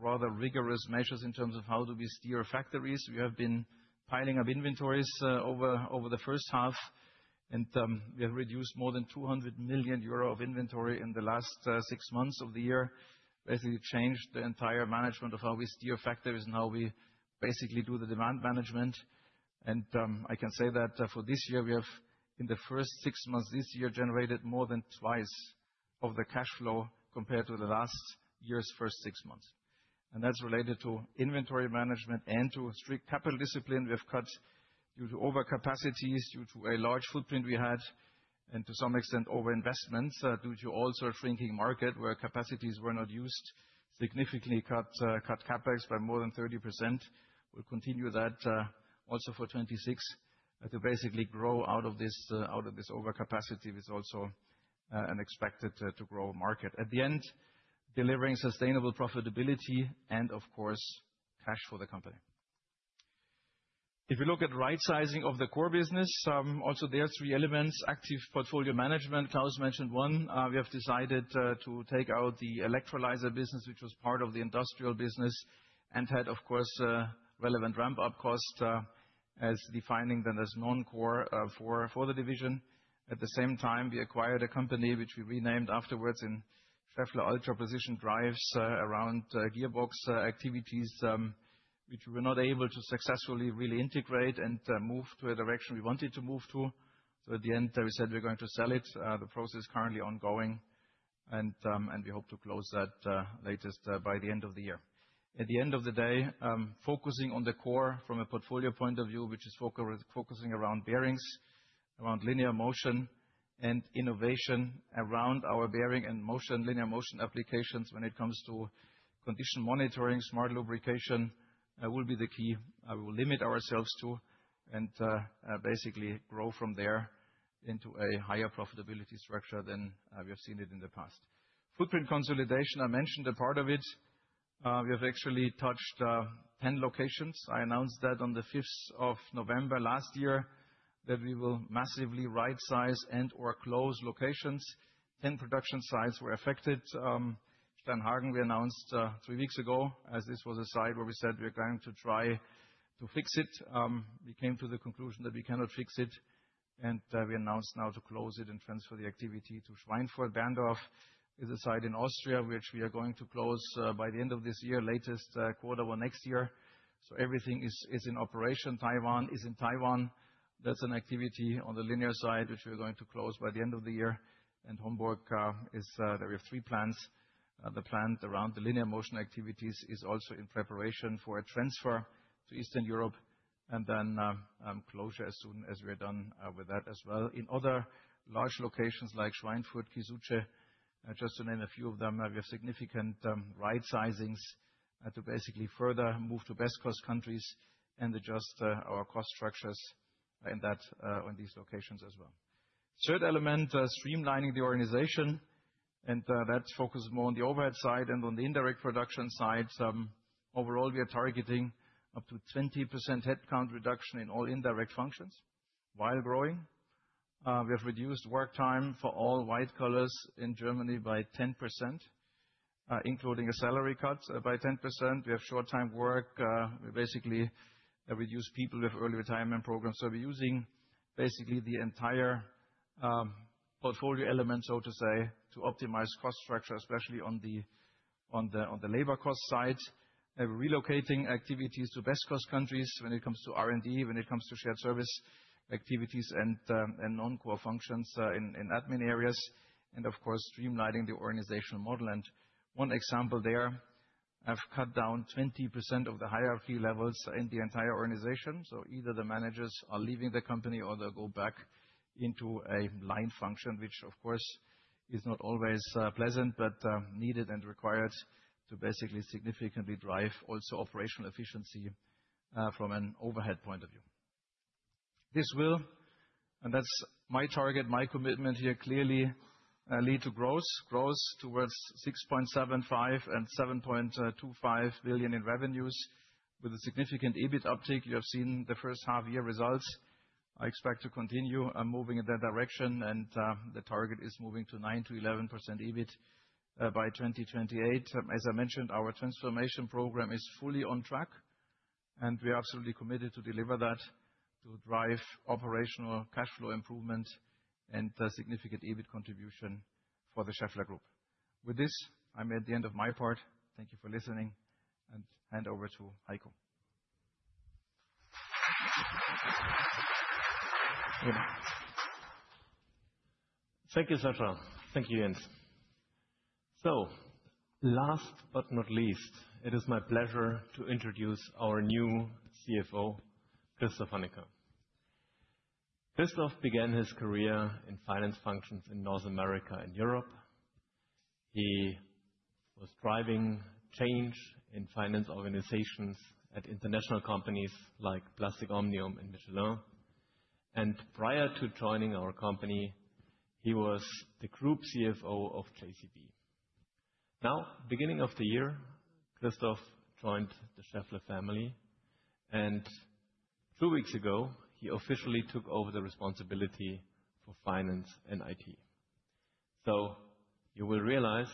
rather rigorous measures in terms of how do we steer factories. We have been piling up inventories over the first half, and we have reduced more than 200 million euro of inventory in the last six months of the year. Basically, changed the entire management of how we steer factories and how we basically do the demand management. And I can say that for this year, we have, in the first six months this year, generated more than twice of the cash flow compared to the last year's first six months. And that's related to inventory management and to strict capital discipline. We have cut due to overcapacities, due to a large footprint we had, and to some extent overinvestments due to also a shrinking market where capacities were not used, significantly cut CapEx by more than 30%. We'll continue that also for 26 to basically grow out of this overcapacity with also an expected to grow market. At the end, delivering sustainable profitability and, of course, cash for the company. If you look at right-sizing of the core business, also there are three elements: active portfolio management. Klaus mentioned one. We have decided to take out the electrolyzer business, which was part of the industrial business, and had, of course, relevant ramp-up costs and defined them as non-core for the division. At the same time, we acquired a company which we renamed afterwards to Schaeffler Ultra Precision Drives around gearbox activities, which we were not able to successfully really integrate and move to a direction we wanted to move to. So at the end, we said we're going to sell it. The process is currently ongoing, and we hope to close that latest by the end of the year. At the end of the day, focusing on the core from a portfolio point of view, which is focusing around bearings, around linear motion, and innovation around our bearing and linear motion applications when it comes to condition monitoring, smart lubrication will be the key we will limit ourselves to and basically grow from there into a higher profitability structure than we have seen it in the past. Footprint consolidation, I mentioned a part of it. We have actually touched 10 locations. I announced that on the 5th of November last year that we will massively right-size and/or close locations. 10 production sites were affected. Steinhagen, we announced three weeks ago as this was a site where we said we are going to try to fix it. We came to the conclusion that we cannot fix it, and we announced now to close it and transfer the activity to Schweinfurt. Berndorf is a site in Austria which we are going to close by the end of this year, latest quarter one next year. So everything is in operation. Taiwan is in Taiwan. That's an activity on the linear side which we are going to close by the end of the year. Homburg, there we have three plants. The plant around the linear motion activities is also in preparation for a transfer to Eastern Europe and then closure as soon as we are done with that as well. In other large locations like Schweinfurt, Kysuce, just to name a few of them, we have significant right-sizings to basically further move to best cost countries and adjust our cost structures in these locations as well. Third element, streamlining the organization, and that focuses more on the overhead side and on the indirect production side. Overall, we are targeting up to 20% headcount reduction in all indirect functions while growing. We have reduced work time for all white-collar in Germany by 10%, including salary cuts by 10%. We have short-time work. We basically reduce people with early retirement programs. So we're using basically the entire portfolio element, so to say, to optimize cost structure, especially on the labor cost side. We're relocating activities to best cost countries when it comes to R&D, when it comes to shared service activities and non-core functions in admin areas, and of course, streamlining the organizational model. And one example there, I've cut down 20% of the hierarchy levels in the entire organization. So either the managers are leaving the company or they go back into a line function, which of course is not always pleasant but needed and required to basically significantly drive also operational efficiency from an overhead point of view. This will, and that's my target, my commitment here clearly, lead to growth, growth towards €6.75 billion-€7.25 billion in revenues with a significant EBIT uptake. You have seen the first half-year results. I expect to continue moving in that direction, and the target is moving to 9%-11% EBIT by 2028. As I mentioned, our transformation program is fully on track, and we are absolutely committed to deliver that to drive operational cash flow improvement and significant EBIT contribution for the Schaeffler Group. With this, I'm at the end of my part. Thank you for listening, and hand over to Heiko. Thank you, Sascha. Thank you, Jens. So last but not least, it is my pleasure to introduce our new CFO, Christoph Hannequin. Christoph began his career in finance functions in North America and Europe. He was driving change in finance organizations at international companies like Plastic Omnium and Michelin. And prior to joining our company, he was the group CFO of JCB. Now, beginning of the year, Christoph joined the Schaeffler family, and two weeks ago, he officially took over the responsibility for finance and IT. So you will realize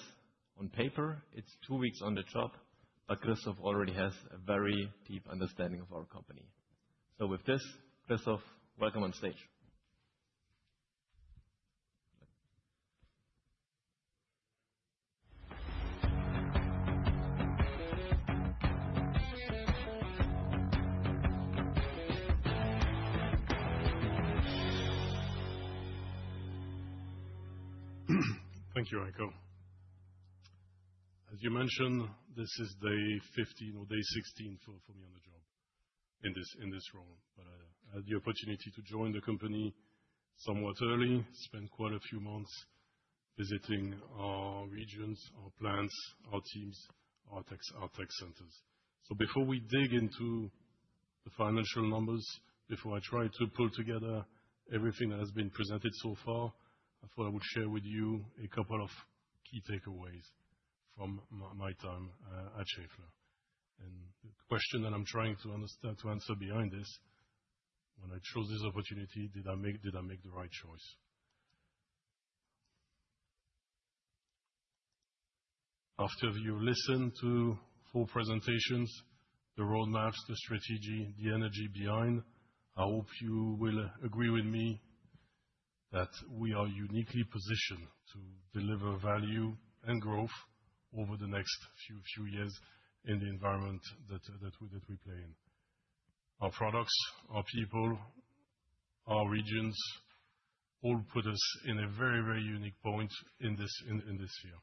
on paper, it's two weeks on the job, but Christoph already has a very deep understanding of our company. So with this, Christoph, welcome on stage. Thank you, Heiko. As you mentioned, this is day 15 or day 16 for me on the job in this role, but I had the opportunity to join the company somewhat early, spent quite a few months visiting our regions, our plants, our teams, our tech centers, so before we dig into the financial numbers, before I try to pull together everything that has been presented so far, I thought I would share with you a couple of key takeaways from my time at Schaeffler, and the question that I'm trying to answer behind this, when I chose this opportunity, did I make the right choice? After you listen to four presentations, the roadmaps, the strategy, the energy behind, I hope you will agree with me that we are uniquely positioned to deliver value and growth over the next few years in the environment that we play in. Our products, our people, our regions all put us in a very, very unique point in this year.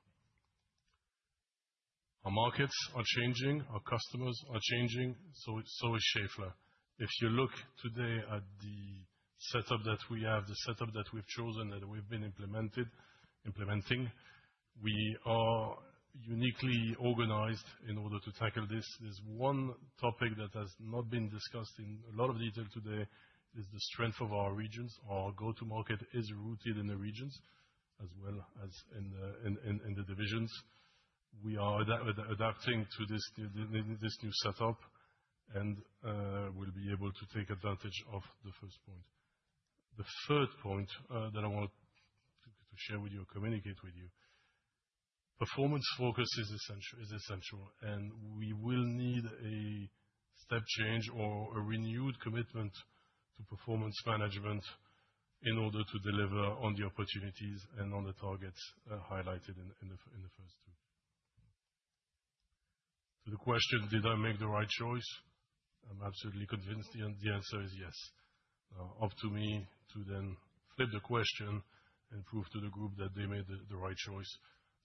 Our markets are changing, our customers are changing, so is Schaeffler. If you look today at the setup that we have, the setup that we've chosen and we've been implementing, we are uniquely organized in order to tackle this. There's one topic that has not been discussed in a lot of detail today: the strength of our regions. Our go-to-market is rooted in the regions as well as in the divisions. We are adapting to this new setup and will be able to take advantage of the first point. The third point that I want to share with you or communicate with you, performance focus is essential, and we will need a step change or a renewed commitment to performance management in order to deliver on the opportunities and on the targets highlighted in the first two. To the question, did I make the right choice? I'm absolutely convinced the answer is yes. Now, up to me to then flip the question and prove to the group that they made the right choice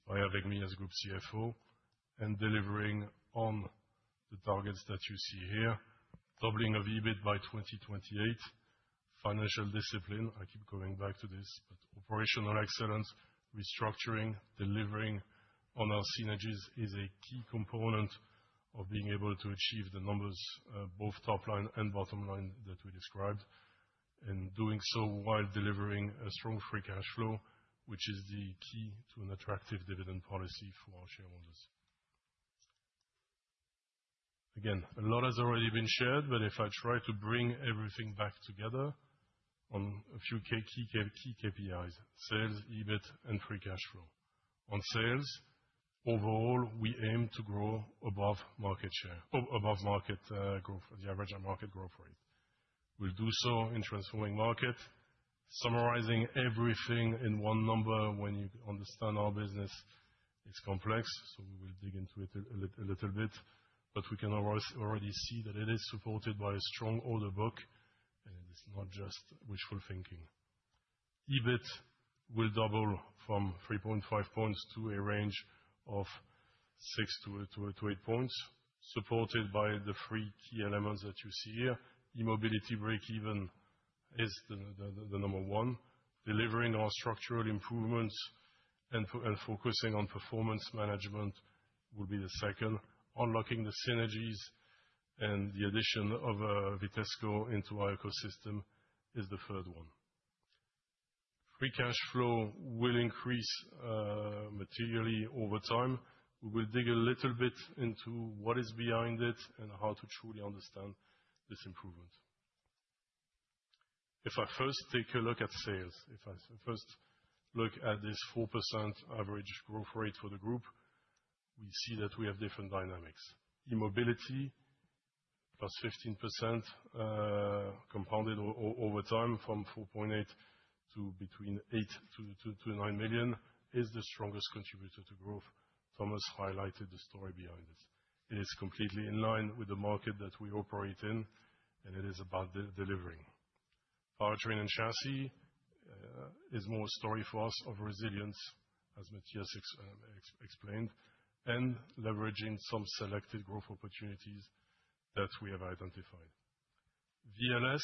by having me as Group CFO and delivering on the targets that you see here, doubling of EBIT by 2028, financial discipline, I keep going back to this, but operational excellence, restructuring, delivering on our synergies is a key component of being able to achieve the numbers, both top line and bottom line that we described, and doing so while delivering a strong Free Cash Flow, which is the key to an attractive dividend policy for our shareholders. Again, a lot has already been shared, but if I try to bring everything back together on a few key KPIs, sales, EBIT, and Free Cash Flow. On sales, overall, we aim to grow above market growth, the average market growth rate. We'll do so in transforming market. Summarizing everything in one number when you understand our business, it's complex, so we will dig into it a little bit, but we can already see that it is supported by a strong order book, and it's not just wishful thinking. EBIT will double from 3.5 points to a range of 6 to 8 points, supported by the three key elements that you see here. E-Mobility break-even is the number one. Delivering our structural improvements and focusing on performance management will be the second. Unlocking the synergies and the addition of Vitesco into our ecosystem is the third one. Free cash flow will increase materially over time. We will dig a little bit into what is behind it and how to truly understand this improvement. If I first take a look at sales, if I first look at this 4% average growth rate for the group, we see that we have different dynamics. E-Mobility, +15% compounded over time from 4.8 million to between 8 million to 9 million is the strongest contributor to growth. Thomas highlighted the story behind this. It is completely in line with the market that we operate in, and it is about delivering. Powertrain & Chassis is more a story for us of resilience, as Matthias explained, and leveraging some selected growth opportunities that we have identified. VLS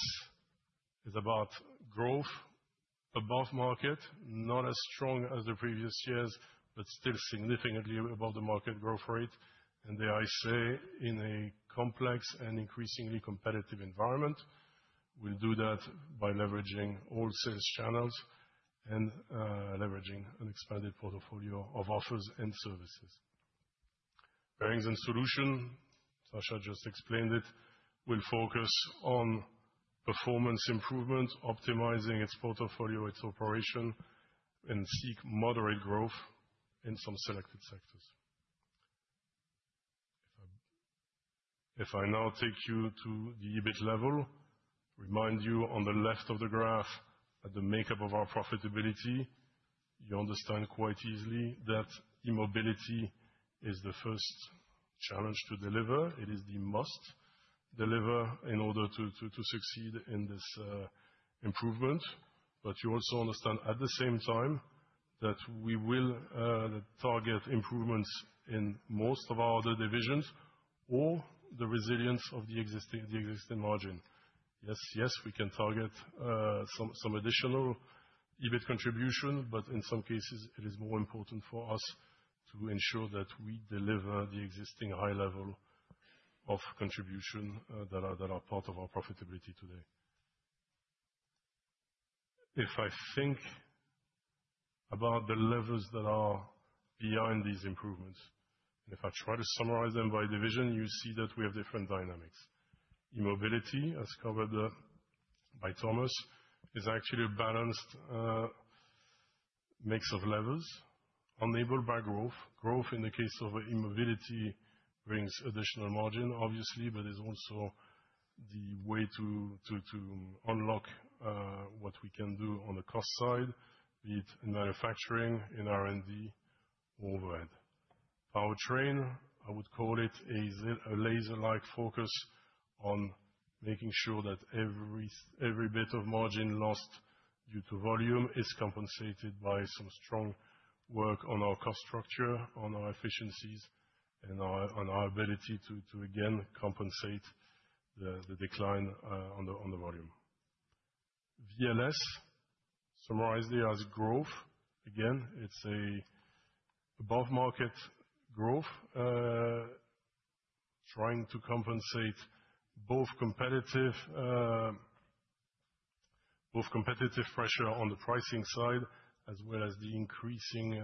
is about growth above market, not as strong as the previous years, but still significantly above the market growth rate, and there I say, in a complex and increasingly competitive environment, we'll do that by leveraging all sales channels and leveraging an expanded portfolio of offers and services. Bearings and Industrial Solutions, Sascha just explained it, will focus on performance improvement, optimizing its portfolio, its operation, and seek moderate growth in some selected sectors. If I now take you to the EBIT level, remind you on the left of the graph, at the makeup of our profitability, you understand quite easily that E-Mobility is the first challenge to deliver. It is the must deliver in order to succeed in this improvement. But you also understand at the same time that we will target improvements in most of our other divisions or the resilience of the existing margin. Yes, yes, we can target some additional EBIT contribution, but in some cases, it is more important for us to ensure that we deliver the existing high level of contribution that are part of our profitability today. If I think about the levers that are behind these improvements, and if I try to summarize them by division, you see that we have different dynamics. E-Mobility, as covered by Thomas, is actually a balanced mix of levers, enabled by growth. Growth in the case of E-Mobility brings additional margin, obviously, but it's also the way to unlock what we can do on the cost side, be it in manufacturing, in R&D, or overhead. Powertrain, I would call it a laser-like focus on making sure that every bit of margin lost due to volume is compensated by some strong work on our cost structure, on our efficiencies, and on our ability to, again, compensate the decline on the volume. VLS, summarized there as growth, again, it's an above-market growth, trying to compensate both competitive pressure on the pricing side, as well as the increasing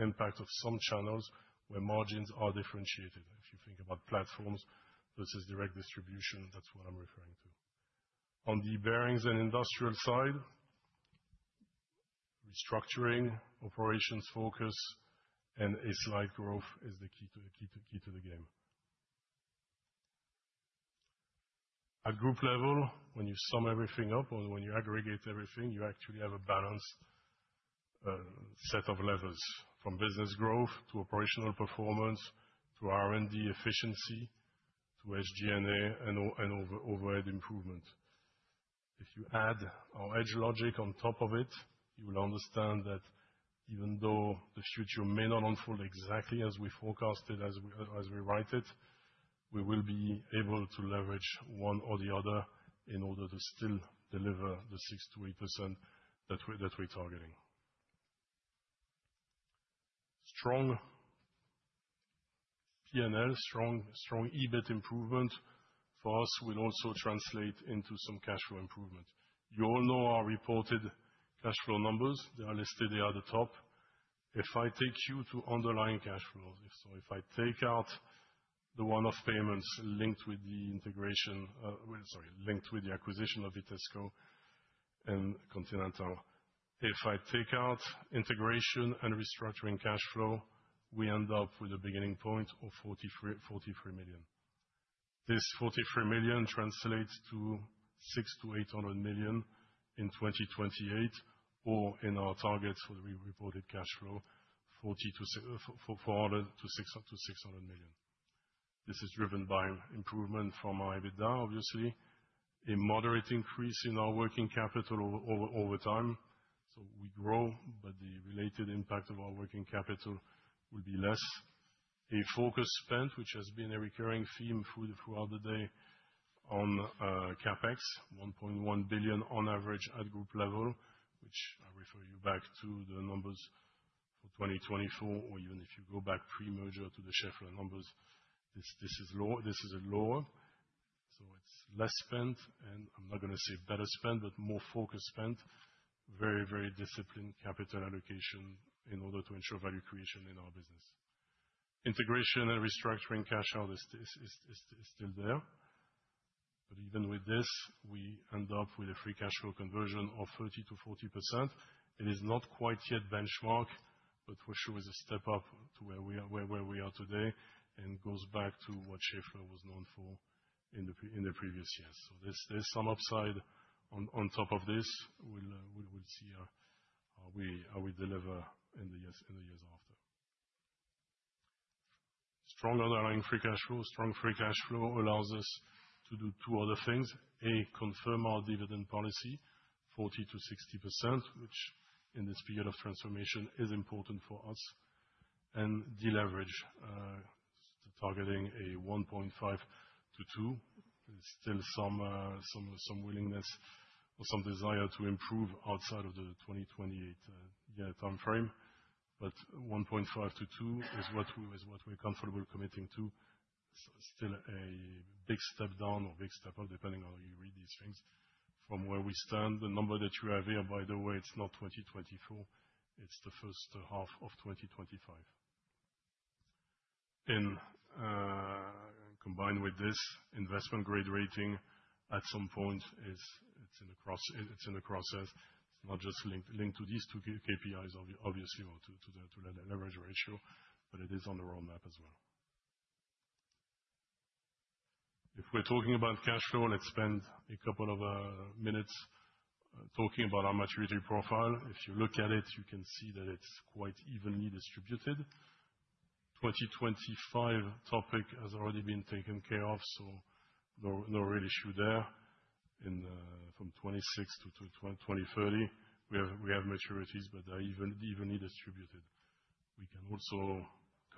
impact of some channels where margins are differentiated. If you think about platforms versus direct distribution, that's what I'm referring to. On the Bearings and Industrial side, restructuring, operations focus, and a slight growth is the key to the game. At group level, when you sum everything up or when you aggregate everything, you actually have a balanced set of levels from business growth to operational performance to R&D efficiency to SG&A and overhead improvement. If you add our edge logic on top of it, you will understand that even though the future may not unfold exactly as we forecasted, as we write it, we will be able to leverage one or the other in order to still deliver the 6%-8% that we're targeting. Strong P&L, strong EBIT improvement for us will also translate into some cash flow improvement. You all know our reported cash flow numbers. They are listed there at the top. If I take you to underlying cash flows, so if I take out the one-off payments linked with the integration, sorry, linked with the acquisition of Vitesco and Continental. If I take out integration and restructuring cash flow, we end up with a beginning point of 43 million. This 43 million translates to 600 million-800 million in 2028, or in our targets for the reported cash flow, 400 million-600 million. This is driven by improvement from EBITDA, obviously, a moderate increase in our working capital over time. So we grow, but the related impact of our working capital will be less. A focus spent, which has been a recurring theme throughout the day on CapEx, 1.1 billion on average at group level, which I refer you back to the numbers for 2024, or even if you go back pre-merger to the Schaeffler numbers, this is lower. So it's less spent, and I'm not going to say better spent, but more focus spent, very, very disciplined capital allocation in order to ensure value creation in our business. Integration and restructuring cash out is still there. But even with this, we end up with a Free Cash Flow conversion of 30%-40%. It is not quite yet benchmark, but for sure is a step up to where we are today and goes back to what Schaeffler was known for in the previous years. So there's some upside on top of this we'll see how we deliver in the years after. Strong underlying Free Cash Flow, strong Free Cash Flow allows us to do two other things. A, confirm our dividend policy, 40%-60%, which in the spirit of transformation is important for us. And deleverage, targeting a 1.5-2, still some willingness or some desire to improve outside of the 2028 year timeframe. But 1.5-2 is what we're comfortable committing to. Still a big step down or big step up, depending on how you read these things. From where we stand, the number that you have here, by the way, it's not 2024. It's the first half of 2025. And, combined with this, investment grade rating at some point, it's in the crosshairs. It's not just linked to these two KPIs, obviously, or to the leverage ratio, but it is on the roadmap as well. If we're talking about cash flow, let's spend a couple of minutes talking about our maturity profile. If you look at it, you can see that it's quite evenly distributed. 2025 topic has already been taken care of, so no real issue there. And from 26 to 2030, we have maturities, but they're evenly distributed. We can also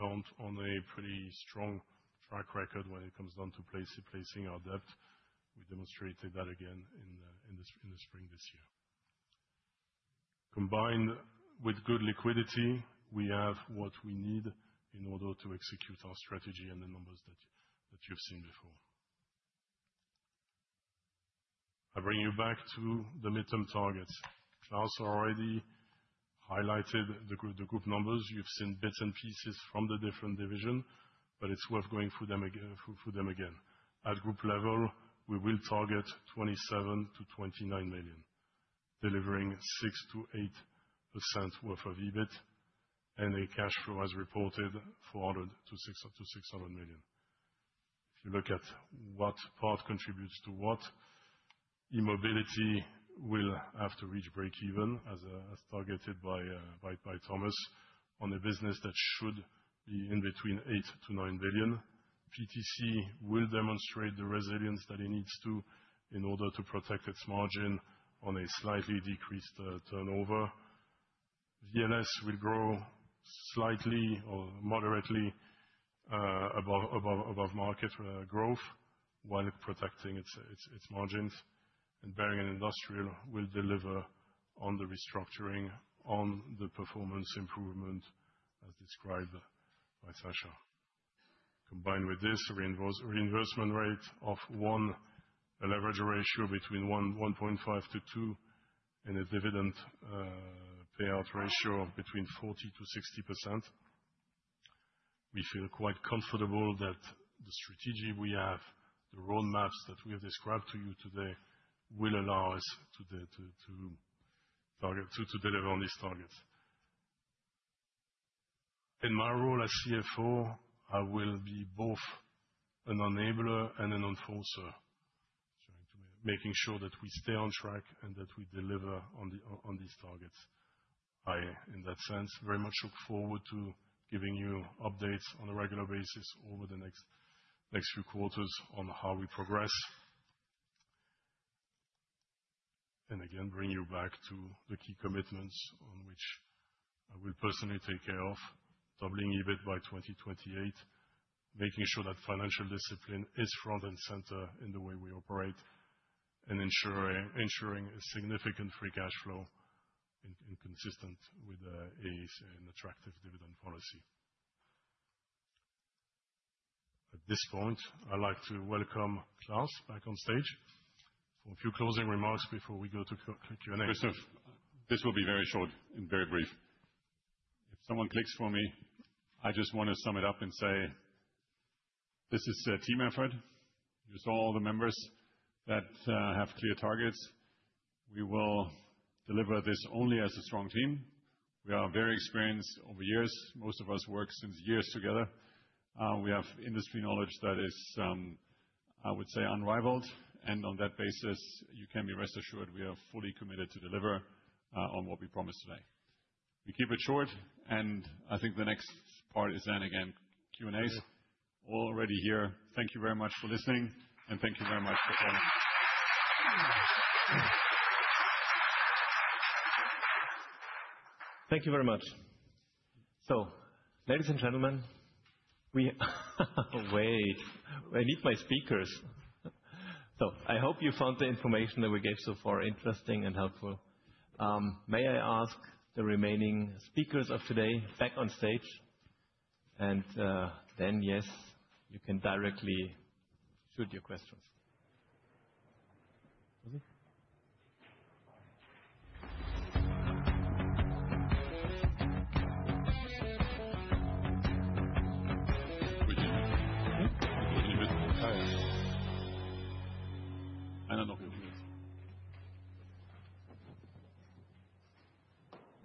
count on a pretty strong track record when it comes down to placing our debt. We demonstrated that again in the spring this year. Combined with good liquidity, we have what we need in order to execute our strategy and the numbers that you've seen before. I bring you back to the midterm targets. Klaus already highlighted the group numbers. You've seen bits and pieces from the different division, but it's worth going through them again. At group level, we will target 27-29 million, delivering 6-8% worth of EBIT and a cash flow as reported of 400-600 million. If you look at what part contributes to what, E-Mobility will have to reach break-even as targeted by Thomas on a business that should be in between 8-9 billion. PTC will demonstrate the resilience that it needs to in order to protect its margin on a slightly decreased turnover. VLS will grow slightly or moderately above market growth while protecting its margins. Bearing & Industrial will deliver on the restructuring, on the performance improvement as described by Sascha. Combined with this, reinvestment rate of 1, a leverage ratio between 1.5-2, and a dividend payout ratio between 40%-60%. We feel quite comfortable that the strategy we have, the roadmaps that we have described to you today, will allow us to deliver on these targets. In my role as CFO, I will be both an enabler and an enforcer, making sure that we stay on track and that we deliver on these targets. I, in that sense, very much look forward to giving you updates on a regular basis over the next few quarters on how we progress. And again, bring you back to the key commitments on which I will personally take care of, doubling EBIT by 2028, making sure that financial discipline is front and center in the way we operate, and ensuring a significant Free Cash Flow and consistent with an attractive dividend policy. At this point, I'd like to welcome Klaus back on stage for a few closing remarks before we go to Q&A. Christoph, this will be very short and very brief. If someone clicks for me, I just want to sum it up and say, this is a team effort. You saw all the members that have clear targets. We will deliver this only as a strong team. We are very experienced over years. Most of us worked since years together. We have industry knowledge that is, I would say, unrivaled. And on that basis, you can be rest assured we are fully committed to deliver on what we promised today. We keep it short, and I think the next part is then again Q&A. All already here. Thank you very much for listening, and thank you very much for calling. Thank you very much. So, ladies and gentlemen, we wait, I need my speakers. So, I hope you found the information that we gave so far interesting and helpful. May I ask the remaining speakers of today back on stage? And then, yes, you can directly shoot your questions.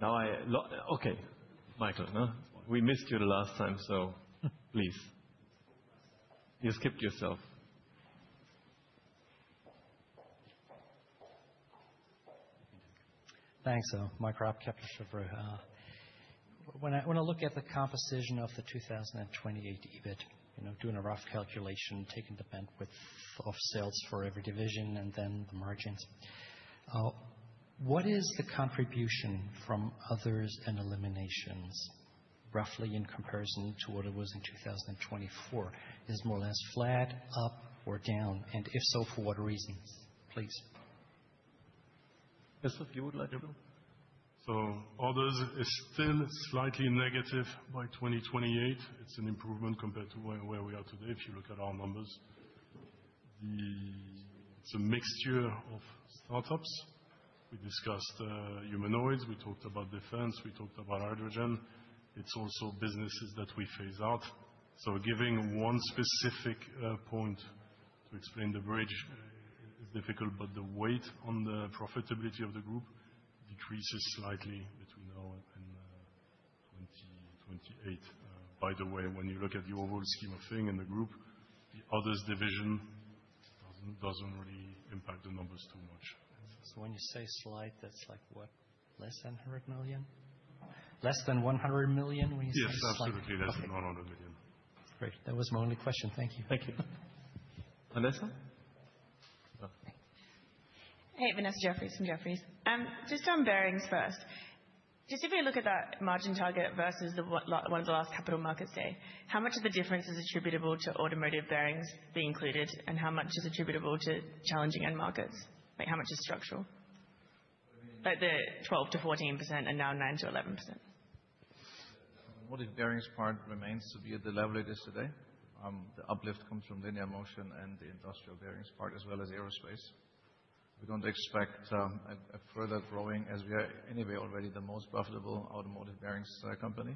Now, I okay, Michael, we missed you the last time, so please. You skipped yourself. Thanks, sir. My crap kept us forever. When I look at the composition of the 2028 EBIT, doing a rough calculation, taking the bandwidth of sales for every division and then the margins, what is the contribution from others and eliminations, roughly in comparison to what it was in 2024? Is it more or less flat, up, or down? And if so, for what reasons? Please. Christoph, you would like to know. So, others is still slightly negative by 2028. It's an improvement compared to where we are today. If you look at our numbers, it's a mixture of startups. We discussed humanoids. We talked about defense. We talked about hydrogen. It's also businesses that we phase out. So, giving one specific point to explain the bridge is difficult, but the weight on the profitability of the group decreases slightly between now and 2028. By the way, when you look at the overall scheme of things in the group, the others division doesn't really impact the numbers too much. So, when you say slight, that's like what? Less than 100 million? Less than 100 million when you say slight? Yes, absolutely. Less than 100 million. Great. That was my only question. Thank you. Thank you. Vanessa? Hey, Vanessa Jeffriess from Jefferies. Just on bearings first. Just if we look at that margin target versus one of the last Capital Markets Day, how much of the difference is attributable to automotive bearings being included, and how much is attributable to challenging end markets? How much is structural? Like the 12%-14% and now 9%-11%? The automotive bearings part remains to be at the level it is today. The uplift comes from linear motion and the industrial bearings part, as well as aerospace. We don't expect further growing as we are anyway already the most profitable automotive bearings company.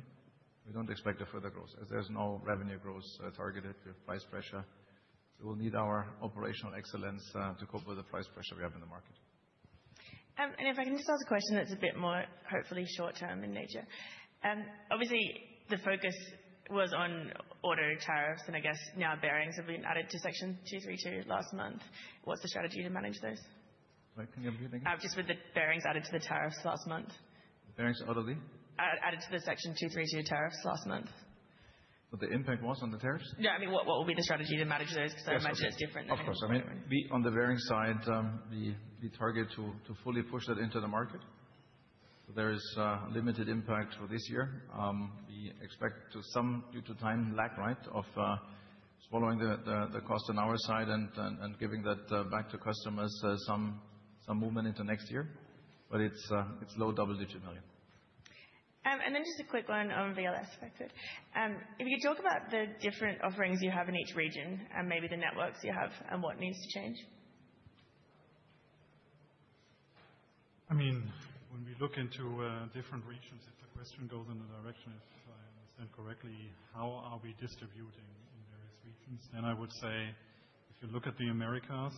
We don't expect further growth as there's no revenue growth targeted to price pressure. We will need our operational excellence to cope with the price pressure we have in the market. And if I can just ask a question that's a bit more hopefully short-term in nature. Obviously, the focus was on auto tariffs, and I guess now bearings have been added to Section 232 last month. What's the strategy to manage those? Can you repeat that again? Just with the bearings added to the tariffs last month. The bearings are out of the? Added to the Section 232 tariffs last month. So, the impact was on the tariffs? Yeah, I mean, what will be the strategy to manage those? Because I imagine it's different than bearings. Of course. I mean, on the bearings side, we target to fully push that into the market. So, there is limited impact for this year. We expect some due to time lag, right, of swallowing the cost on our side and giving that back to customers some movement into next year. But it's low double-digit value. And then just a quick one on VLS affected. If you could talk about the different offerings you have in each region and maybe the networks you have and what needs to change. I mean, when we look into different regions, if the question goes in the direction, if I understand correctly, how are we distributing in various regions? Then I would say, if you look at the Americas,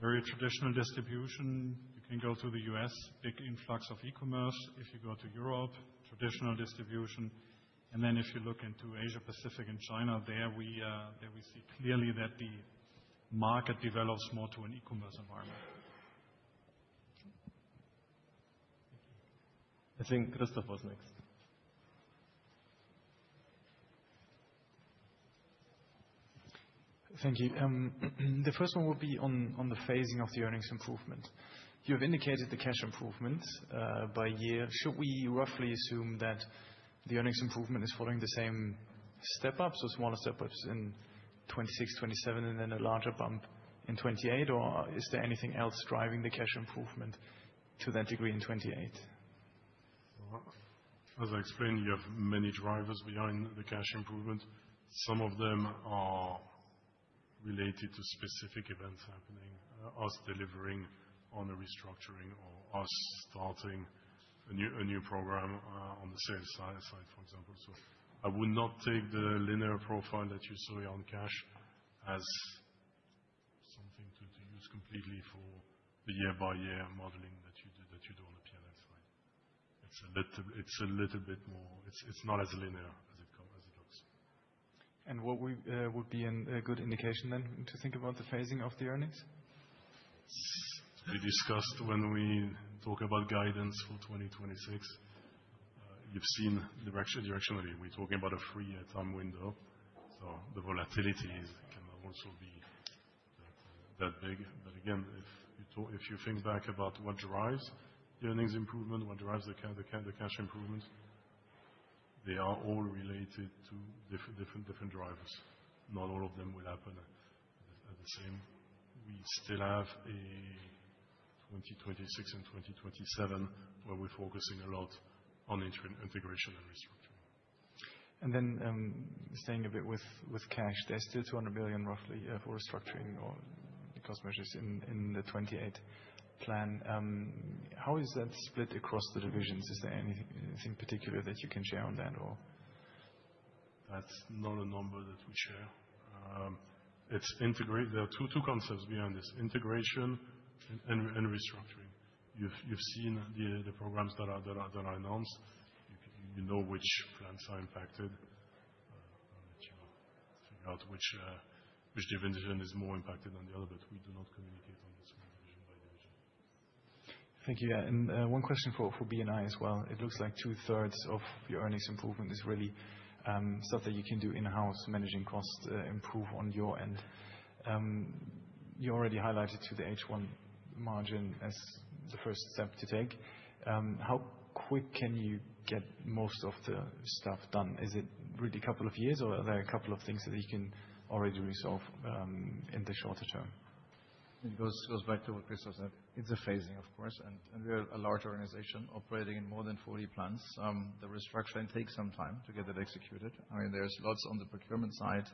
very traditional distribution. You can go to the U.S., big influx of e-commerce. If you go to Europe, traditional distribution. And then if you look into Asia, Pacific, and China, there we see clearly that the market develops more to an e-commerce environment. I think Christoph was next. Thank you. The first one will be on the phasing of the earnings improvement. You have indicated the cash improvement by year. Should we roughly assume that the earnings improvement is following the same step-ups, or smaller step-ups in 2026, 2027, and then a larger bump in 2028? Or is there anything else driving the cash improvement to that degree in 2028? As I explained, you have many drivers behind the cash improvement. Some of them are related to specific events happening, us delivering on a restructuring or us starting a new program on the sales side, for example. So, I would not take the linear profile that you saw on cash as something to use completely for the year-by-year modeling that you do on the P&L side. It's a little bit more. It's not as linear as it looks. And what would be a good indication then to think about the phasing of the earnings? We discussed when we talk about guidance for 2026, you've seen directionally, we're talking about a three-year time window. So, the volatility can also be that big. But again, if you think back about what drives the earnings improvement, what drives the cash improvement, they are all related to different drivers. Not all of them will happen at the same. We still have a 2026 and 2027 where we're focusing a lot on integration and restructuring. Then staying a bit with cash, there's still roughly 200 billion for restructuring or the cost measures in the 28 plan. How is that split across the divisions? Is there anything particular that you can share on that? That's not a number that we share. There are two concepts behind this: integration and restructuring. You've seen the programs that are announced. You know which plants are impacted. You figure out which division is more impacted than the other, but we do not communicate on this one division by division. Thank you. And one question for B&I as well. It looks like two-thirds of your earnings improvement is really stuff that you can do in-house, managing costs, improve on your end. You already highlighted to the H1 margin as the first step to take. How quick can you get most of the stuff done? Is it really a couple of years, or are there a couple of things that you can already resolve in the shorter term? It goes back to what Christoph said. It's a phasing, of course. And we are a large organization operating in more than 40 plants. The restructuring takes some time to get that executed. I mean, there's lots on the procurement side.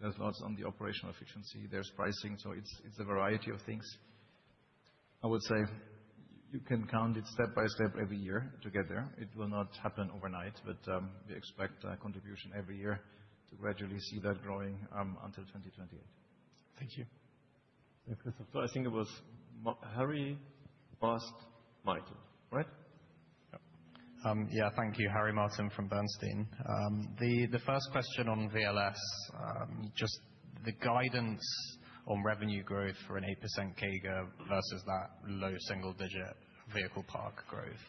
There's lots on the operational efficiency. There's pricing. So, it's a variety of things. I would say you can count it step by step every year to get there. It will not happen overnight, but we expect contribution every year to gradually see that growing until 2028. Thank you. Thank you, Christoph. So, I think it was Harry, Horst, Michael, right? Yeah, thank you. Harry Martin from Bernstein. The first question on VLS, just the guidance on revenue growth for an 8% CAGR versus that low single-digit vehicle car park growth.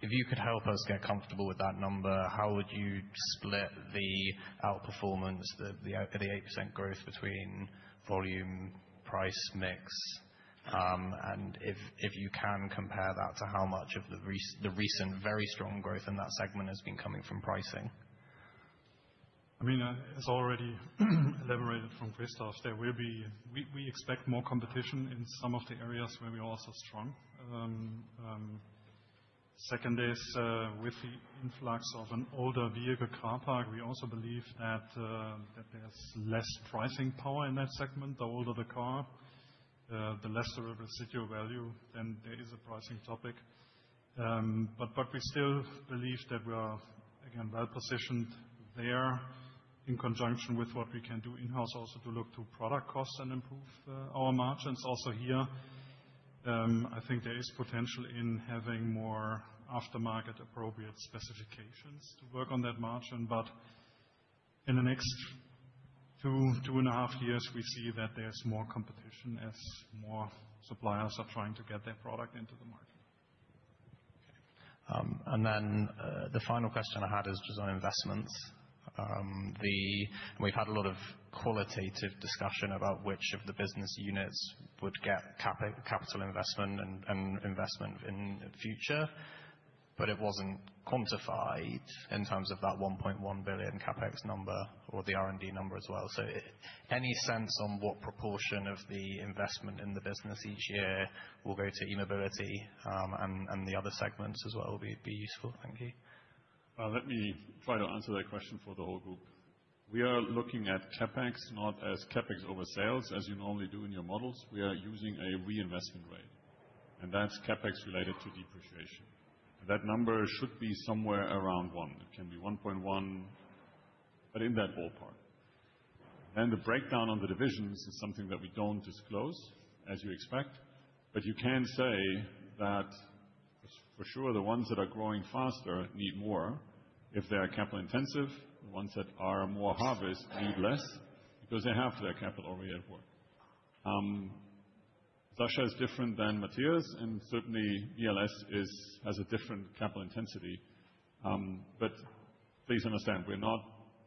If you could help us get comfortable with that number, how would you split the outperformance, the 8% growth between volume, price mix, and if you can compare that to how much of the recent very strong growth in that segment has been coming from pricing? I mean, as already elaborated from Christoph, there will be, we expect more competition in some of the areas where we are also strong. Second is, with the influx of an older vehicle car park, we also believe that there's less pricing power in that segment. The older the car, the lesser residual value, then there is a pricing topic. But we still believe that we are, again, well-positioned there in conjunction with what we can do in-house also to look to product costs and improve our margins also here. I think there is potential in having more aftermarket-appropriate specifications to work on that margin. But in the next two, two and a half years, we see that there's more competition as more suppliers are trying to get their product into the market. And then the final question I had is just on investments. We've had a lot of qualitative discussion about which of the business units would get capital investment and investment in the future, but it wasn't quantified in terms of that 1.1 billion CapEx number or the R&D number as well. Any sense on what proportion of the investment in the business each year will go to E-Mobility and the other segments as well would be useful? Thank you. Let me try to answer that question for the whole group. We are looking at CapEx not as CapEx over sales as you normally do in your models. We are using a reinvestment rate, and that's CapEx related to depreciation. That number should be somewhere around one. It can be 1.1, but in that ballpark. Then the breakdown on the divisions is something that we don't disclose, as you expect, but you can say that for sure the ones that are growing faster need more if they are capital-intensive. The ones that are more harvest need less because they have their capital already at work. Sascha is different than Matthias, and certainly VLS has a different capital intensity. But please understand, we're not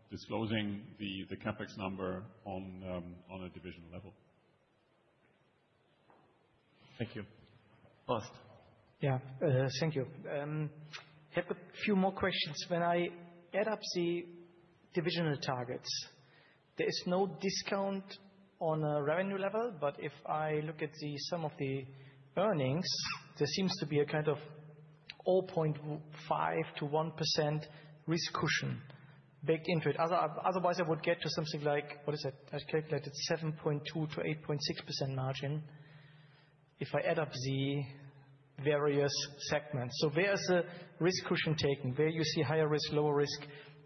disclosing the CapEx number on a divisional level. Thank you. Horst. Yeah, thank you. I have a few more questions. When I add up the divisional targets, there is no discount on a revenue level, but if I look at the sum of the earnings, there seems to be a kind of 0.5%-1% risk cushion baked into it. Otherwise, I would get to something like, what is it? I calculated 7.2%-8.6% margin if I add up the various segments. So, where is the risk cushion taken? Where you see higher risk, lower risk?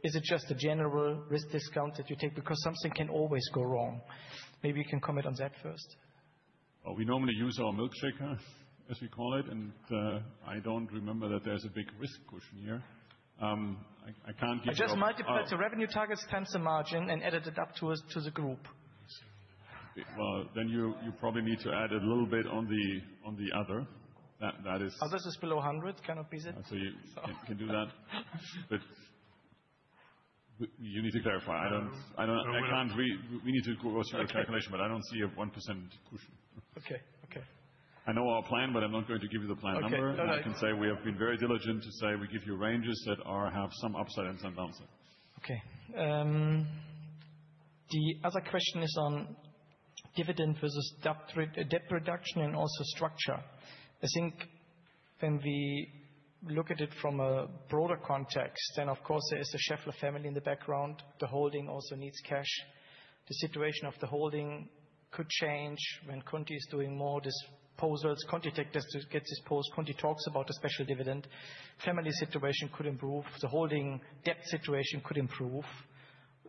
Is it just a general risk discount that you take? Because something can always go wrong. Maybe you can comment on that first. We normally use our milkshaker, as we call it, and I don't remember that there's a big risk cushion here. I can't give you. I just multiplied the revenue targets, times the margin, and added it up to the group. Well, then you probably need to add a little bit on the other. That is. Oh, this is below 100. Cannot be that. Can do that. But you need to clarify. I can't read. We need to go through a calculation, but I don't see a 1% cushion. Okay. I know our plan, but I'm not going to give you the plan number. I can say we have been very diligent to say we give you ranges that have some upside and some downside. Okay. The other question is on dividend versus debt reduction and also structure. I think when we look at it from a broader context, then of course there is the Schaeffler family in the background. The holding also needs cash. The situation of the holding could change when Conti is doing more disposals. Conti takes this to get disposed. Conti talks about a special dividend. Family situation could improve. The holding debt situation could improve.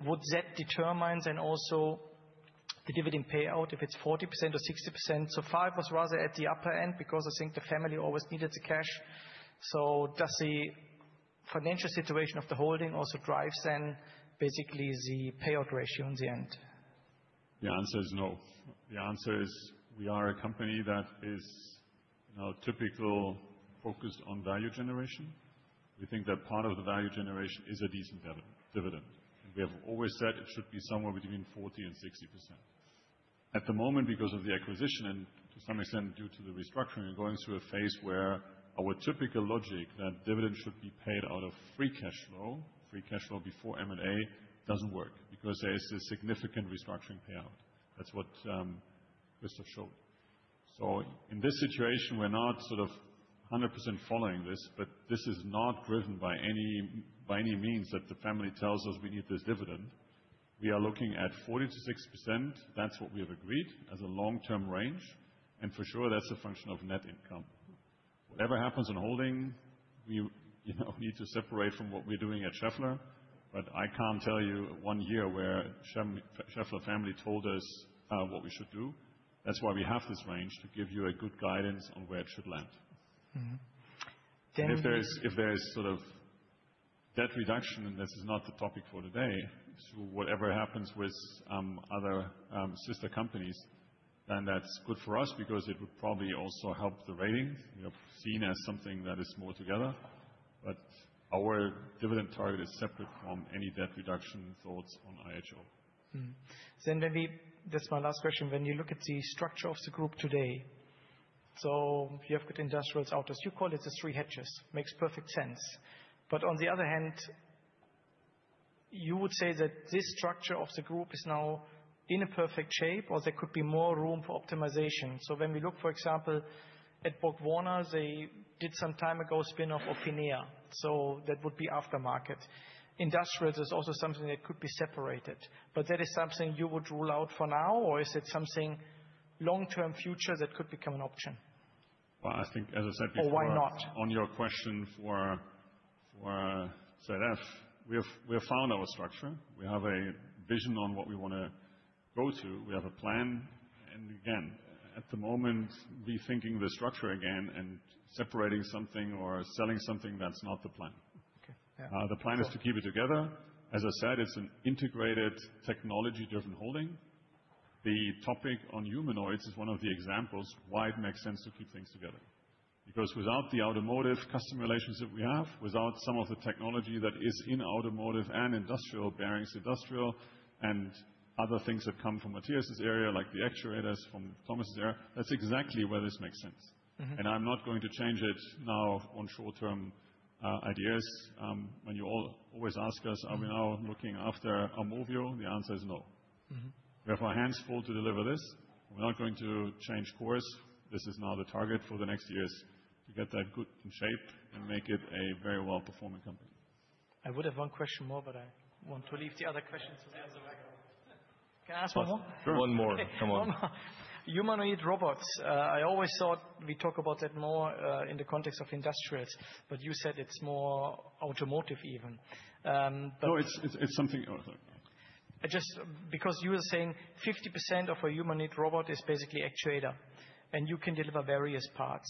Would that determine then also the dividend payout if it's 40% or 60%? Five was rather at the upper end because I think the family always needed the cash. Does the financial situation of the holding also drive then basically the payout ratio in the end? The answer is no. The answer is we are a company that is now typically focused on value generation. We think that part of the value generation is a decent dividend. We have always said it should be somewhere between 40% and 60%. At the moment, because of the acquisition and to some extent due to the restructuring, we're going through a phase where our typical logic that dividend should be paid out of free cash flow, free cash flow before M&A doesn't work because there is a significant restructuring payout. That's what Christoph showed. So, in this situation, we're not sort of 100% following this, but this is not driven by any means that the family tells us we need this dividend. We are looking at 40%-60%. That's what we have agreed as a long-term range. And for sure, that's a function of net income. Whatever happens in holding, we need to separate from what we're doing at Schaeffler. But I can't tell you one year where the Schaeffler family told us what we should do. That's why we have this range to give you a good guidance on where it should land. If there's sort of debt reduction and this is not the topic for today, whatever happens with other sister companies, then that's good for us because it would probably also help the ratings. We are seen as something that is more together. But our dividend target is separate from any debt reduction thoughts on IHO. Then maybe just my last question. When you look at the structure of the group today, so you have good industrials out of, you call it the three legs. Makes perfect sense. But on the other hand, you would say that this structure of the group is now in a perfect shape or there could be more room for optimization. So, when we look, for example, at BorgWarner, they did some time ago spin-off of PHINIA. So, that would be aftermarket. Industrials is also something that could be separated. But that is something you would rule out for now, or is it something long-term future that could become an option? Well, I think, as I said before. Or why not? On your question for ZF, we have found our structure. We have a vision on what we want to go to. We have a plan. And again, at the moment, rethinking the structure again and separating something or selling something that's not the plan. The plan is to keep it together. As I said, it's an integrated technology-driven holding. The topic on humanoids is one of the examples why it makes sense to keep things together. Because without the automotive customer relations that we have, without some of the technology that is in automotive and industrial bearings, industrial and other things that come from Matthias's area, like the actuators from Thomas's area, that's exactly where this makes sense. And I'm not going to change it now on short-term ideas. When you always ask us, are we now looking at a move too? The answer is no. We have our hands full to deliver this. We're not going to change course. This is now the target for the next years to get that good in shape and make it a very well-performing company. I would have one question more, but I want to leave the other questions to the background. Can I ask one more? One more. Come on. Humanoid robots. I always thought we talk about that more in the context of industrials, but you said it's more automotive even. No, it's something. Because you were saying 50% of a humanoid robot is basically actuator, and you can deliver various parts.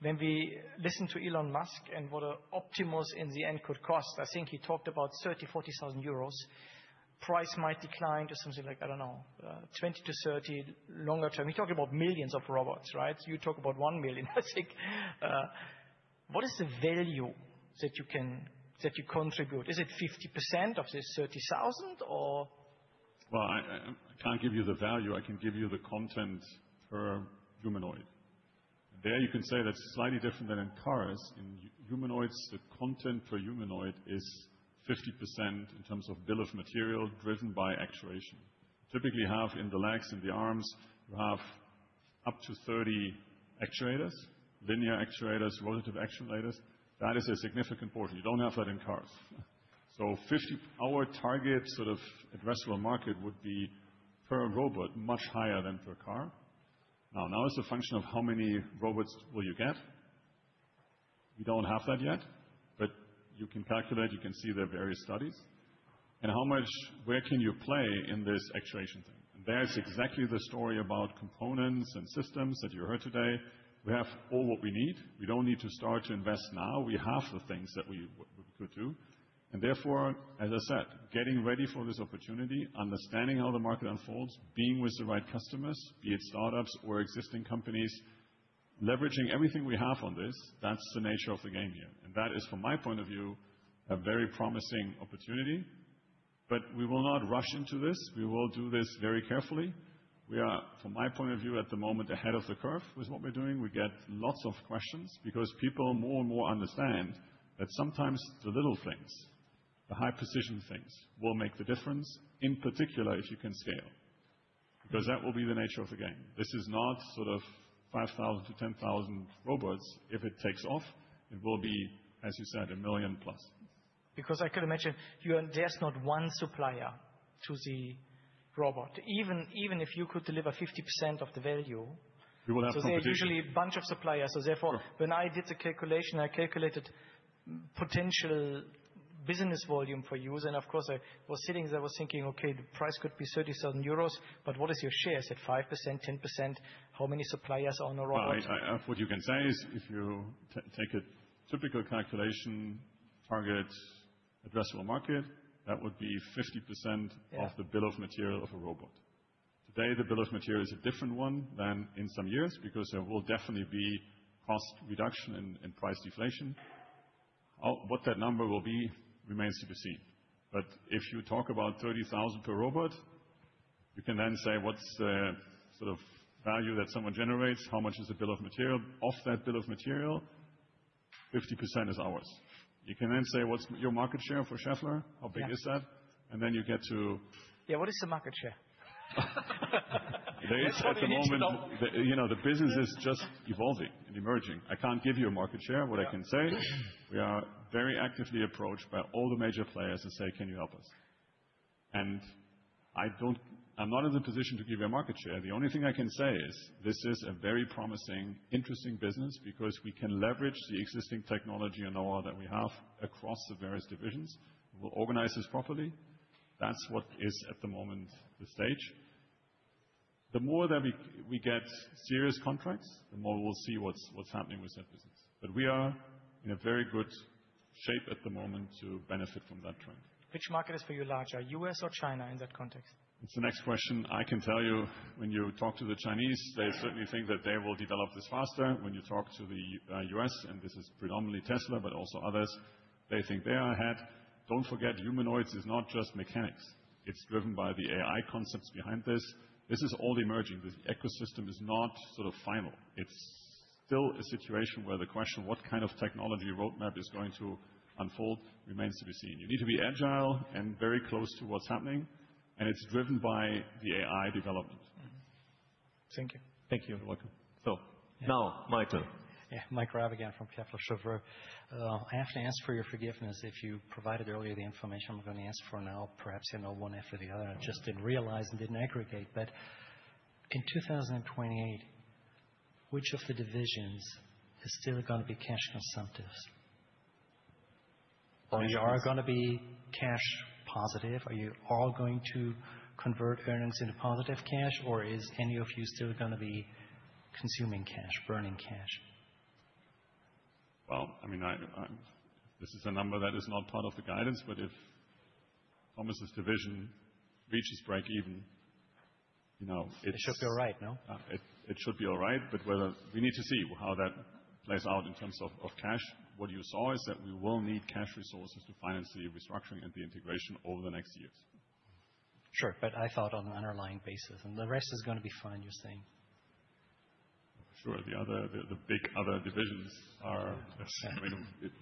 When we listen to Elon Musk and what an Optimus in the end could cost, I think he talked about 30,000-40,000 euros. Price might decline to something like, I don't know, 20,000 to 30,000 longer term. He talked about millions of robots, right? You talk about one million, I think. What is the value that you contribute? Is it 50% of this 30,000 or? Well, I can't give you the value. I can give you the content for humanoid. There you can say that's slightly different than in cars. In humanoids, the content for humanoid is 50% in terms of bill of material driven by actuation. Typically, you have in the legs, in the arms, you have up to 30 actuators, linear actuators, rotative actuators. That is a significant portion. You don't have that in cars. So, our target sort of addressable market would be per robot much higher than per car. Now, it's a function of how many robots will you get. We don't have that yet, but you can calculate. You can see the various studies. And where can you play in this actuation thing? And there's exactly the story about components and systems that you heard today. We have all what we need. We don't need to start to invest now. We have the things that we could do. And therefore, as I said, getting ready for this opportunity, understanding how the market unfolds, being with the right customers, be it startups or existing companies, leveraging everything we have on this, that's the nature of the game here. And that is, from my point of view, a very promising opportunity. But we will not rush into this. We will do this very carefully. We are, from my point of view, at the moment ahead of the curve with what we're doing. We get lots of questions because people more and more understand that sometimes the little things, the high-precision things will make the difference, in particular if you can scale. Because that will be the nature of the game. This is not sort of 5,000-10,000 robots. If it takes off, it will be, as you said, a million plus. Because I could imagine you're. There's not one supplier to the robot. Even if you could deliver 50% of the value. You will have competition. There's usually a bunch of suppliers. So, therefore, when I did the calculation, I calculated potential business volume for us. And of course, I was sitting there, I was thinking, okay, the price could be 30,000 euros, but what is your share? Is it 5%, 10%? How many suppliers are on a robot? What you can say is if you take a typical calculation target addressable market, that would be 50% of the bill of material of a robot. Today, the bill of material is a different one than in some years because there will definitely be cost reduction and price deflation. What that number will be remains to be seen. But if you talk about 30,000 per robot, you can then say what's the sort of value that someone generates, how much is the bill of material. Off that bill of material, 50% is ours. You can then say what's your market share for Schaeffler, how big is that? And then you get to. Yeah, what is the market share? At the moment, the business is just evolving and emerging. I can't give you a market share. What I can say, we are very actively approached by all the major players and say, can you help us? And I'm not in the position to give you a market share. The only thing I can say is this is a very promising, interesting business because we can leverage the existing technology and know-how that we have across the various divisions. We'll organize this properly. That's what is at the moment the stage. The more that we get serious contracts, the more we'll see what's happening with that business. But we are in a very good shape at the moment to benefit from that trend. Which market is for you larger? U.S. or China in that context? It's the next question. I can tell you when you talk to the Chinese, they certainly think that they will develop this faster. When you talk to the U.S., and this is predominantly Tesla, but also others, they think they are ahead. Don't forget, humanoids is not just mechanics. It's driven by the AI concepts behind this. This is all emerging. This ecosystem is not sort of final. It's still a situation where the question what kind of technology roadmap is going to unfold remains to be seen. You need to be agile and very close to what's happening, and it's driven by the AI development. Thank you. Thank you. You're welcome. So now, Michael. Yeah, Michael Raab from Kepler Cheuvreux. I have to ask for your forgiveness if you provided earlier the information I'm going to ask for now, perhaps one after the other. I just didn't realize and didn't aggregate. But in 2028, which of the divisions is still going to be cash consumptives? Are you all going to be cash positive? Are you all going to convert earnings into positive cash, or is any of you still going to be consuming cash, burning cash? Well, I mean, this is a number that is not part of the guidance, but if Thomas's division reaches break even, it should be all right, no? It should be all right, but we need to see how that plays out in terms of cash. What you saw is that we will need cash resources to finance the restructuring and the integration over the next years. Sure, but I thought on an underlying basis, and the rest is going to be fine, you're saying. Sure, the big other divisions are.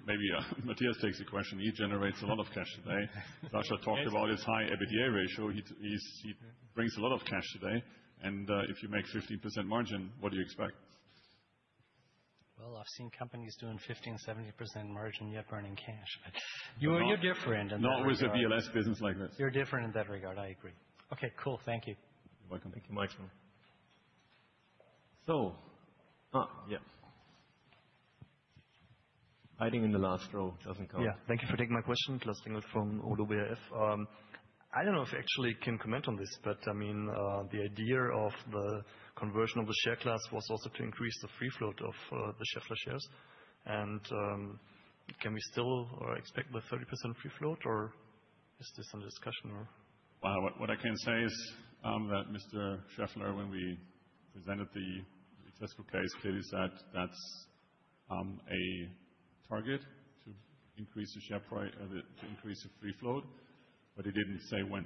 Maybe Matthias takes the question. He generates a lot of cash today. Sascha talked about his high EBITDA ratio. He brings a lot of cash today. And if you make 15% margin, what do you expect? Well, I've seen companies doing 15%-70% margin, yet burning cash. You're different. Not with a BLS business like this. You're different in that regard. I agree. Okay, cool. Thank you. You're welcome. Thank you, Michael. So, yeah. Hiding in the last row doesn't count. Yeah, thank you for taking my question. Klaus Imhof from ODDO BHF. I don't know if I actually can comment on this, but I mean, the idea of the conversion of the share class was also to increase the free float of the Schaeffler shares. And can we still expect the 30% free float, or is this under discussion? What I can say is that Mr. Schaeffler, when we presented the successful case, clearly said that's a target to increase the share price, to increase the free float, but he didn't say when.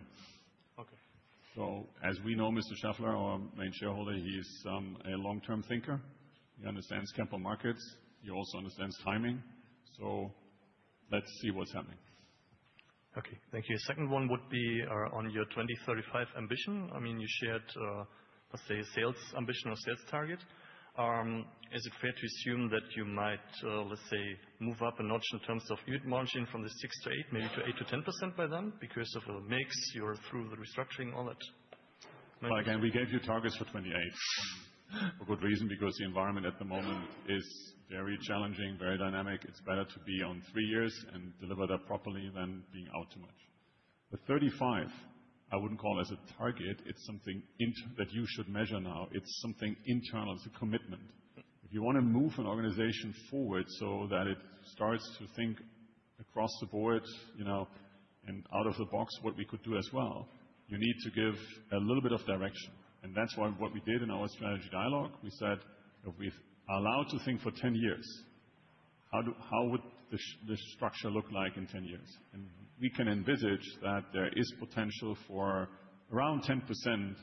So, as we know, Mr. Schaeffler, our main shareholder, he's a long-term thinker. He understands capital markets. He also understands timing. So, let's see what's happening. Okay, thank you. Second one would be on your 2035 ambition. I mean, you shared, let's say, sales ambition or sales target. Is it fair to assume that you might, let's say, move up a notch in terms of yield margin from the 6%-8%, maybe to 8%-10% by then because of a mix you're through the restructuring, all that? Again, we gave you targets for 2028 for good reason because the environment at the moment is very challenging, very dynamic. It's better to be on three years and deliver that properly than being out too much. But 2035, I wouldn't call as a target. It's something that you should measure now. It's something internal. It's a commitment. If you want to move an organization forward so that it starts to think across the board and out of the box what we could do as well, you need to give a little bit of direction. And that's why what we did in our strategy dialogue, we said, if we're allowed to think for 10 years, how would the structure look like in 10 years? And we can envisage that there is potential for around 10%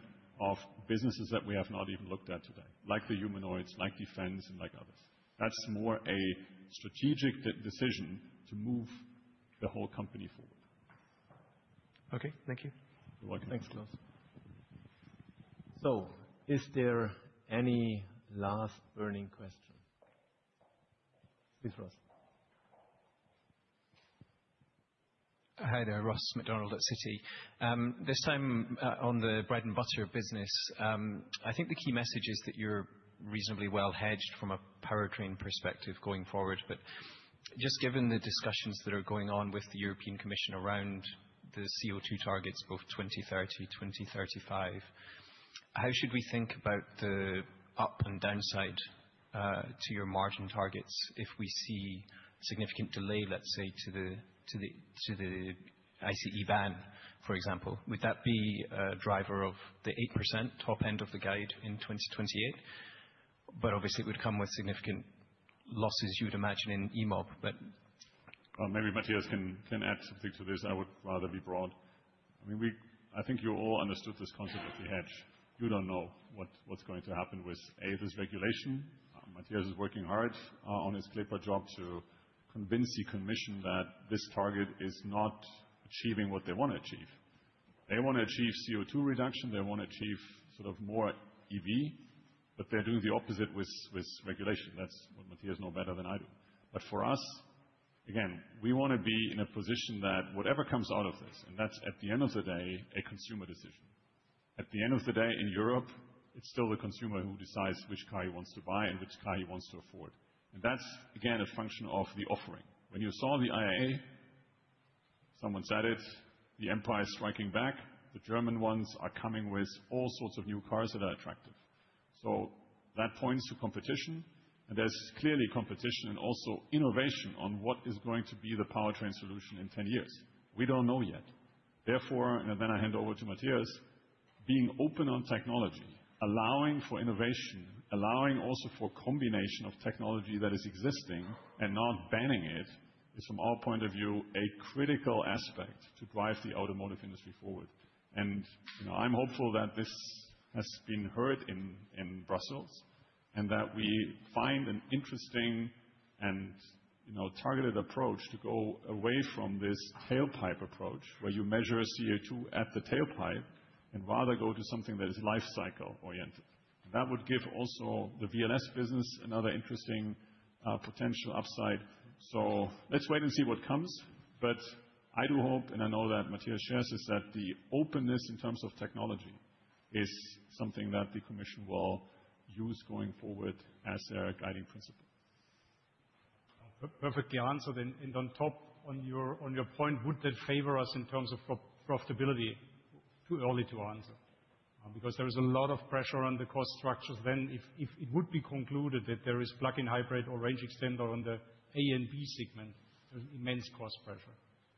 of businesses that we have not even looked at today, like the humanoids, like defense, and like others. That's more a strategic decision to move the whole company forward. Okay, thank you. You're welcome. Thanks, Klaus. So, is there any last burning question? Please, Ross. Hi there, Ross MacDonald at Citi. This time on the bread and butter of business, I think the key message is that you're reasonably well hedged from a powertrain perspective going forward. But just given the discussions that are going on with the European Commission around the CO2 targets, both 2030, 2035, how should we think about the upside and downside to your margin targets if we see significant delay, let's say, to the ICE ban, for example? Would that be a driver of the 8% top end of the guide in 2028? But obviously, it would come with significant losses, you'd imagine, in EMOB, but. Maybe Matthias can add something to this. I would rather be broad. I mean, I think you all understood this concept of the hedge. You don't know what's going to happen with this regulation. Matthias is working hard on his CLEPA job to convince the Commission that this target is not achieving what they want to achieve. They want to achieve CO2 reduction. They want to achieve sort of more EV, but they're doing the opposite with regulation. That's what Matthias knows better than I do. But for us, again, we want to be in a position that whatever comes out of this, and that's at the end of the day, a consumer decision. At the end of the day, in Europe, it's still the consumer who decides which car he wants to buy and which car he wants to afford. And that's, again, a function of the offering. When you saw the IAA, someone said it, the empire is striking back. The German ones are coming with all sorts of new cars that are attractive. So that points to competition, and there's clearly competition and also innovation on what is going to be the powertrain solution in 10 years. We don't know yet. Therefore, and then I hand over to Matthias. Being open on technology, allowing for innovation, allowing also for a combination of technology that is existing and not banning it is, from our point of view, a critical aspect to drive the automotive industry forward. I am hopeful that this has been heard in Brussels and that we find an interesting and targeted approach to go away from this tailpipe approach where you measure CO2 at the tailpipe and rather go to something that is lifecycle oriented. That would give also the VLS business another interesting potential upside. Let's wait and see what comes. I do hope, and I know that Matthias shares, that the openness in terms of technology is something that the Commission will use going forward as their guiding principle. Perfectly answered. And on top, on your point, would that favor us in terms of profitability? Too early to answer because there is a lot of pressure on the cost structures. Then, if it would be concluded that there is plug-in hybrid or range extender on the A and B segment, there's immense cost pressure.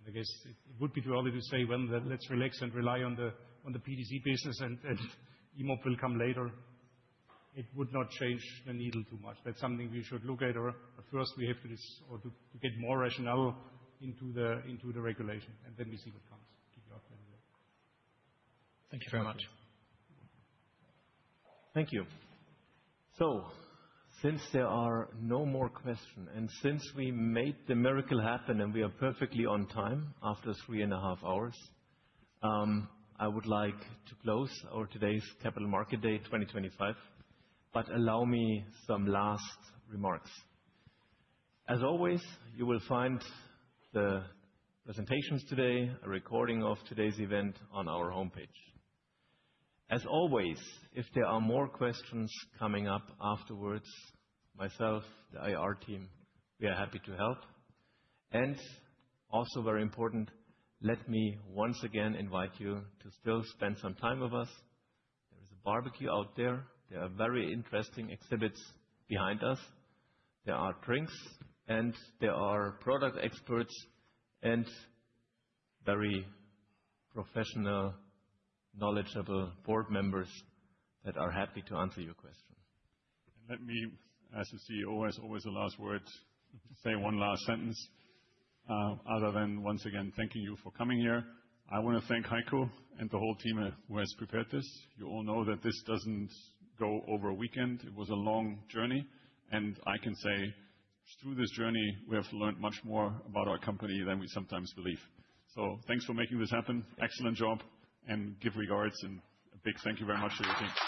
I guess it would be too early to say, well, let's relax and rely on the PDC business and EMOB will come later. It would not change the needle too much. That's something we should look at. But first, we have to get more rationale into the regulation, and then we see what comes. Thank you very much. Thank you. So, since there are no more questions and since we made the miracle happen and we are perfectly on time after three and a half hours, I would like to close our today's Capital Market Day 2025, but allow me some last remarks. As always, you will find the presentations today, a recording of today's event on our homepage. As always, if there are more questions coming up afterwards, myself, the IR team, we are happy to help. And also, very important, let me once again invite you to still spend some time with us. There is a barbecue out there. There are very interesting exhibits behind us. There are drinks, and there are product experts and very professional, knowledgeable board members that are happy to answer your question. And let me, as a CEO, as always, the last word, say one last sentence other than once again thanking you for coming here. I want to thank Heiko and the whole team who has prepared this. You all know that this doesn't go over a weekend. It was a long journey. And I can say through this journey, we have learned much more about our company than we sometimes believe. So thanks for making this happen. Excellent job. And give regards. And a big thank you very much to the team.